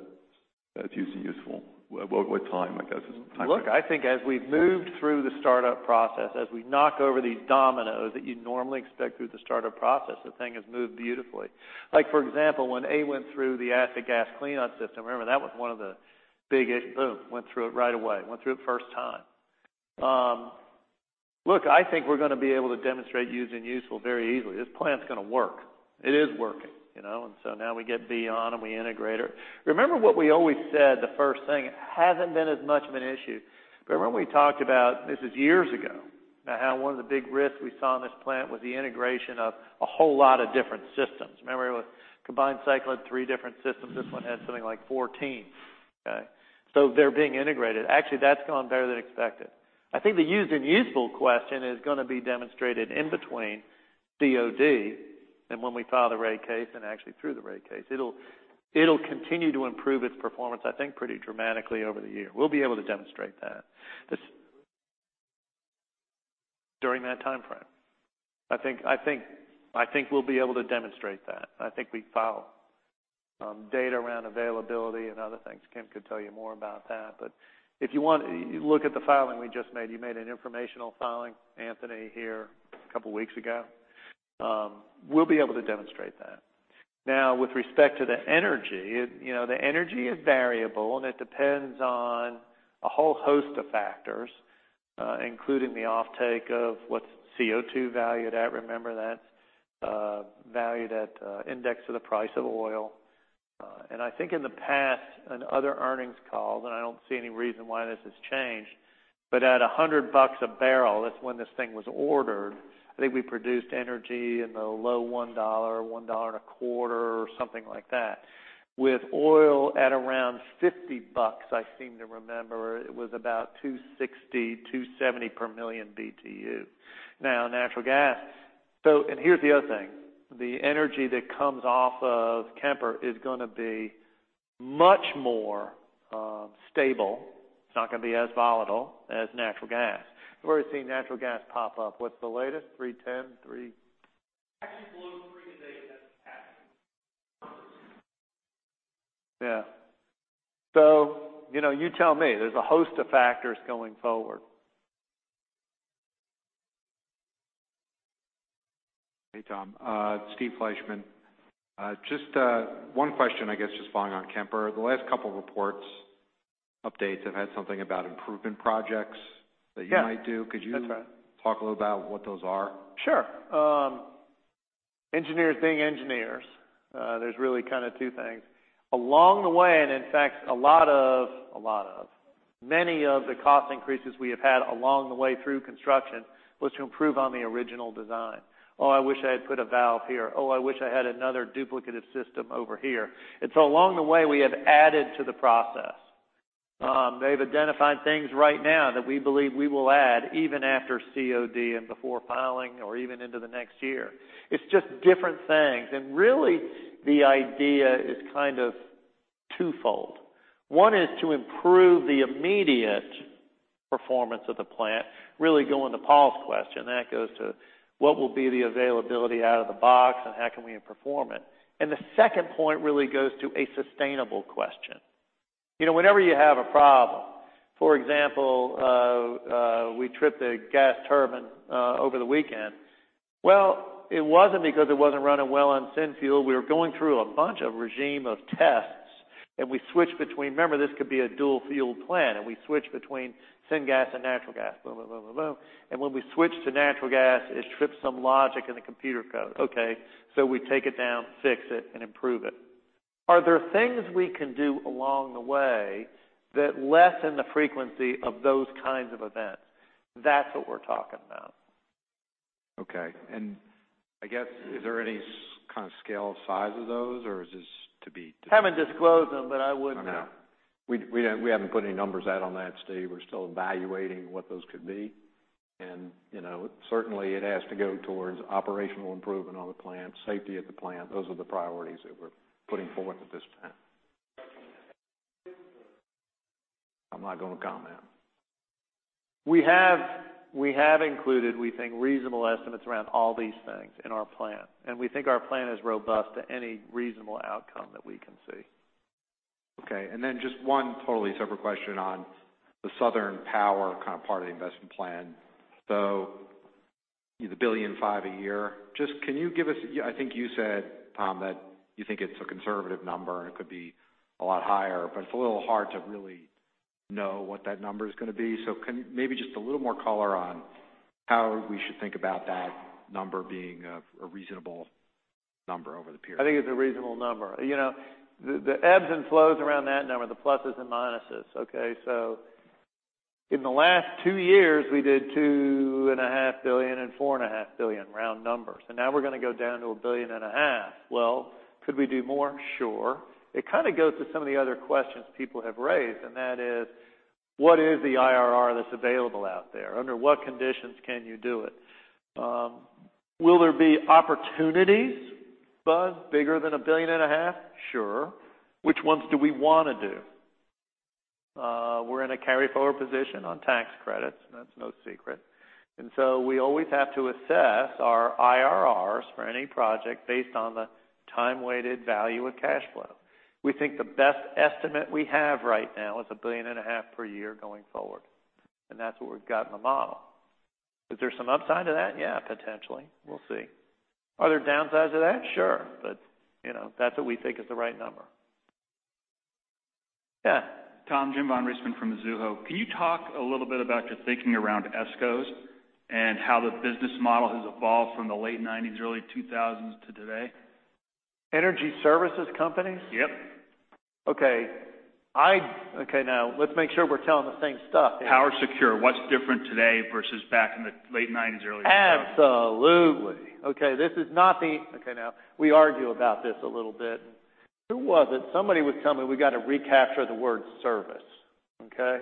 that's used and useful? What time, I guess. Look, I think as we've moved through the startup process, as we knock over these dominoes that you'd normally expect through the startup process, the thing has moved beautifully. Like for example, when A went through the acid gas cleanout system, remember that was one of the big issues. Boom, went through it right away, went through it first time. Look, I think we're going to be able to demonstrate used and useful very easily. This plant's going to work. It is working. So now we get B on and we integrate her. Remember what we always said, the first thing? It hasn't been as much of an issue. Remember we talked about, this is years ago, about how one of the big risks we saw in this plant was the integration of a whole lot of different systems. Remember it was combined cycle at three different systems. This one has something like 14. Okay? They're being integrated. Actually, that's gone better than expected. I think the used and useful question is going to be demonstrated in between COD and when we file the rate case and actually through the rate case. It'll continue to improve its performance, I think, pretty dramatically over the year. We'll be able to demonstrate that. During that timeframe. I think we'll be able to demonstrate that. I think we file data around availability and other things. Kim could tell you more about that. If you want, look at the filing we just made. You made an informational filing, Anthony, here a couple of weeks ago. We'll be able to demonstrate that. With respect to the energy, the energy is variable, and it depends on a whole host of factors including the offtake of what CO2 valued at. Remember that's valued at index to the price of oil. I think in the past, on other earnings calls, and I don't see any reason why this has changed, but at $100 a barrel, that's when this thing was ordered, I think we produced energy in the low $1, $1.25 or something like that. With oil at around $50, I seem to remember, it was about $260, $270 per million BTU. Here's the other thing. The energy that comes off of Kemper is going to be much more stable. It's not going to be as volatile as natural gas. We've already seen natural gas pop up. What's the latest? 310, Actually below 3 today as it's passing. Yeah. You tell me. There's a host of factors going forward. Hey, Tom. Steve Fleishman. Just one question, I guess just following on Kemper. The last couple of reports, updates have had something about improvement projects that you might do. Yeah. That's right. Could you talk a little about what those are? Sure. Engineers being engineers, there's really kind of two things. Along the way, in fact, a lot of many of the cost increases we have had along the way through construction was to improve on the original design. Oh, I wish I had put a valve here. Oh, I wish I had another duplicative system over here. Along the way, we have added to the process. They've identified things right now that we believe we will add even after COD and before filing or even into the next year. It's just different things. Really, the idea is kind of twofold. One is to improve the immediate performance of the plant, really going to Paul's question. That goes to what will be the availability out of the box and how can we perform it. The second point really goes to a sustainable question. Whenever you have a problem, for example, we tripped a gas turbine over the weekend. Well, it wasn't because it wasn't running well on syngas. We were going through a bunch of regime of tests, and we switched between. Remember, this could be a dual fuel plant, and we switched between syngas and natural gas. Boom, boom, boom. When we switched to natural gas, it tripped some logic in the computer code. Okay. We take it down, fix it and improve it. Are there things we can do along the way that lessen the frequency of those kinds of events? That's what we're talking about. Okay. I guess, is there any kind of scale or size of those, or is this to be? Haven't disclosed them, I would. No. We haven't put any numbers out on that, Steve. We're still evaluating what those could be. Certainly it has to go towards operational improvement on the plant, safety at the plant. Those are the priorities that we're putting forth at this time. I'm not going to comment. We have included, we think, reasonable estimates around all these things in our plan. We think our plan is robust to any reasonable outcome that we can see. Okay. Just one totally separate question on the Southern Power kind of part of the investment plan. The $1.5 billion a year. I think you said, Tom, that you think it's a conservative number, and it could be a lot higher, but it's a little hard to really know what that number is going to be. Can maybe just a little more color on how we should think about that number being a reasonable number over the period. I think it's a reasonable number. The ebbs and flows around that number, the pluses and minuses, okay? In the last two years, we did two and a half billion and four and a half billion round numbers. Now we're going to go down to a billion and a half. Could we do more? Sure. Which ones do we want to do? Will there be opportunities, Buzz, bigger than a billion and a half? Sure. We're in a carry forward position on tax credits. That's no secret. We always have to assess our IRRs for any project based on the time-weighted value of cash flow. We think the best estimate we have right now is a billion and a half per year going forward. That's what we've got in the model. Is there some upside to that? Yeah, potentially. We'll see. Are there downsides of that? Sure. That's what we think is the right number. Yeah. Tom, Jim von Riesemann from Mizuho. Can you talk a little bit about your thinking around ESCOs and how the business model has evolved from the late '90s, early 2000s to today? Energy services companies? Yep. Okay. let's make sure we're telling the same stuff here. PowerSecure, what's different today versus back in the late '90s, early 2000s? Absolutely. Okay, now, we argue about this a little bit. Who was it? Somebody was telling me we got to recapture the word service. Okay?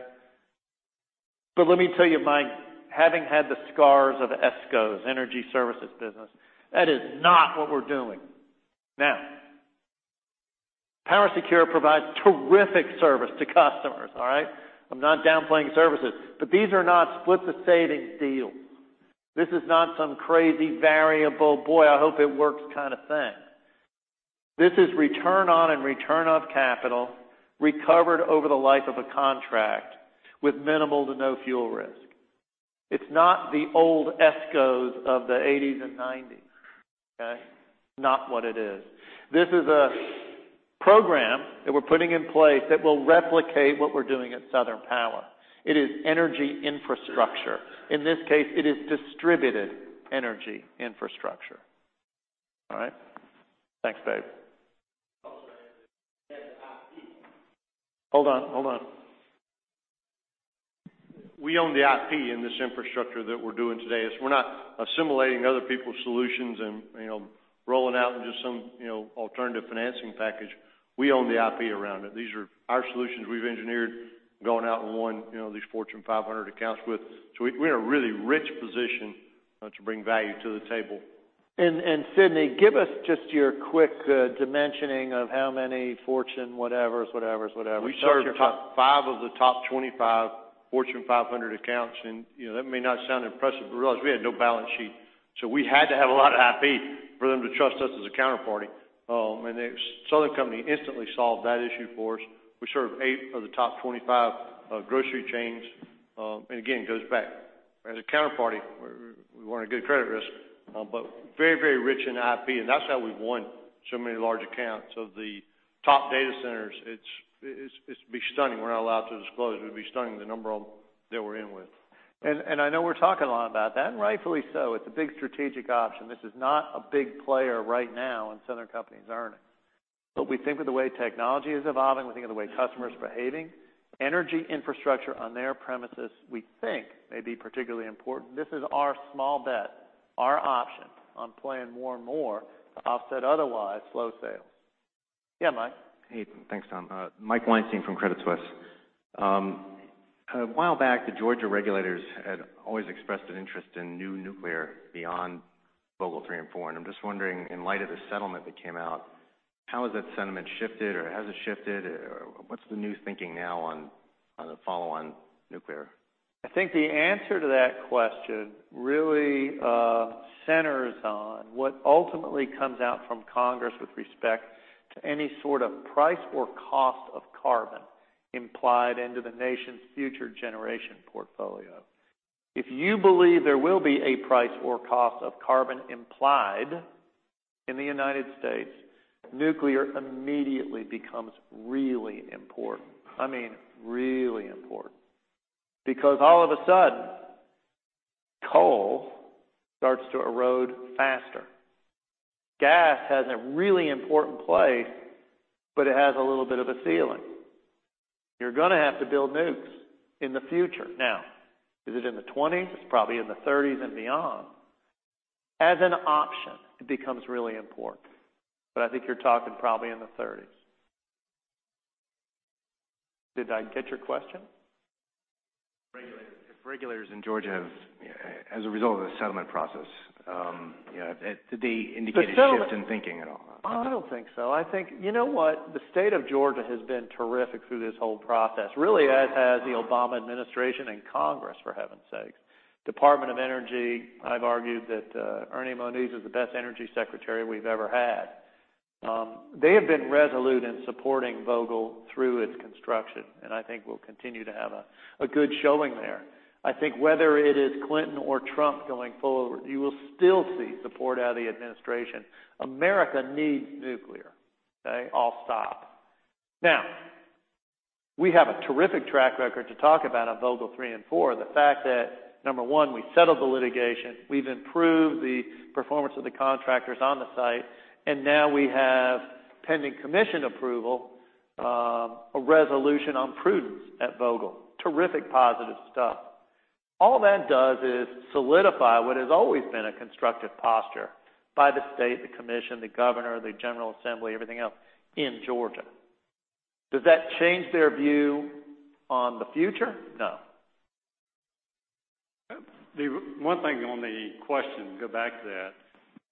Let me tell you, Mike, having had the scars of ESCOs, energy services business, that is not what we're doing. Now, PowerSecure provides terrific service to customers, all right? I'm not downplaying services, but these are not split the savings deals. This is not some crazy variable, boy, I hope it works kind of thing. This is return on and return of capital recovered over the life of a contract with minimal to no fuel risk. It's not the old ESCOs of the '80s and '90s. Okay? It's not what it is. This is a program that we're putting in place that will replicate what we're doing at Southern Power. It is energy infrastructure. In this case, it is distributed energy infrastructure. All right? Thanks, Dave. Oh, sorry. They have the IP. Hold on, hold on. We own the IP in this infrastructure that we're doing today. We're not assimilating other people's solutions and rolling out into some alternative financing package. We own the IP around it. These are our solutions we've engineered going out and won these Fortune 500 accounts with. We're in a really rich position to bring value to the table. Sidney, give us just your quick dimensioning of how many Fortune whatevers. We serve five of the top 25 Fortune 500 accounts, that may not sound impressive, but realize we had no balance sheet. We had to have a lot of IP for them to trust us as a counterparty. The Southern Company instantly solved that issue for us. We serve eight of the top 25 grocery chains. Again, it goes back. As a counterparty, we weren't a good credit risk. Very rich in IP, and that's how we've won so many large accounts of the top data centers. It'd be stunning. We're not allowed to disclose, but it'd be stunning the number that we're in with. I know we're talking a lot about that, and rightfully so. It's a big strategic option. This is not a big player right now in Southern Company's earnings. We think with the way technology is evolving, we think of the way customers are behaving, energy infrastructure on their premises, we think may be particularly important. This is our small bet, our option on playing more and more to offset otherwise slow sales. Yeah, Mike? Hey, thanks, Tom. Mike Weinstein from Credit Suisse. A while back, the Georgia regulators had always expressed an interest in new nuclear beyond Vogtle 3 and 4. I'm just wondering, in light of the settlement that came out, how has that sentiment shifted, or has it shifted? What's the new thinking now on the follow on nuclear? I think the answer to that question really centers on what ultimately comes out from Congress with respect to any sort of price or cost of carbon implied into the nation's future generation portfolio. If you believe there will be a price or cost of carbon implied in the U.S., nuclear immediately becomes really important. I mean, really important. All of a sudden, coal starts to erode faster. Gas has a really important place, but it has a little bit of a ceiling. You're going to have to build nukes in the future. Is it in the 2020s? It's probably in the 2030s and beyond. As an option, it becomes really important. I think you're talking probably in the 2030s. Did I get your question? Regulators in Georgia, as a result of the settlement process, did they indicate a shift in thinking at all? I don't think so. You know what? The state of Georgia has been terrific through this whole process, really as has the Obama administration and Congress, for heaven's sakes. Department of Energy, I've argued that Ernie Moniz is the best energy secretary we've ever had. They have been resolute in supporting Vogtle through its construction. I think we'll continue to have a good showing there. I think whether it is Clinton or Trump going forward, you will still see support out of the administration. America needs nuclear. Okay. I'll stop. We have a terrific track record to talk about on Vogtle 3 and 4. The fact that, number 1, we settled the litigation, we've improved the performance of the contractors on the site. Now we have pending commission approval, a resolution on prudence at Vogtle. Terrific positive stuff. All that does is solidify what has always been a constructive posture by the state, the commission, the governor, the general assembly, everything else in Georgia. Does that change their view on the future? No. One thing on the question, go back to that.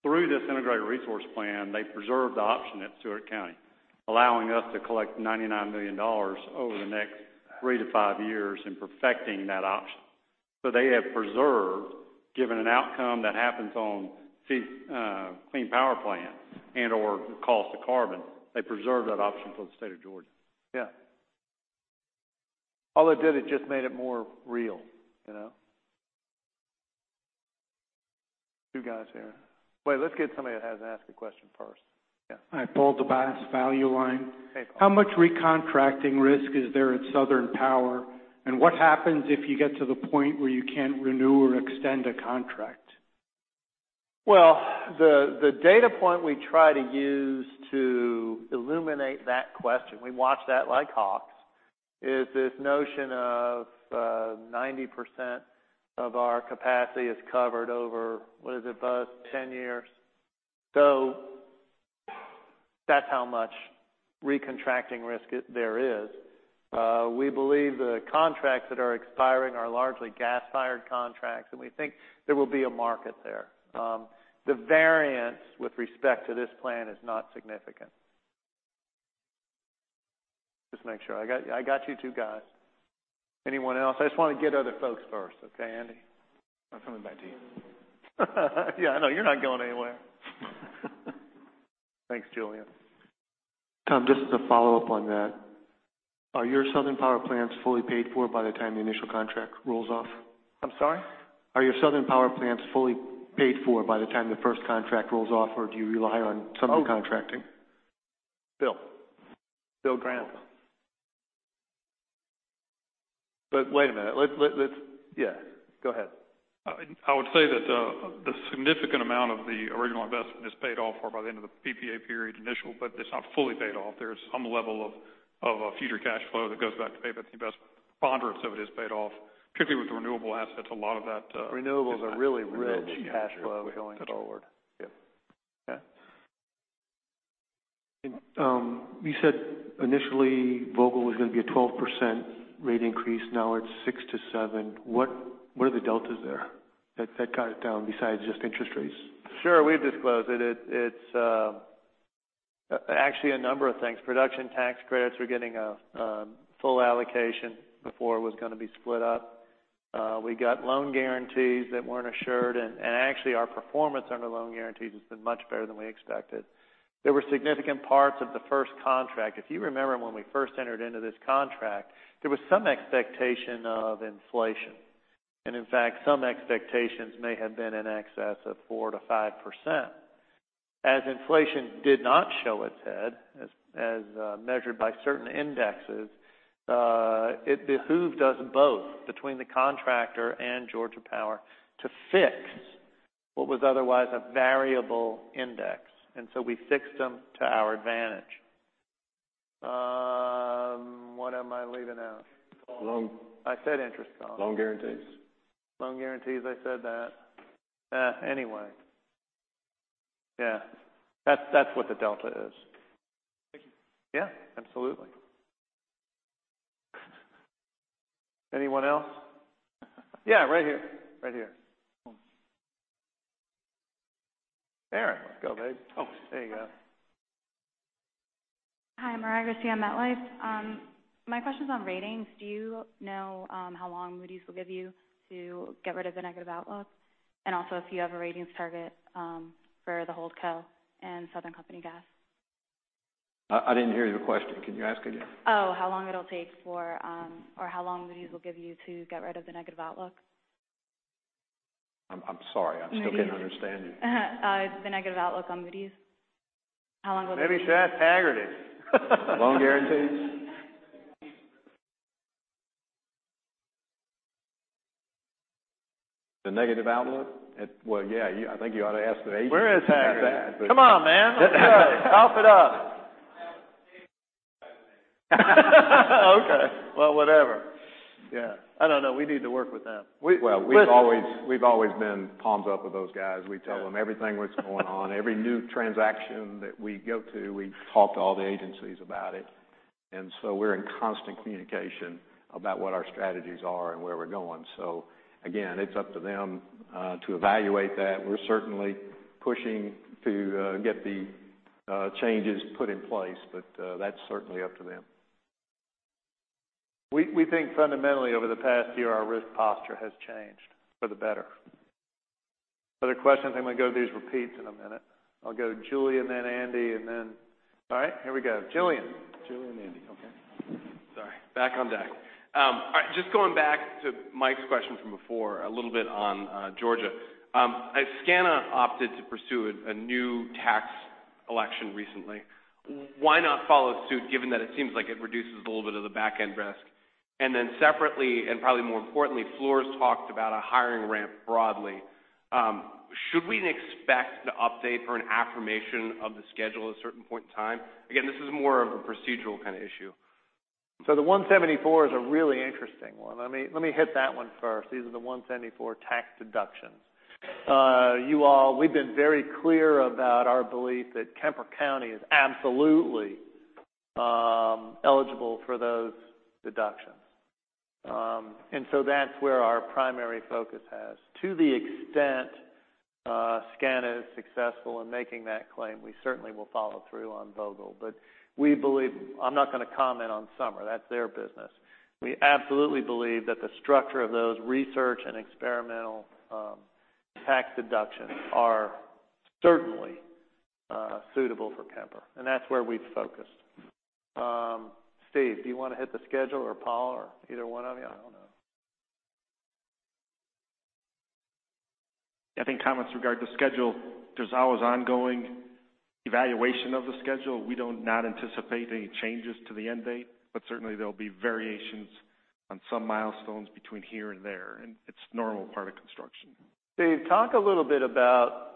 Through this Integrated Resource Plan, they preserved the option at Stewart County, allowing us to collect $99 million over the next three to five years in perfecting that option. They have preserved, given an outcome that happens on clean power plants and/or cost of carbon, they preserved that option for the state of Georgia. Yeah. All it did, it just made it more real. Two guys here. Wait, let's get somebody that hasn't asked a question first. Yeah. Hi, Paul Dobas, Value Line. Hey, Paul. How much recontracting risk is there at Southern Power? What happens if you get to the point where you can't renew or extend a contract? Well, the data point we try to use to illuminate that question, we watch that like hawks, is this notion of 90% of our capacity is covered over, what is it, Buzz? Ten years. That's how much recontracting risk there is. We believe the contracts that are expiring are largely gas-fired contracts, we think there will be a market there. The variance with respect to this plan is not significant. Just make sure. I got you two guys. Anyone else? I just want to get other folks first. Okay, Andy? I'm coming back to you. Yeah, I know you're not going anywhere. Thanks, Julien. Tom, just as a follow-up on that, are your Southern Power plants fully paid for by the time the initial contract rolls off? I'm sorry? Are your Southern Power plants fully paid for by the time the first contract rolls off, or do you rely on some contracting? Bill. Bill Grantham. Wait a minute. Yeah, go ahead. I would say that the significant amount of the original investment is paid off for by the end of the PPA period initial, but it's not fully paid off. There's some level of a future cash flow that goes back to pay back the investment of it is paid off, particularly with the renewable assets. Renewables are really rich cash flow going forward. Yes. Okay. You said initially Vogtle was going to be a 12% rate increase, now it's 6%-7%. What are the deltas there that got it down besides just interest rates? Sure, we've disclosed it. It's actually a number of things. Production tax credits were getting a full allocation before it was going to be split up. We got loan guarantees that weren't assured. Actually, our performance under loan guarantees has been much better than we expected. There were significant parts of the first contract. If you remember, when we first entered into this contract, there was some expectation of inflation. In fact, some expectations may have been in excess of 4%-5%. As inflation did not show its head, as measured by certain indexes, it behooved us both, between the contractor and Georgia Power, to fix what was otherwise a variable index. We fixed them to our advantage. What am I leaving out? Loan. I said interest, Colin. Loan guarantees. Loan guarantees, I said that. Anyway. Yeah. That's what the delta is. Thank you. Yeah, absolutely. Anyone else? Yeah, right here. Right here. Aaron, let's go, babe. Oh, there you go. Hi, Mariah Garcia, MetLife. My question's on ratings. Do you know how long Moody's will give you to get rid of the negative outlook? Also if you have a ratings target for the hold co and Southern Company Gas? I didn't hear your question. Can you ask again? Oh, how long it'll take or how long Moody's will give you to get rid of the negative outlook. I'm sorry. I still can't understand you. The negative outlook on Moody's. How long will it take? Maybe you should ask Haggerty. Loan guarantees? The negative outlook? Well, yeah, I think you ought to ask the agent about that. Where is Haggerty? Come on, man. Let's go. Wrap it up. Okay. Well, whatever. Yeah. I don't know. We need to work with them. Well, we've always been palms up with those guys. We tell them everything that's going on. Every new transaction that we go to, we talk to all the agencies about it. We're in constant communication about what our strategies are and where we're going. Again, it's up to them to evaluate that. We're certainly pushing to get the changes put in place, that's certainly up to them. We think fundamentally over the past year, our risk posture has changed for the better. Other questions? I'm going to go to these repeats in a minute. I'll go Julien, then Andy, and then All right, here we go. Julien. Julien and Andy. Okay. Sorry. Back on deck. Just going back to Mike's question from before, a little bit on Georgia. SCANA opted to pursue a new tax election recently, why not follow suit given that it seems like it reduces a little bit of the back-end risk? Separately, and probably more importantly, Fluor talked about a hiring ramp broadly. Should we expect an update or an affirmation of the schedule at a certain point in time? Again, this is more of a procedural kind of issue. The 174 is a really interesting one. Let me hit that one first. These are the 174 tax deductions. We've been very clear about our belief that Kemper County is absolutely eligible for those deductions. That's where our primary focus has. To the extent SCANA is successful in making that claim, we certainly will follow through on Vogtle. We believe. I'm not going to comment on Summer. That's their business. We absolutely believe that the structure of those research and experimental tax deductions are certainly suitable for Kemper, and that's where we've focused. Steve, do you want to hit the schedule, or Paul, or either one of you? I don't know. I think comments regard the schedule. There's always ongoing evaluation of the schedule. We don't anticipate any changes to the end date, certainly there'll be variations on some milestones between here and there, and it's a normal part of construction. Steve, talk a little bit about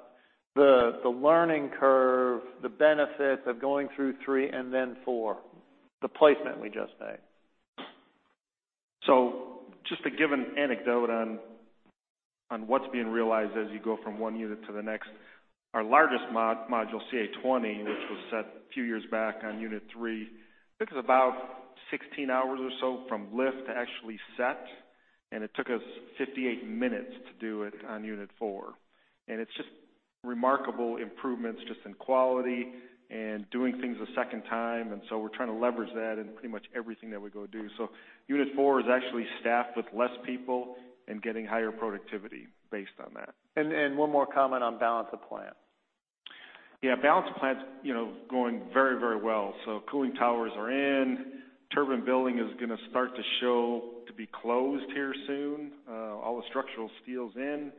the learning curve, the benefits of going through three and then four, the placement we just made. Just to give an anecdote on what's being realized as you go from one unit to the next. Our largest module, CA20, which was set a few years back on unit 3, took us about 16 hours or so from lift to actually set, and it took us 58 minutes to do it on unit 4. It's just remarkable improvements just in quality and doing things a second time, we're trying to leverage that in pretty much everything that we go do. Unit 4 is actually staffed with less people and getting higher productivity based on that. One more comment on balance of plant. Yeah. Balance of plant's going very well. Cooling towers are in. Turbine building is going to start to show to be closed here soon. All the structural steel's in.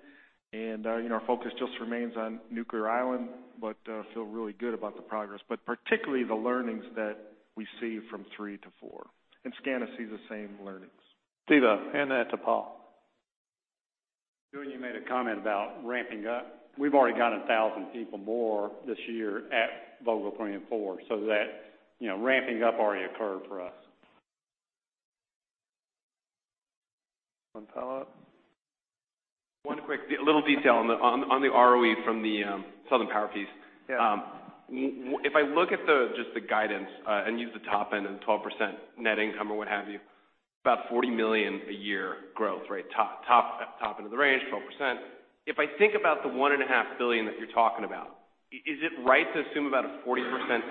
Our focus just remains on Nuclear Island, but feel really good about the progress, particularly the learnings that we see from 3 to 4, and SCANA sees the same learnings. Steve, hand that to Paul. Bill, you made a comment about ramping up. We've already got 1,000 people more this year at Vogtle 3 and 4, so that ramping up already occurred for us. Want to follow up? One quick, little detail on the ROE from the Southern Power piece. Yeah. If I look at just the guidance, use the top end and 12% net income or what have you, about $40 million a year growth, right? Top of the range, 12%. If I think about the $1.5 billion that you're talking about, is it right to assume about a 40%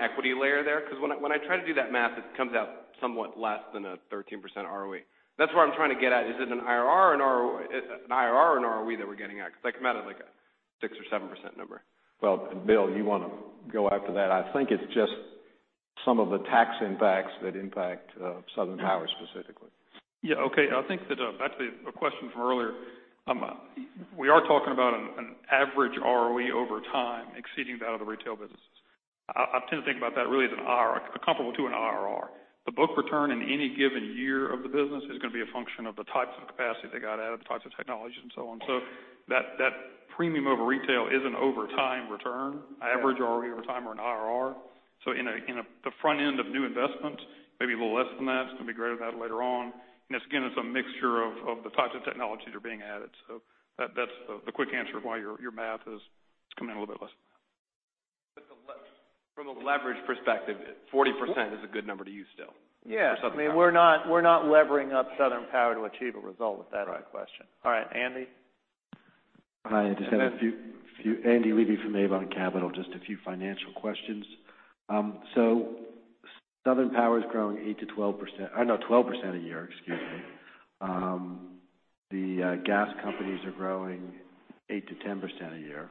equity layer there? When I try to do that math, it comes out somewhat less than a 13% ROE. That's where I'm trying to get at. Is it an IRR or an ROE that we're getting at? I come out at like a 6% or 7% number. Well, Bill, you want to go after that? I think it's just some of the tax impacts that impact Southern Power specifically. Yeah. Okay. I think that that's a question from earlier. We are talking about an average ROE over time exceeding that of the retail businesses. I tend to think about that really as comparable to an IRR. The book return in any given year of the business is going to be a function of the types of capacity they got added, the types of technologies, and so on. That premium over retail is an over-time return, average ROE over time or an IRR. In the front end of new investments, maybe a little less than that. It's going to be greater than that later on. It's, again, it's a mixture of the types of technologies are being added. That's the quick answer of why your math is coming in a little bit less than that. From a leverage perspective, 40% is a good number to use still for Southern Power. Yeah. I mean, we're not levering up Southern Power to achieve a result with that question. All right, Andy? Hi. Andy Levi from Avon Capital. Just a few financial questions. Southern Power is growing 8%-12%. No, 12% a year, excuse me. The gas companies are growing 8%-10% a year.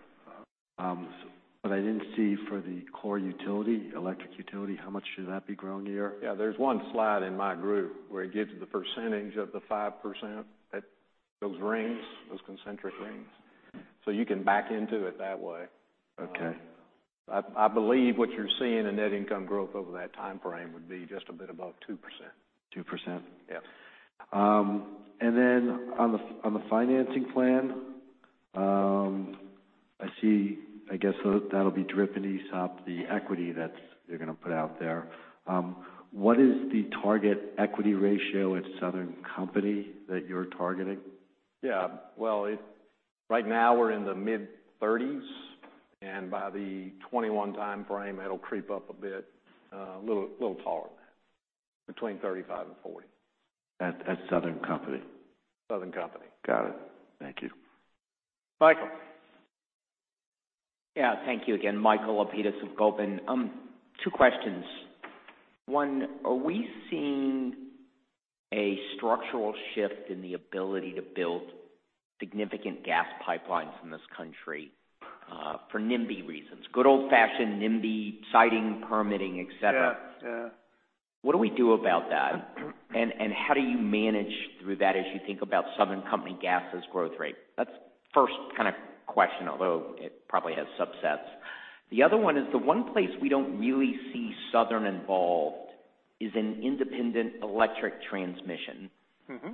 I didn't see for the core utility, electric utility, how much should that be growing a year? Yeah. There's one slide in my group where it gives the percentage of the 5% at those rings, those concentric rings. You can back into it that way. Okay. I believe what you're seeing in net income growth over that timeframe would be just a bit above 2%. 2%? Yeah. On the financing plan, I see, I guess that'll be DRIP and ESOP, the equity that you're going to put out there. What is the target equity ratio at Southern Company that you're targeting? Yeah. Well, right now, we're in the mid-30s, and by the 2021 timeframe, it'll creep up a bit. A little taller than that, between 35 and 40. At Southern Company? Southern Company. Got it. Thank you. Michael. Yeah. Thank you again. Michael Lapides of Goldman Sachs. Two questions. One, are we seeing a structural shift in the ability to build significant gas pipelines in this country for NIMBY reasons, good old-fashioned NIMBY siting, permitting, et cetera. Yeah. What do we do about that? How do you manage through that as you think about Southern Company Gas's growth rate? That's first kind of question, although it probably has subsets. The other one is the one place we don't really see Southern involved is in independent electric transmission-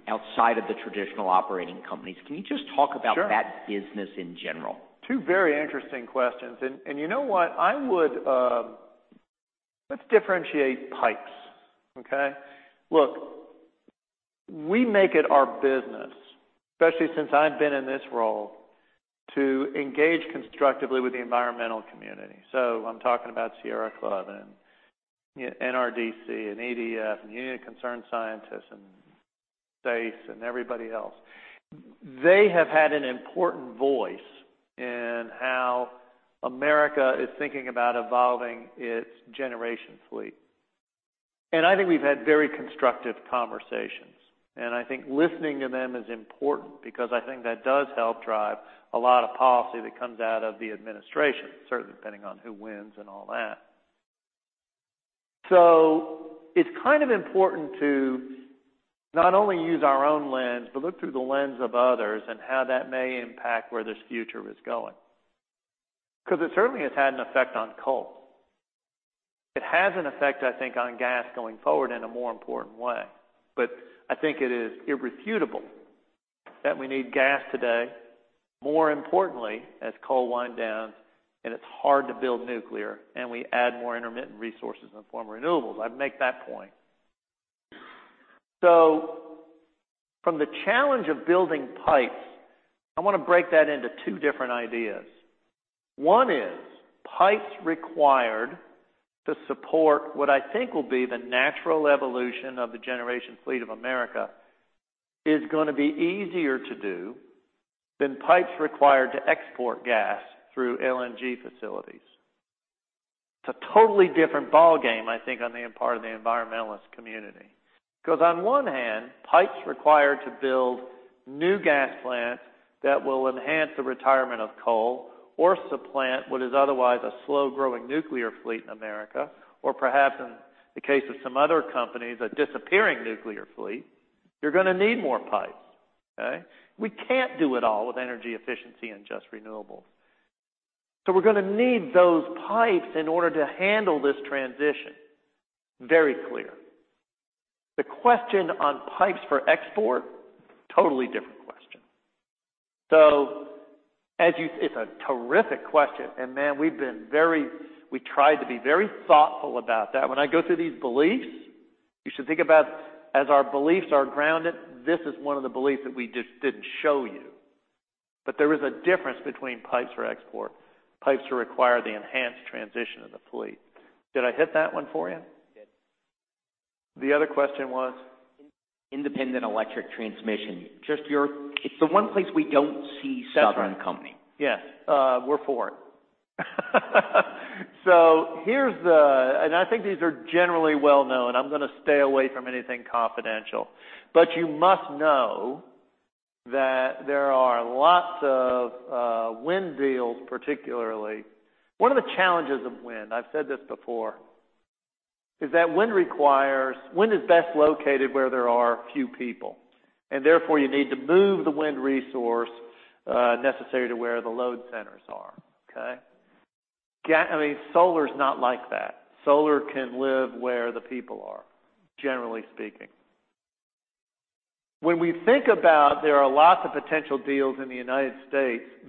outside of the traditional operating companies. Can you just talk about- Sure that business in general? You know what? Let's differentiate pipes. Okay? Look, we make it our business, especially since I've been in this role, to engage constructively with the environmental community. I'm talking about Sierra Club and NRDC and EDF and Union of Concerned Scientists and SACE and everybody else. They have had an important voice in how America is thinking about evolving its generation fleet. I think we've had very constructive conversations, and I think listening to them is important because I think that does help drive a lot of policy that comes out of the administration, certainly depending on who wins and all that. It's kind of important to not only use our own lens, but look through the lens of others and how that may impact where this future is going. Because it certainly has had an effect on coal. It has an effect, I think, on gas going forward in a more important way. I think it is irrefutable that we need gas today, more importantly, as coal winds down, and it's hard to build nuclear, and we add more intermittent resources in the form of renewables. I'd make that point. From the challenge of building pipes, I want to break that into two different ideas. One is pipes required to support what I think will be the natural evolution of the generation fleet of America is going to be easier to do than pipes required to export gas through LNG facilities. It's a totally different ballgame, I think, on the part of the environmentalist community. On one hand, pipes required to build new gas plants that will enhance the retirement of coal or supplant what is otherwise a slow-growing nuclear fleet in America, or perhaps in the case of some other companies, a disappearing nuclear fleet, you're going to need more pipes. We can't do it all with energy efficiency and just renewables. We're going to need those pipes in order to handle this transition. Very clear. The question on pipes for export, totally different question. It's a terrific question. Man, we tried to be very thoughtful about that. When I go through these beliefs, you should think about as our beliefs are grounded, this is one of the beliefs that we just didn't show you. There is a difference between pipes for export, pipes to require the enhanced transition of the fleet. Did I hit that one for you? You did. The other question was? Independent electric transmission. It's the one place we don't see Southern Company. Yes. We're for it. I think these are generally well-known. I'm going to stay away from anything confidential. You must know that there are lots of wind deals, particularly. One of the challenges of wind, I've said this before, is that wind is best located where there are few people, and therefore you need to move the wind resource necessary to where the load centers are. Solar is not like that. Solar can live where the people are, generally speaking. When we think about there are lots of potential deals in the U.S.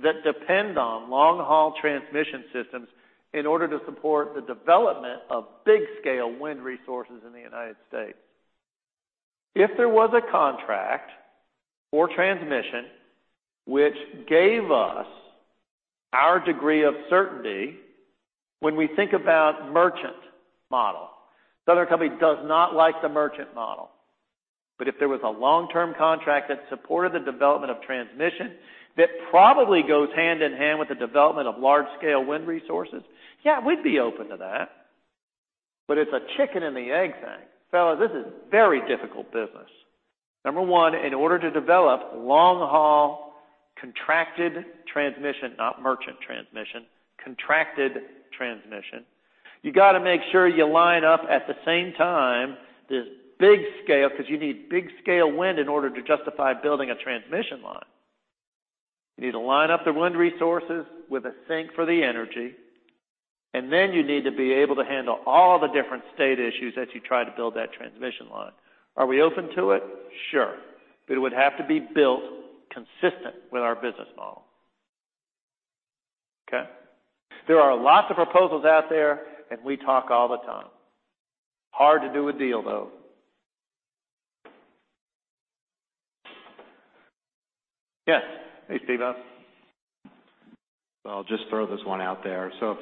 that depend on long-haul transmission systems in order to support the development of big-scale wind resources in the U.S. If there was a contract for transmission which gave us our degree of certainty when we think about merchant model. Southern Company does not like the merchant model. If there was a long-term contract that supported the development of transmission, that probably goes hand in hand with the development of large-scale wind resources, yeah, we'd be open to that. It's a chicken and the egg thing. Fella, this is very difficult business. Number one, in order to develop long-haul contracted transmission, not merchant transmission, contracted transmission, you got to make sure you line up at the same time this big scale, because you need big-scale wind in order to justify building a transmission line. You need to line up the wind resources with a sink for the energy, and then you need to be able to handle all the different state issues as you try to build that transmission line. Are we open to it? Sure. It would have to be built consistent with our business model. Okay. There are lots of proposals out there, we talk all the time. Hard to do a deal, though. Yes. Hey, Steve. I'll just throw this one out there. If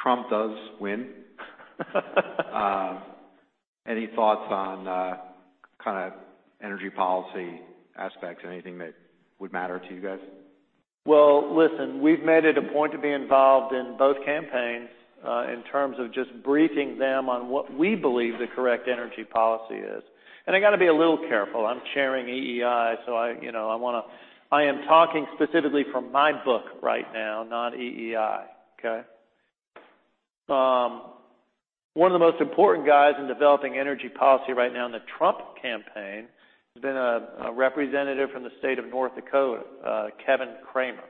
Trump does win, any thoughts on energy policy aspects? Anything that would matter to you guys? Well, listen, we've made it a point to be involved in both campaigns in terms of just briefing them on what we believe the correct energy policy is. I got to be a little careful. I'm chairing EEI, I am talking specifically from my book right now, not EEI. One of the most important guys in developing energy policy right now in the Trump campaign has been a representative from the state of North Dakota, Kevin Cramer.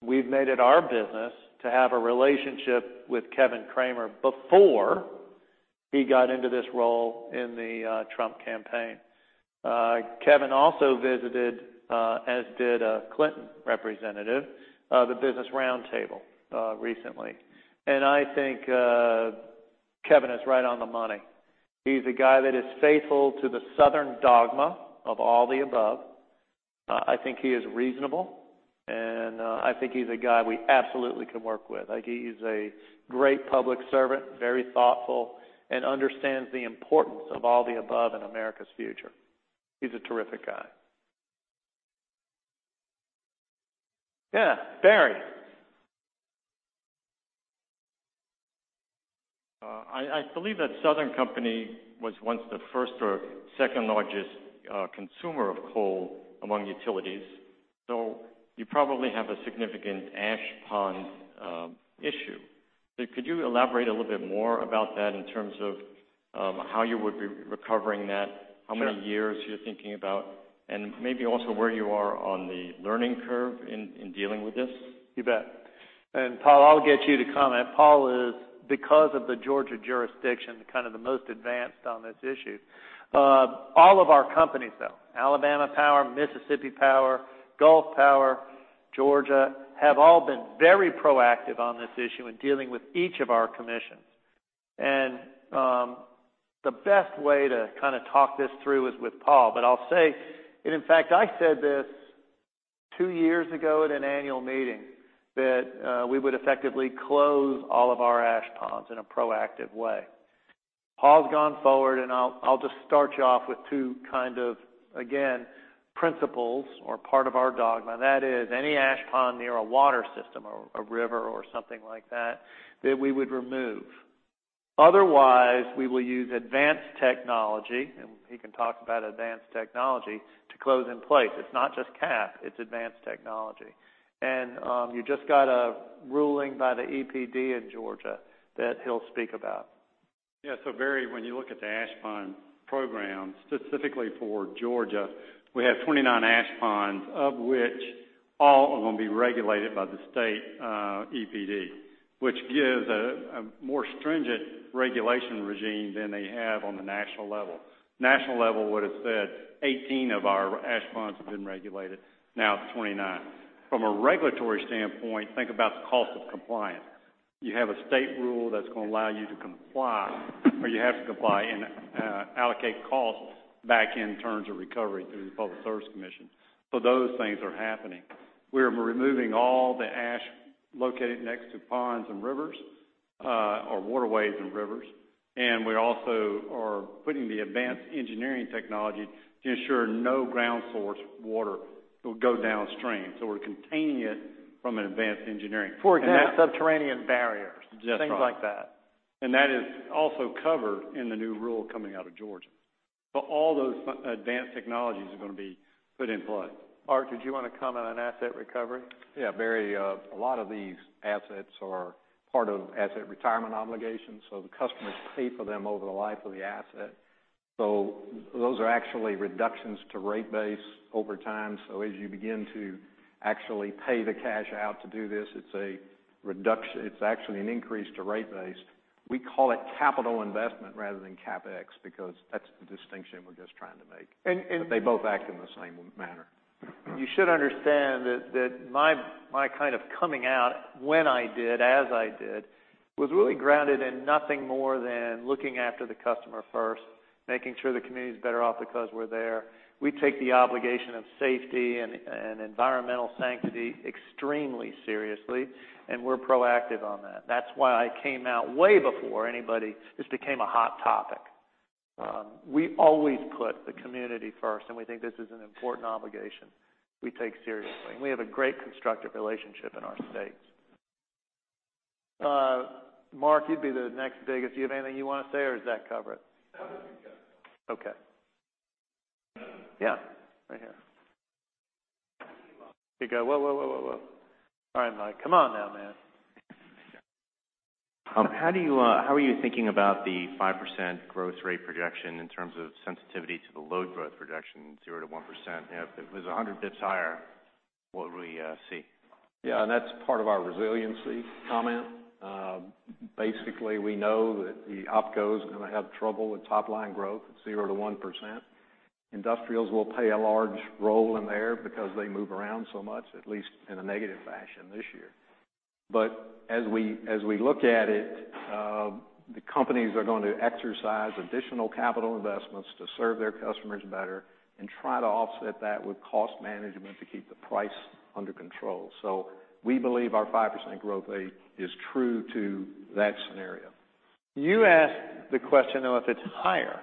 We've made it our business to have a relationship with Kevin Cramer before he got into this role in the Trump campaign. Kevin also visited, as did a Clinton representative, the Business Roundtable recently. I think Kevin is right on the money. He's a guy that is faithful to the Southern dogma of all the above. I think he is reasonable, I think he's a guy we absolutely can work with. I think he's a great public servant, very thoughtful, understands the importance of all the above in America's future. He's a terrific guy. Yeah, Barry. I believe that Southern Company was once the first or second-largest consumer of coal among utilities. You probably have a significant ash pond issue. Could you elaborate a little bit more about that in terms of how you would be recovering that? Sure. How many years you're thinking about, and maybe also where you are on the learning curve in dealing with this? You bet. Paul, I'll get you to comment. Paul is, because of the Georgia jurisdiction, kind of the most advanced on this issue. All of our companies, though, Alabama Power, Mississippi Power, Gulf Power, Georgia, have all been very proactive on this issue in dealing with each of our commissions. The best way to talk this through is with Paul. I'll say, and in fact, I said this two years ago at an annual meeting, that we would effectively close all of our ash ponds in a proactive way. Paul's gone forward, and I'll just start you off with two kind of, again, principles or part of our dogma, that is any ash pond near a water system or a river or something like that we would remove. Otherwise, we will use advanced technology, and he can talk about advanced technology, to close in place. It's not just cap, it's advanced technology. You just got a ruling by the EPD in Georgia that he'll speak about. Yeah. Barry, when you look at the ash pond program, specifically for Georgia, we have 29 ash ponds, of which all are going to be regulated by the state EPD, which gives a more stringent regulation regime than they have on the national level. National level would've said 18 of our ash ponds have been regulated. Now it's 29. From a regulatory standpoint, think about the cost of compliance. You have a state rule that's going to allow you to comply, or you have to comply and allocate costs back in terms of recovery through the Public Service Commission. Those things are happening. We're removing all the ash located next to ponds and rivers, or waterways and rivers. We also are putting the advanced engineering technology to ensure no ground source water will go downstream. We're containing it from an advanced engineering- For example, subterranean barriers. That's right. Things like that. That is also covered in the new rule coming out of Georgia. All those advanced technologies are going to be put in play. Art, did you want to comment on asset recovery? Barry, a lot of these assets are part of asset retirement obligations. The customers pay for them over the life of the asset. Those are actually reductions to rate base over time. As you begin to actually pay the cash out to do this, it's actually an increase to rate base. We call it capital investment rather than CapEx, because that's the distinction we're just trying to make. And- They both act in the same manner. You should understand that my kind of coming out when I did, as I did, was really grounded in nothing more than looking after the customer first, making sure the community's better off because we're there. We take the obligation of safety and environmental sanctity extremely seriously, and we're proactive on that. That's why I came out way before anybody. This became a hot topic. We always put the community first, and we think this is an important obligation we take seriously, and we have a great, constructive relationship in our states. Mark, you'd be the next biggest. Do you have anything you want to say or does that cover it? That was pretty good. Okay. Yeah, right here. Here we go. Whoa, whoa, whoa. All right, Mike, come on now, man. How are you thinking about the 5% growth rate projection in terms of sensitivity to the load growth projection, 0-1%? If it was 100 basis points higher, what would we see? Yeah, that is part of our resiliency comment. Basically, we know that the OPCOs going to have trouble with top-line growth at 0%-1%. Industrials will play a large role in there because they move around so much, at least in a negative fashion this year. As we look at it, the companies are going to exercise additional capital investments to serve their customers better and try to offset that with cost management to keep the price under control. We believe our 5% growth rate is true to that scenario. You asked the question, though, if it is higher.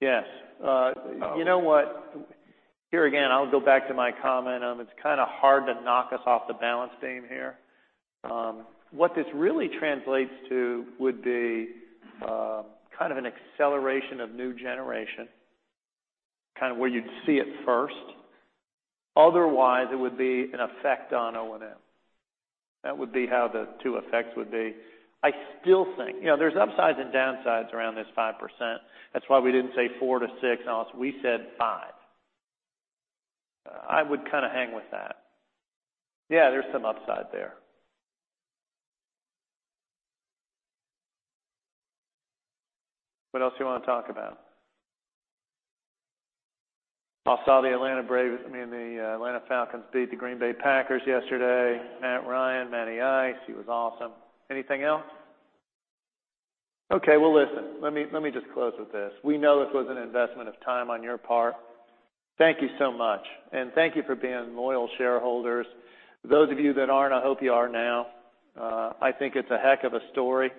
Yes. You know what? Here again, I will go back to my comment on it is kind of hard to knock us off the balance beam here. What this really translates to would be kind of an acceleration of new generation, kind of where you would see it first. Otherwise, it would be an effect on O&M. That would be how the two effects would be. I still think there is upsides and downsides around this 5%. That is why we did not say 4-6, Alice. We said 5. I would kind of hang with that. Yeah, there is some upside there. What else you want to talk about? I saw the Atlanta Braves, I mean, the Atlanta Falcons beat the Green Bay Packers yesterday. Matt Ryan, Matty Ice, he was awesome. Anything else? Well listen, let me just close with this. We know this was an investment of time on your part. Thank you so much, and thank you for being loyal shareholders. Those of you that are not, I hope you are now. I think it is a heck of a story,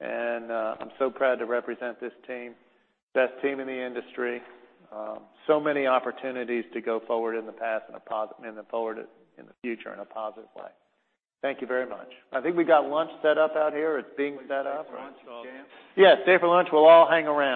and I am so proud to represent this team. Best team in the industry. Many opportunities to go forward in the past and forward in the future in a positive way. Thank you very much. I think we got lunch set up out here. It is being set up. Stay for lunch, all? Yes, stay for lunch. We'll all hang around.